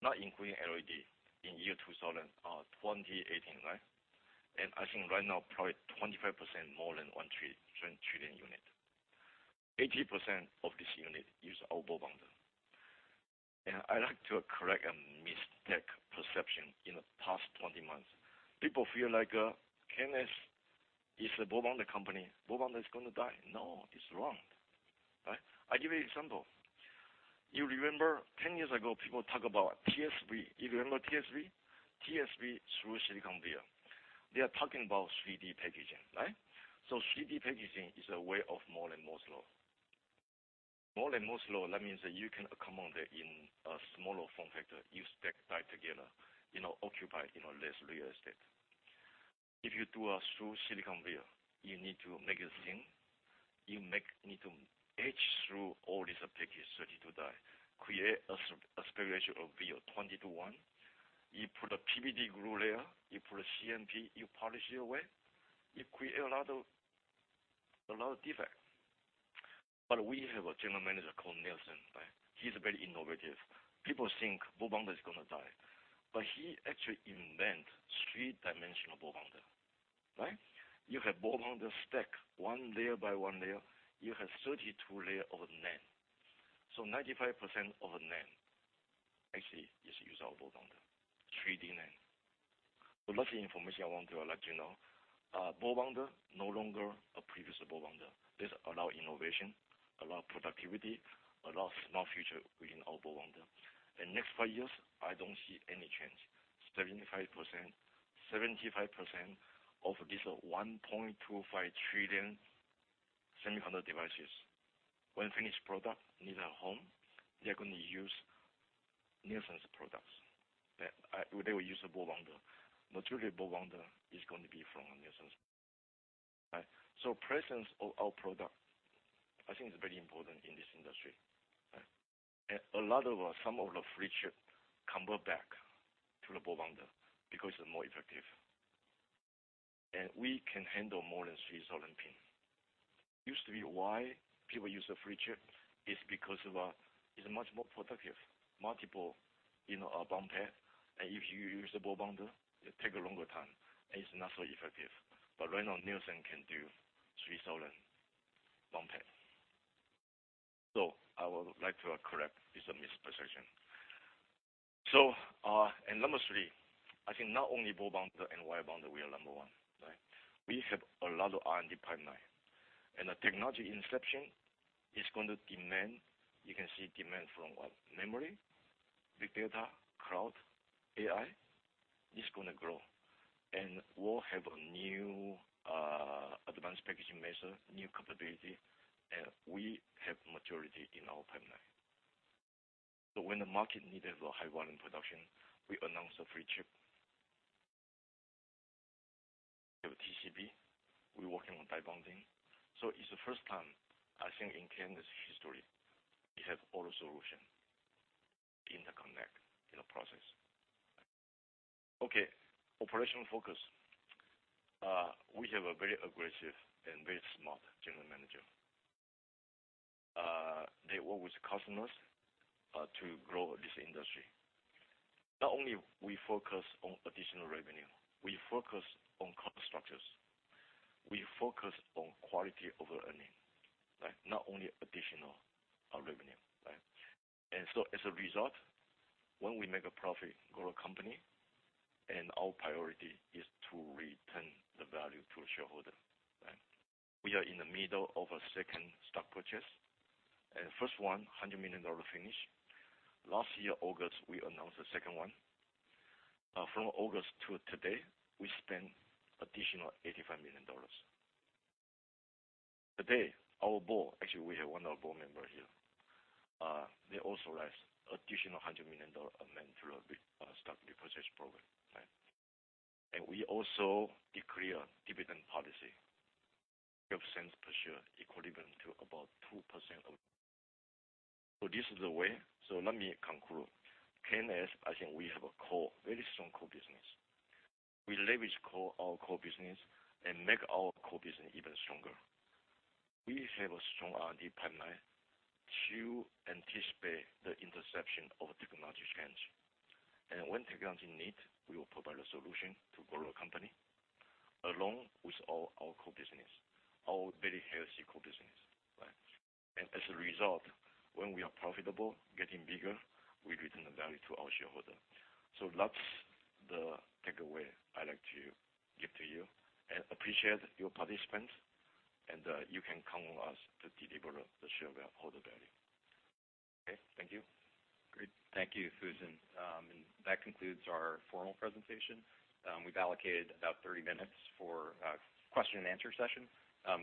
Speaker 3: not including LED in year 2018, right. I think right now, probably 25% more than one trillion units. 80% of these units use our ball bonder. I'd like to correct a mistaken perception in the past 20 months. People feel like KNS is a ball bonder company. Ball bonder is gonna die. No, it's wrong, right. I give you an example. You remember 10 years ago, people talk about TSV. You remember TSV? TSV, through silicon via. They are talking about 3D packaging, right. 3D packaging is a way of more and Moore's law. More and Moore's law, that means that you can accommodate in a smaller form factor. You stack die together, you know, occupy, you know, less real estate. If you do a through silicon via, you need to make it thin. You need to etch through all these packages, 32 die, create an aspect ratio of via 20 to one. You put a PVD glue layer. You put a CMP, you polish it away. You create a lot of defect. We have a general manager called Nelson, right? He's very innovative. People think Ball Bonder is gonna die, but he actually invent three-dimensional ball bonder, right? You have ball bonder stack one layer by one layer. You have 32 layer of NAND. 95% of NAND actually is, use our ball bonder, 3D NAND. Lots of information I want to let you know. Ball bonder, no longer a previous ball bonder. This allow innovation, allow productivity, allow small future within our ball bonder. Next five years, I don't see any change. 75% of this $1.25 trillion-semiconductor devices. When finished product needs a home, they're going to use Nelson's products. They will use a ball bonder. Maturity ball bonder is going to be from Nelson, right? Presence of our product, I think, is very important in this industry, right? A lot of, some of the flip chip come back to the ball bonder because it's more effective. We can handle more than 3,000 pin. Used to be why people use a flip chip is because of, it's much more productive. Multiple, you know, bond pad. If you use the ball bonder, it take a longer time, and it's not so effective. Right now, Nelson Wong can do 3,000 bond pad. I would like to correct. It's a misperception. Number three, I think not only ball bonder and wire bonder, we are number one, right? We have a lot of R&D pipeline, and the technology inception is going to demand. You can see demand from what? Memory, big data, cloud, AI. It's going to grow. We'll have a new advanced packaging measure, new capability, and we have maturity in our pipeline. When the market needed a high volume production, we announced a flip chip. We have a TCB. We're working on die bonding. It's the first time, I think, in KNS history, we have all the solution, interconnect, in a process. Okay. Operational focus. We have a very aggressive and very smart general manager. They work with customers to grow this industry. Not only we focus on additional revenue, we focus on cost structures. We focus on quality over earning, right? Not only additional revenue, right? As a result, when we make a profit, grow a company, and our priority is to return the value to a shareholder, right? We are in the middle of a second stock purchase, first one, $100 million finish. Last year, August, we announced the second one. From August to today, we spent additional $85 million. Today, actually, we have one of our board member here. They authorized additional $100 million amendment through a stock repurchase program, right? We also declare dividend policy, $0.12 per share, equivalent to about 2% of. This is the way. Let me conclude. KNS, I think we have a core, very strong core business. We leverage our core business, make our core business even stronger. We have a strong R&D pipeline to anticipate the interception of technology change. When technology need, we will provide a solution to grow a company, along with all our very healthy core business, right? As a result, when we are profitable, getting bigger, we return the value to our shareholder. That's the takeaway I like to give to you. Appreciate your participant, and you can count on us to deliver the shareholder value. Okay. Thank you.
Speaker 2: Great. Thank you, Fusen Chen. That concludes our formal presentation. We've allocated about 30 minutes for question and answer session.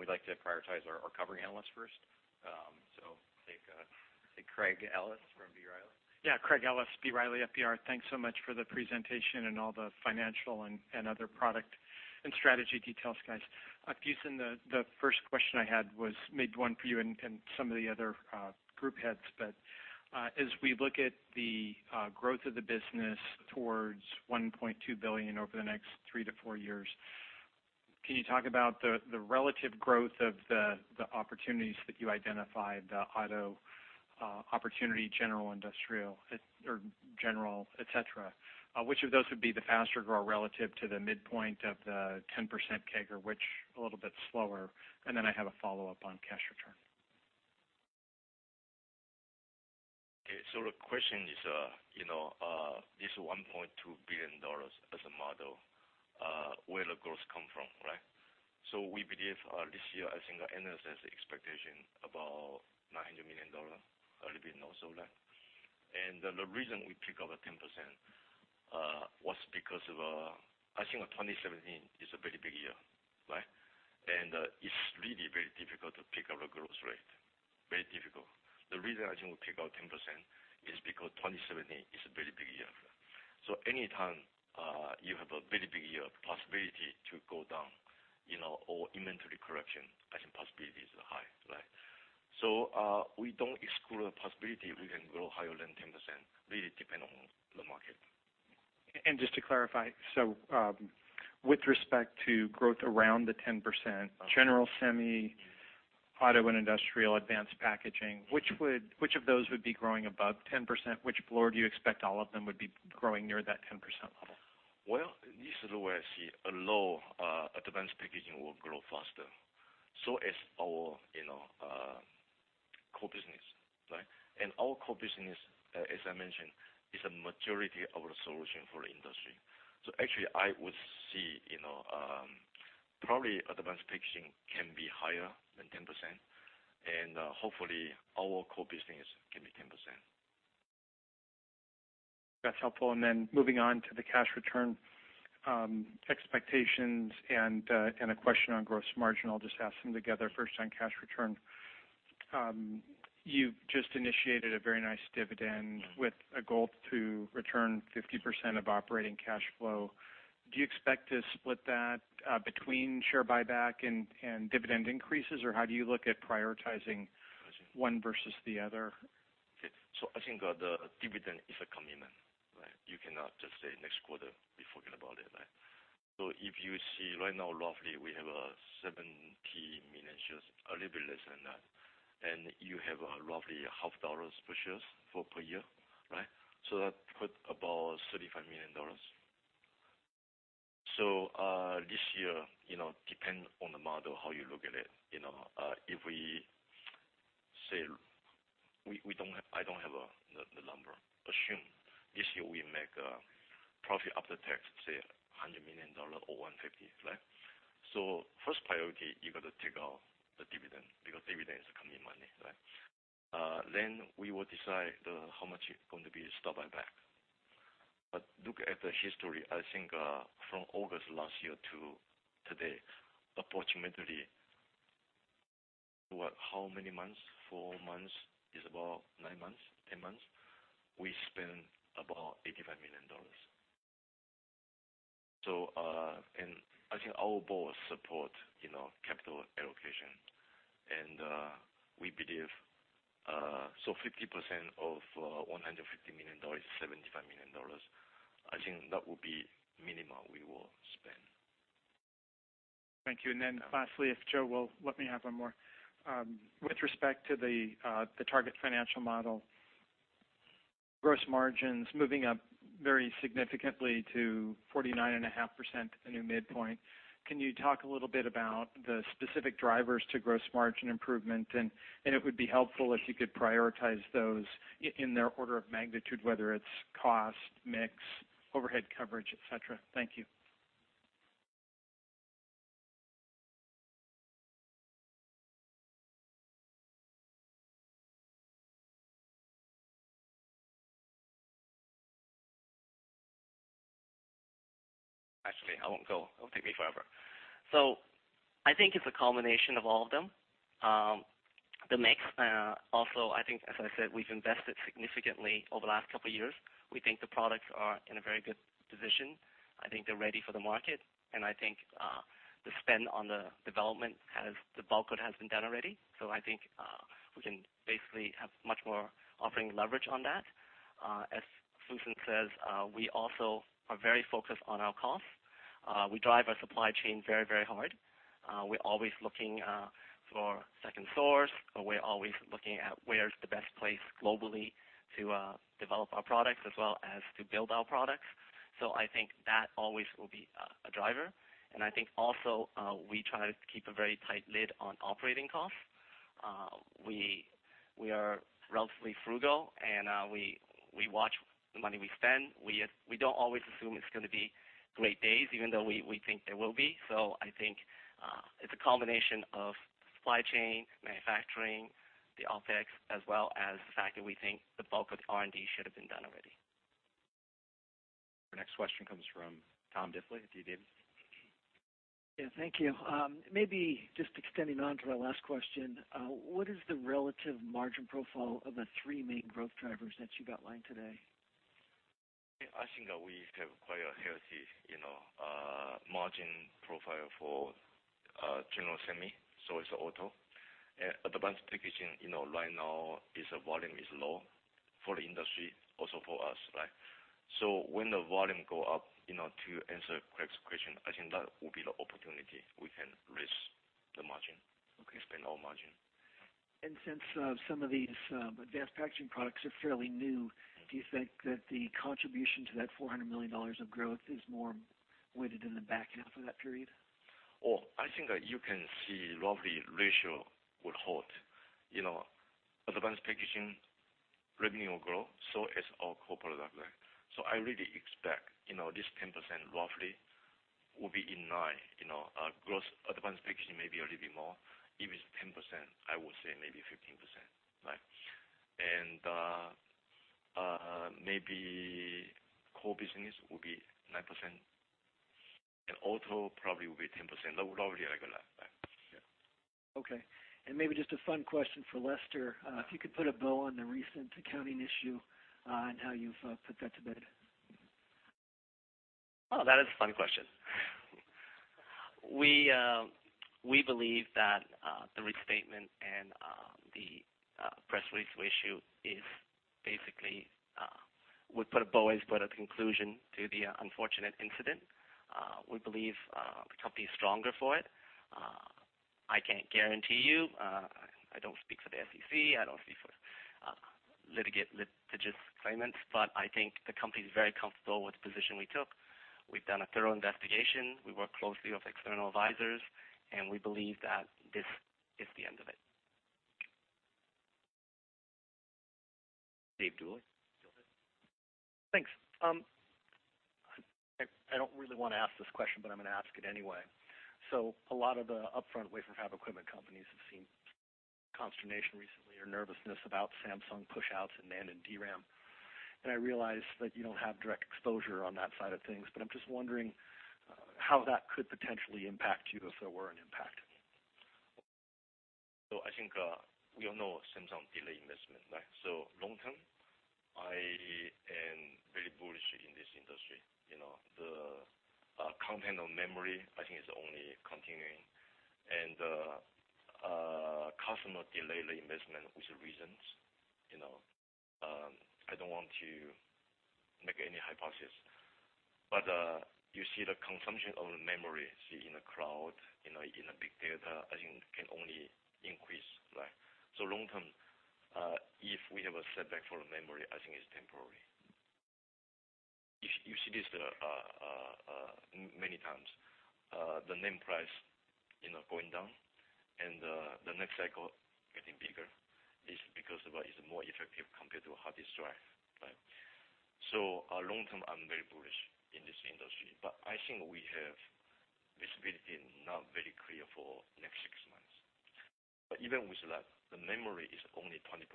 Speaker 2: We'd like to prioritize our covering analysts first. I think Craig Ellis from B. Riley.
Speaker 9: Yeah. Craig Ellis, B. Riley FBR. Thanks so much for the presentation and all the financial and other product and strategy details, guys. Fusen Chen, the first question I had was maybe one for you and some of the other group heads. As we look at the growth of the business towards $1.2 billion over the next three to four years, can you talk about the relative growth of the opportunities that you identified, the auto opportunity, general, industrial, or general, et cetera? Which of those would be the faster grower relative to the midpoint of the 10% CAGR? Which a little bit slower? I have a follow-up on cash return.
Speaker 3: Okay. The question is, you know, this $1.2 billion as a model, where the growth come from, right? We believe, this year, I think analyst has expectation about $900 million, a little bit north of that. The reason we pick up a 10%, was because of, I think 2017 is a very big year, right? It's really very difficult to pick up the growth rate. Very difficult. The reason I think we pick up 10% is because 2017 is a very big year. Any time, you have a very big year, possibility to go down, you know, or inventory correction, I think possibility is high, right? We don't exclude the possibility we can grow higher than 10%. Really depend on the market.
Speaker 9: Just to clarify. With respect to growth around the 10%, general semi, auto and industrial, advanced packaging, which of those would be growing above 10%? Or do you expect all of them would be growing near that 10% level?
Speaker 3: Well, this is the way I see. Advanced packaging will grow faster, so as our, you know, core business, right. Our core business, as I mentioned, is a majority of the solution for industry. Actually, I would see, you know, probably advanced packaging can be higher than 10%, and hopefully, our core business can be 10%.
Speaker 9: Moving on to the cash return, expectations and a question on gross margin. I'll just ask them together. First, on cash return. You just initiated a very nice dividend with a goal to return 50% of operating cash flow. Do you expect to split that between share buyback and dividend increases, or how do you look at prioritizing one versus the other?
Speaker 3: I think the dividend is a commitment, right? You cannot just say next quarter, we forget about it, right? If you see right now, roughly, we have 70 million shares, a little bit less than that, and you have roughly $0.50 per shares per year, right? That put about $35 million. This year, you know, depend on the model, how you look at it, you know, if we say we don't have the number. Assume this year, we make profit after tax, say $100 million or $150 million, right? First priority, you got to take out the dividend because dividend is a committed money, right? Then we will decide how much it going to be stock buyback. Look at the history, I think, from August last year to today, approximately, what, how many months? four months, is about nine months, 10 months, we spent about $85 million. I think our board support, you know, capital allocation, we believe 50% of $150 million, $75 million, I think that will be minimum we will spend.
Speaker 9: Thank you. Lastly, if Joe will let me have one more. With respect to the target financial model, gross margins moving up very significantly to 49.5%, the new midpoint. Can you talk a little bit about the specific drivers to gross margin improvement? It would be helpful if you could prioritize those in their order of magnitude, whether it's cost, mix, overhead coverage, et cetera. Thank you.
Speaker 8: Actually, I won't go. It'll take me forever. I think it's a combination of all of them. The mix, also, I think, as I said, we've invested significantly over the last couple of years. We think the products are in a very good position. I think they're ready for the market, and I think, the spend on the development has the bulk of it has been done already. I think, we can basically have much more operating leverage on that. As Fusen Chen says, we also are very focused on our costs. We drive our supply chain very, very hard. We're always looking for second source, or we're always looking at where is the best place globally to develop our products as well as to build our products. I think that always will be a driver. I think also, we try to keep a very tight lid on operating costs. We are relatively frugal, and, we watch the money we spend. We don't always assume it's gonna be great days, even though we think they will be. I think, it's a combination of supply chain, manufacturing, the OpEx, as well as the fact that we think the bulk of R&D should have been done already.
Speaker 2: Our next question comes from Thomas Diffely, with you, David.
Speaker 10: Yeah. Thank you. Maybe just extending on to my last question, what is the relative margin profile of the three main growth drivers that you've outlined today?
Speaker 3: I think that we have quite a healthy, you know, margin profile for general semi, so is auto. Advanced packaging, you know, right now is a volume is low for the industry, also for us, right? When the volume go up, you know, to answer Craig's question, I think that will be the opportunity. We can raise the margin. We can spend our margin.
Speaker 10: Since some of these advanced packaging products are fairly new, do you think that the contribution to that $400 million of growth is more weighted in the back half of that period?
Speaker 3: I think that you can see roughly ratio will hold, you know. Advanced packaging revenue will grow, so is our core product line. I really expect, you know, this 10% roughly will be in line. You know, our growth, advanced packaging may be a little bit more. If it's 10%, I would say maybe 15%, right? Maybe core business will be 9%, and auto probably will be 10%. That would be roughly like that, right?
Speaker 10: Yeah. Okay. Maybe just a fun question for Lester. If you could put a bow on the recent accounting issue, and how you've put that to bed.
Speaker 8: Oh, that is a fun question. We believe that the restatement and the press release issue is basically, we put a bow, we put a conclusion to the unfortunate incident. We believe the company is stronger for it. I can't guarantee you, I don't speak for the SEC, I don't speak for litigious assignments, but I think the company is very comfortable with the position we took. We've done a thorough investigation. We work closely with external advisors. We believe that this is the end of it.
Speaker 2: David Duley. Go ahead.
Speaker 11: Thanks, I don't really wanna ask this question, but I'm gonna ask it anyway. A lot of the upfront wafer fab equipment companies have seen consternation recently or nervousness about Samsung pushouts in NAND and DRAM. I realize that you don't have direct exposure on that side of things, but I'm just wondering how that could potentially impact you if there were an impact.
Speaker 3: I think, we all know Samsung delay investment, right? Long term, I am very bullish in this industry. You know, the content on memory, I think, is only continuing. Customer delay the investment with reasons, you know. I don't want to make any hypothesis. You see the consumption of the memory, see in the cloud, you know, in the big data, I think can only increase, right? Long term, if we have a setback for memory, I think it's temporary. You see this many times, the NAND price, you know, going down and the next cycle getting bigger is because of what is more effective compared to a hard disk drive, right? Long term, I'm very bullish in this industry. I think we have visibility not very clear for next six months. Even with that, the memory is only 20%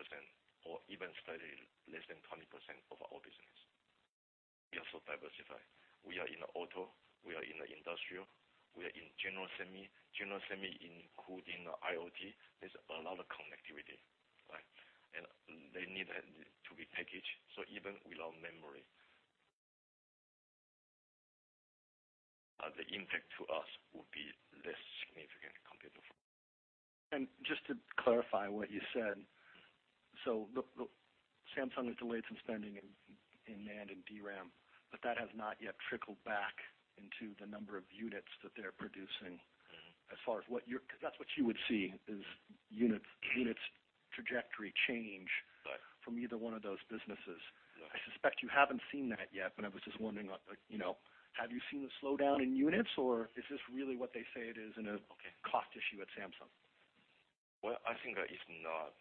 Speaker 3: or even slightly less than 20% of our business. We also diversify. We are in auto, we are in industrial, we are in general semi. General semi including IoT. There's a lot of connectivity, right? They need that to be packaged. Even without memory, the impact to us would be less significant compared before.
Speaker 11: Just to clarify what you said. Look, Samsung has delayed some spending in NAND and DRAM, but that has not yet trickled back into the number of units that they're producing. That's what you would see is units trajectory.
Speaker 3: Right.
Speaker 11: from either one of those businesses.
Speaker 3: Yeah.
Speaker 11: I suspect you haven't seen that yet, but I was just wondering like, you know, have you seen the slowdown in units, or is this really what they say it is?
Speaker 3: Okay.
Speaker 11: -cost issue at Samsung?
Speaker 3: Well, I think it's not.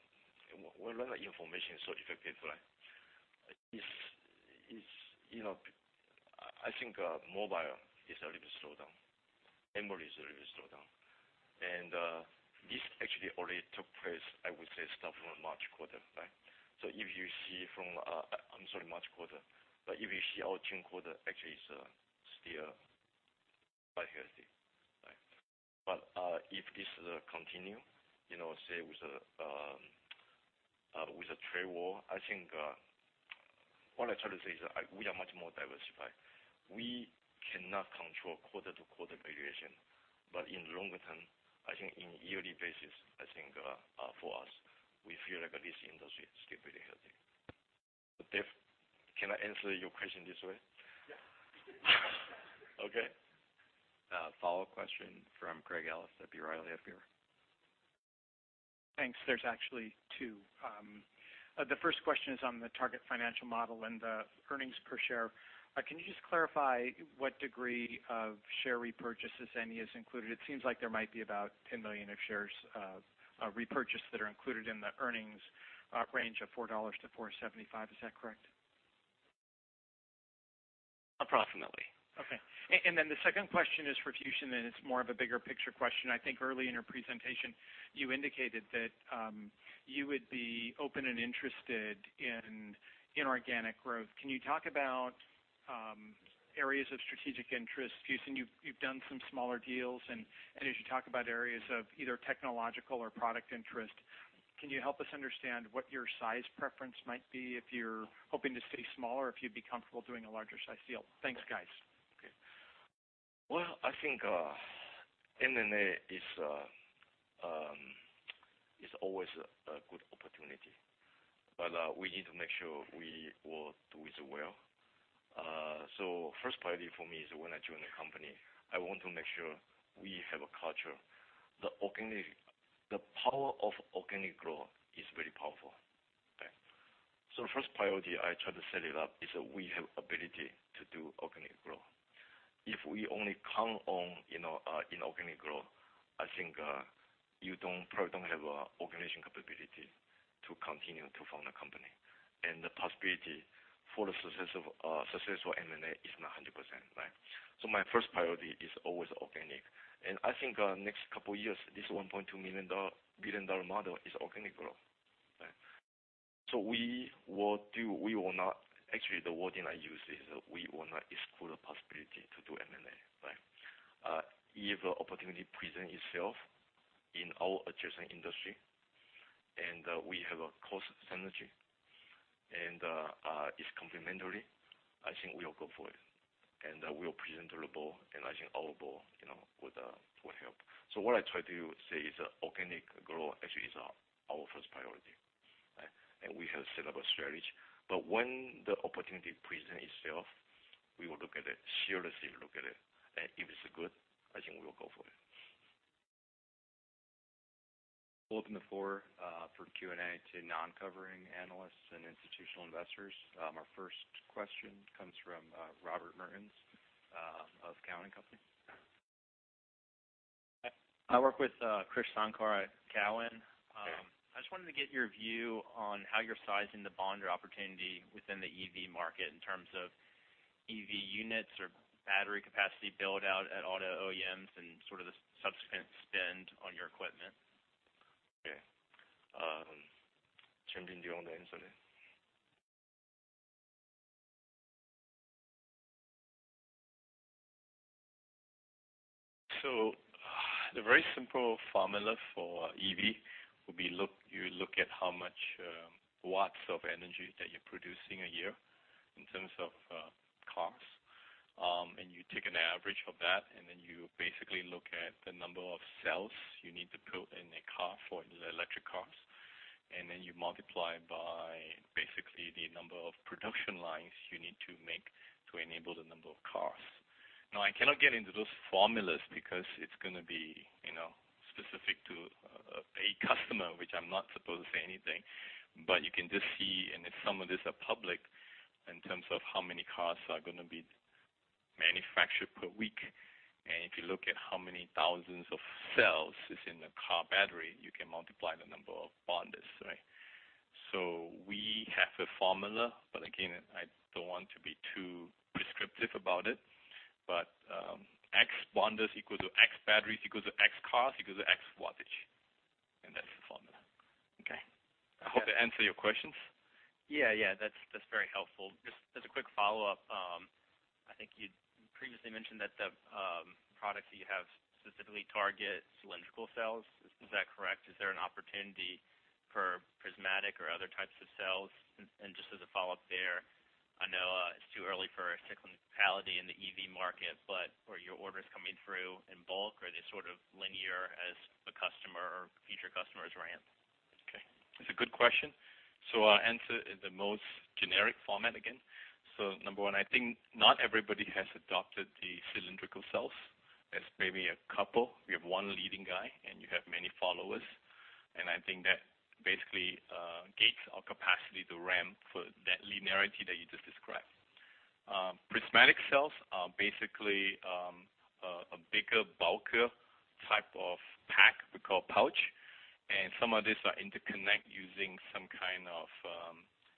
Speaker 3: Well, a lot of information is so difficult, right? It's, it's, you know. I think mobile is a little bit slowdown. Memory is a little bit slowdown. This actually already took place, I would say, starting from March quarter, right? If you see from, I'm sorry, March quarter. If you see our June quarter actually is still quite healthy, right? If this continue, you know, say with the trade war, I think what I try to say is we are much more diversified. We cannot control quarter-to-quarter variation. In longer term, I think in yearly basis, I think for us, we feel like this industry is still pretty healthy. Dave, can I answer your question this way?
Speaker 11: Yeah.
Speaker 3: Okay.
Speaker 2: Follow-up question from Craig Ellis at B. Riley FBR.
Speaker 9: Thanks. There's actually two. The first question is on the target financial model and the earnings per share. Can you just clarify what degree of share repurchases, any, is included? It seems like there might be about $10 million of shares of repurchase that are included in the earnings range of $4-$4.75. Is that correct?
Speaker 3: Approximately.
Speaker 9: Okay. Then the second question is for Fusen Chen, and it's more of a bigger picture question. I think early in your presentation, you indicated that you would be open and interested in inorganic growth. Can you talk about areas of strategic interest? Fusen Chen, you've done some smaller deals, and as you talk about areas of either technological or product interest, can you help us understand what your size preference might be, if you're hoping to stay smaller, or if you'd be comfortable doing a larger size deal? Thanks, guys.
Speaker 3: Okay. Well, I think M&A is always a good opportunity. We need to make sure we will do it well. First priority for me is when I join the company, I want to make sure we have a culture. The power of organic growth is very powerful. Okay. The first priority I try to set it up is that we have ability to do organic growth. If we only count on, you know, inorganic growth, I think you probably don't have an organization capability to continue to fund the company. The possibility for the success of successful M&A is not 100%, right? My first priority is always organic. I think next couple years, this $1.2 billion model is organic growth. Right? Actually, the wording I use is we will not exclude the possibility to do M&A, right? If a opportunity present itself in our adjacent industry, and we have a cost synergy, and it's complementary, I think we will go for it, and we'll present to the board, and I think our board, you know, would help. What I try to say is that organic growth actually is our first priority, right? We have set up a strategy. When the opportunity present itself, we will look at it. Look at it. If it's good, I think we will go for it.
Speaker 2: We'll open the floor for Q&A to non-covering analysts and institutional investors. Our first question comes from Robert Mertens.
Speaker 12: I work with, Krish Sankar at Cowen.
Speaker 5: Okay.
Speaker 12: I just wanted to get your view on how you're sizing the bonder opportunity within the EV market in terms of EV units or battery capacity build out at auto OEMs and sort of the subsequent spend on your equipment.
Speaker 5: Changing the orientation. The very simple formula for EV would be you look at how much watts of energy that you're producing a year in terms of costs. You take an average of that, you basically look at the number of cells you need to build in a car for the electric cars. You multiply by basically the number of production lines you need to make to enable the number of cars. I cannot get into those formulas because it's gonna be, you know, specific to a customer, which I'm not supposed to say anything. You can just see, and some of these are public, in terms of how many cars are gonna be manufactured per week. If you look at how many thousands of cells is in a car battery, you can multiply the number of bonders, right? We have a formula, but again, I don't want to be too prescriptive about it. X bonders equal to X batteries equals to X cars equals to X wattage, and that's the formula.
Speaker 12: Okay.
Speaker 5: I hope that answer your questions.
Speaker 12: Yeah, yeah. That's very helpful. Just as a quick follow-up, I think you previously mentioned that the products that you have specifically target cylindrical cells. Is that correct? Is there an opportunity for prismatic or other types of cells? Just as a follow-up there, I know, it's too early for cyclicality in the EV market, but are your orders coming through in bulk or are they sort of linear as the customer or future customers ramp?
Speaker 5: Okay. It's a good question. I'll answer in the most generic format again. Number 1, I think not everybody has adopted the cylindrical cells. There's maybe a couple. We have 1 leading guy, and you have many followers. I think that basically gates our capacity to ramp for that linearity that you just described. Prismatic cells are basically a bigger, bulkier type of pack we call pouch, and some of these are interconnect using some kind of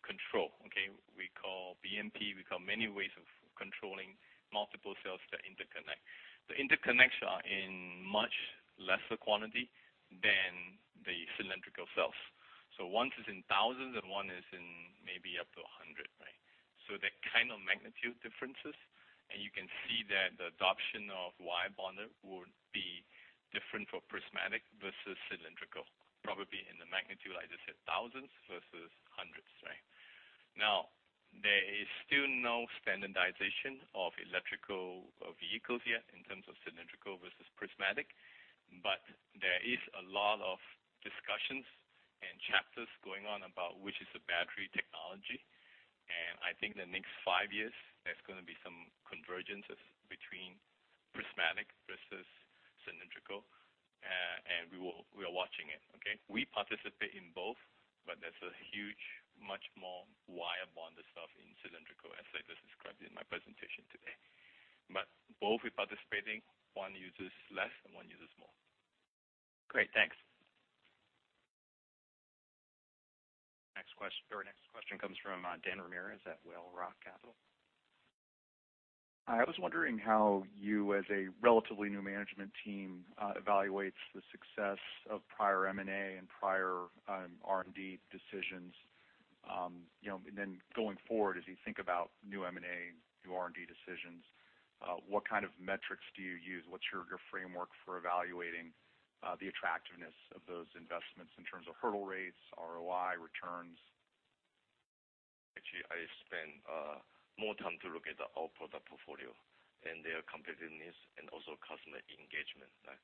Speaker 5: control, okay, we call BMS. We call many ways of controlling multiple cells that interconnect. The interconnects are in much lesser quantity than the cylindrical cells. One is in thousands and One is in maybe up to 100, right? They're kind of magnitude differences, and you can see that the adoption of wire bonder would be different for prismatic versus cylindrical, probably in the magnitude, like I said, thousands versus hundreds, right? There is still no standardization of electrical vehicles yet in terms of cylindrical versus prismatic, but there is a lot of discussions and chapters going on about which is the battery technology. I think the next five years, there's gonna be some convergences between prismatic versus cylindrical. And we are watching it, okay? We participate in both, but there's a huge, much more wire bonder stuff in cylindrical, as I just described in my presentation today. Both we participating, one uses less and one uses more.
Speaker 12: Great. Thanks.
Speaker 2: Next question comes from Dan Ramirez at Whale Rock Capital.
Speaker 13: Hi. I was wondering how you, as a relatively new management team, evaluates the success of prior M&A and prior R&D decisions. You know, going forward, as you think about new M&A, new R&D decisions, what kind of metrics do you use? What's your framework for evaluating the attractiveness of those investments in terms of hurdle rates, ROI, returns?
Speaker 3: Actually, I spend more time to look at the our product portfolio and their competitiveness and also customer engagement, right?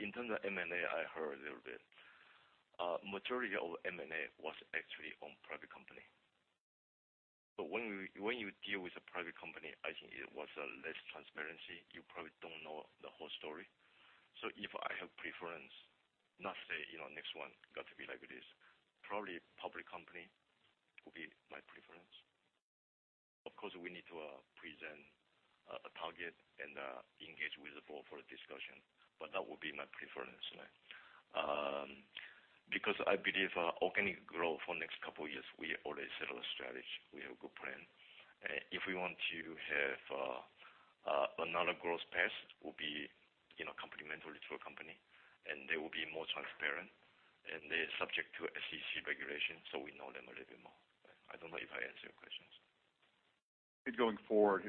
Speaker 3: In terms of M&A, I heard a little bit. Majority of M&A was actually on private company. When you deal with a private company, I think it was less transparency. You probably don't know the whole story. If I have preference, not say, you know, next one got to be like it is, probably public company will be my preference. Of course, we will need to present a target and engage with the board for a discussion, but that would be my preference, right? I believe organic growth for next couple of years, we already set our strategy. We have a good plan. If we want to have another growth path, will be, you know, complementary to a company, and they will be more transparent, and they're subject to SEC regulations, so we know them a little bit more. I don't know if I answered your questions.
Speaker 13: Think going forward,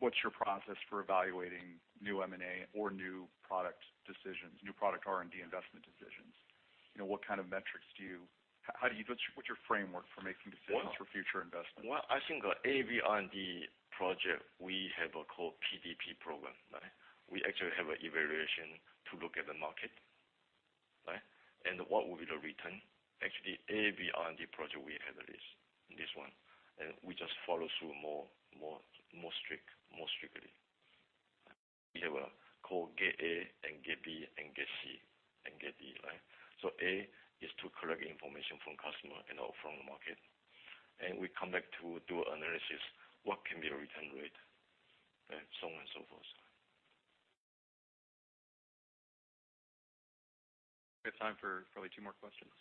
Speaker 13: what's your process for evaluating new M&A or new product decisions, new product R&D investment decisions? You know, what kind of metrics do you What's your framework for making decisions for future investments?
Speaker 3: One, I think, every R&D project we have a core PDP program, right? We actually have a evaluation to look at the market, right? What will be the return. Actually, every R&D project we have a list, this one, we just follow through more strictly. We have a core gate A and gate B and gate C. Gate E, right? A is to collect information from customer and all from the market. We come back to do analysis, what can be return rate, right? On and so forth.
Speaker 2: We have time for probably two more questions.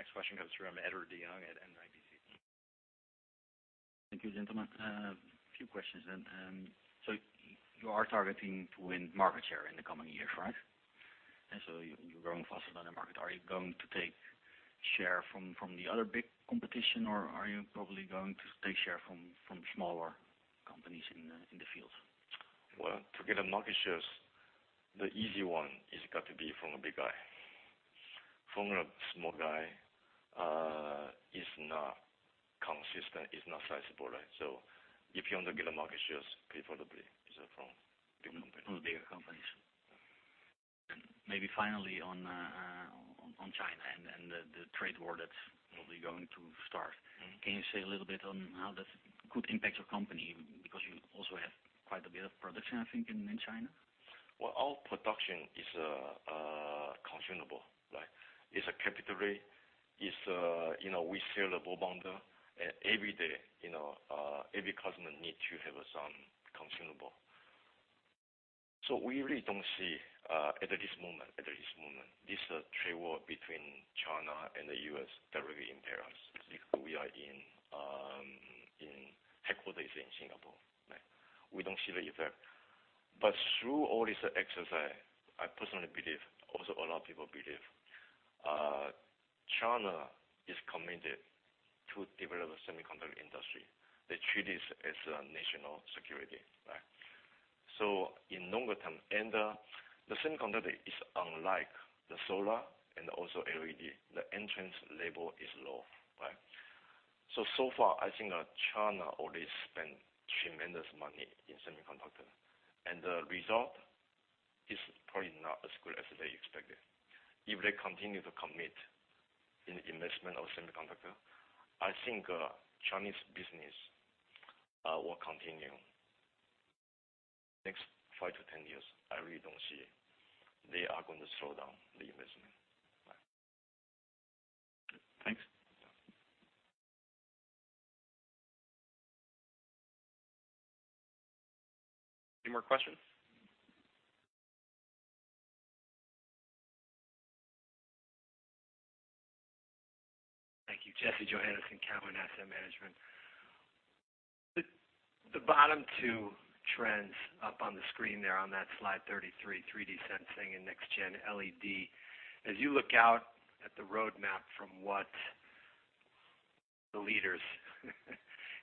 Speaker 2: Next question comes from Edward de Jong at NIBC.
Speaker 14: Thank you, gentlemen. Few questions then. You are targeting to win market share in the coming years, right? You're growing faster than the market. Are you going to take share from the other big competition or are you probably going to take share from smaller companies in the field?
Speaker 3: Well, to get the market shares, the easy one is got to be from a big guy. From a small guy, is not consistent, is not sizable, right? If you want to get the market shares, preferably is from big company.
Speaker 14: From bigger companies.
Speaker 3: Yeah.
Speaker 14: Maybe finally on China and the trade war that's probably going to start. Can you say a little bit on how that could impact your company because you also have quite a bit of production, I think, in China?
Speaker 3: Well, all production is consumable, right? It's a category. It's, you know, we sell the bonder, and every day, you know, every customer need to have some consumable. We really don't see, at this moment, at this moment, this trade war between China and the U.S. directly impact us. We are in headquarters in Singapore, right? We don't see the effect. Through all this exercise, I personally believe, also a lot of people believe, China is committed to develop a semiconductor industry. They treat this as a national security, right? In longer term, the semiconductor is unlike the solar and also LED. The entrance label is low, right? So far, I think, China already spent tremendous money in semiconductor, and the result is probably not as good as they expected. If they continue to commit in investment of semiconductor, I think, Chinese business will continue. Next five to 10 years, I really don't see they are gonna slow down the investment. Right.
Speaker 14: Thanks.
Speaker 3: Yeah.
Speaker 2: Any more questions?
Speaker 15: Thank you. Jesse Johannessen, Cowen Asset Management. The bottom two trends up on the screen there on that slide 33, 3D sensing and next-gen LED. As you look out at the roadmap from what the leaders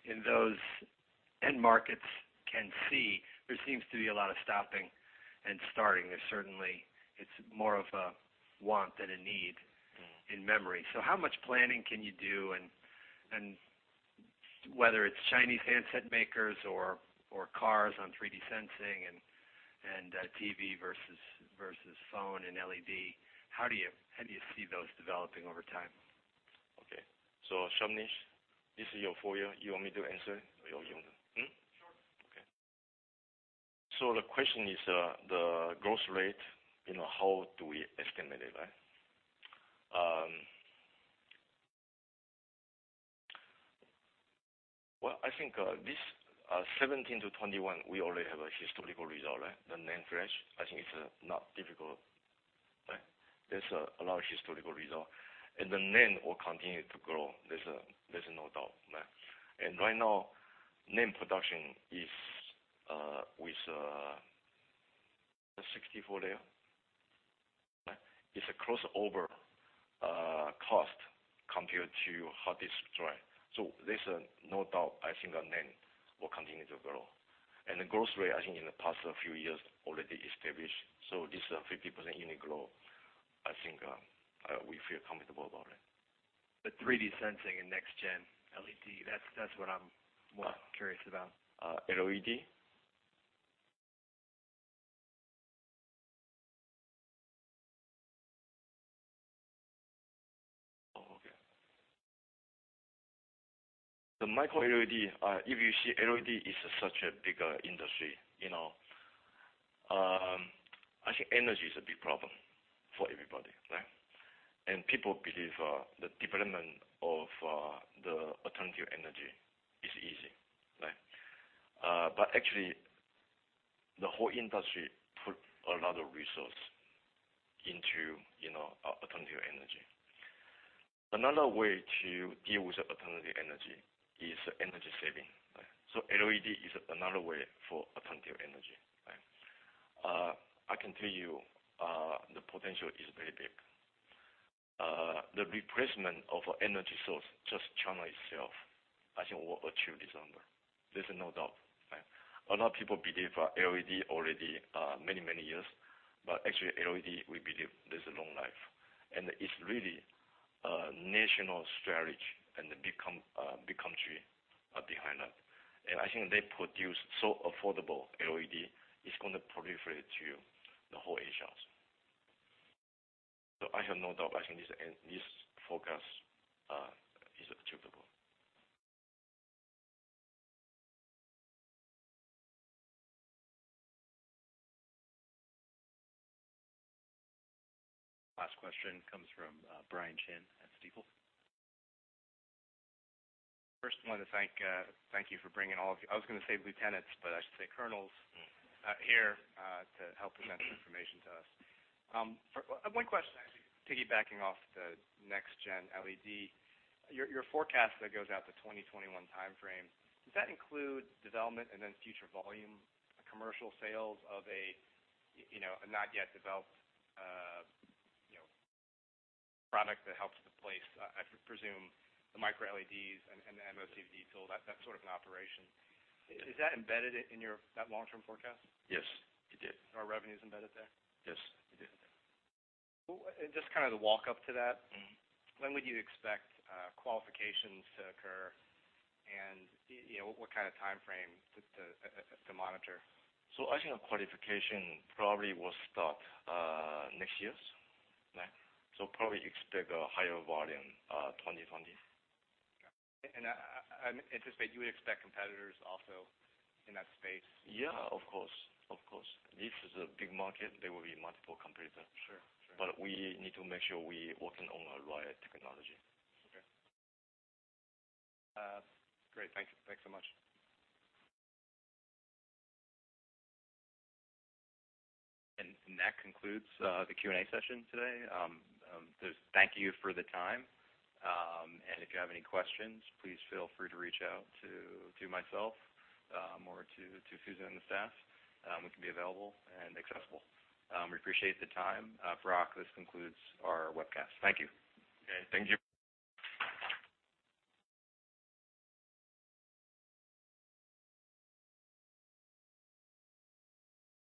Speaker 15: in those end markets can see, there seems to be a lot of stopping and starting. There's certainly, it's more of a want than a need in memory. How much planning can you do? Whether it's Chinese handset makers or cars on 3D sensing and TV versus phone and LED, how do you see those developing over time?
Speaker 3: Okay. Shubneesh, this is your folio. You want me to answer or you want to? Hmm?
Speaker 6: Sure.
Speaker 3: Okay. The question is, the growth rate, you know, how do we estimate it, right? Well, I think, this 2017-2021, we already have a historical result, right? The NAND flash, I think it's not difficult, right? There's a lot of historical result. The NAND will continue to grow. There's no doubt, right? Right now, NAND production is with the 64 layer, right? It's a crossover cost compared to hard disk drive. There's no doubt, I think, that NAND will continue to grow. The growth rate, I think, in the past few years already established. This is a 50% unit growth, I think, we feel comfortable about it.
Speaker 15: The 3D sensing and next-gen LED, that's what I'm more curious about.
Speaker 3: LED? Okay. The micro LED, if you see LED is such a bigger industry, you know. I think energy is a big problem for everybody, right? People believe the development of the alternative energy is easy, right? Actually, the whole industry put a lot of resource into, you know, alternative energy. Another way to deal with alternative energy is energy saving, right? LED is another way for alternative energy, right? I can tell you, the potential is very big. The replacement of energy source, just China itself, I think will achieve this number. There's no doubt, right? A lot of people believe LED already, many, many years, but actually LED, we believe there's a long life. It's really a national strategy and a big country behind that. I think they produce so affordable LED, it's gonna proliferate. I have no doubt, I think this, and this forecast is achievable.
Speaker 2: Last question comes from, Brian Chin at Stifel.
Speaker 16: First, I want to thank you for bringing all of you, I was gonna say lieutenants, but I should say colonels. here to help present this information to us. One question. Piggybacking off the next-gen LED, your forecast that goes out to 2021 timeframe, does that include development and then future volume, commercial sales of a, you know, a not yet developed product that helps to place, I presume the micro LEDs and the MOCVD tool, that sort of an operation?
Speaker 3: Yes.
Speaker 16: Is that embedded in that long-term forecast?
Speaker 3: Yes, it is.
Speaker 16: Are revenues embedded there?
Speaker 3: Yes, it is.
Speaker 16: Well, just kind of the walk up to that. When would you expect qualifications to occur? You know, what kind of timeframe to monitor?
Speaker 3: I think qualification probably will start next years.
Speaker 16: Okay.
Speaker 3: Probably expect a higher volume, 2020.
Speaker 16: Okay. I anticipate you would expect competitors also in that space?
Speaker 3: Yeah, of course. Of course. This is a big market. There will be multiple competitors.
Speaker 16: Sure. Sure.
Speaker 3: We need to make sure we working on the right technology.
Speaker 16: Okay. great. Thank you. Thanks so much.
Speaker 2: That concludes the Q&A session today. Just thank you for the time. If you have any questions, please feel free to reach out to myself or to Fusen Chen and the staff. We can be available and accessible. We appreciate the time. Brock, this concludes our webcast. Thank you.
Speaker 3: Okay. Thank you.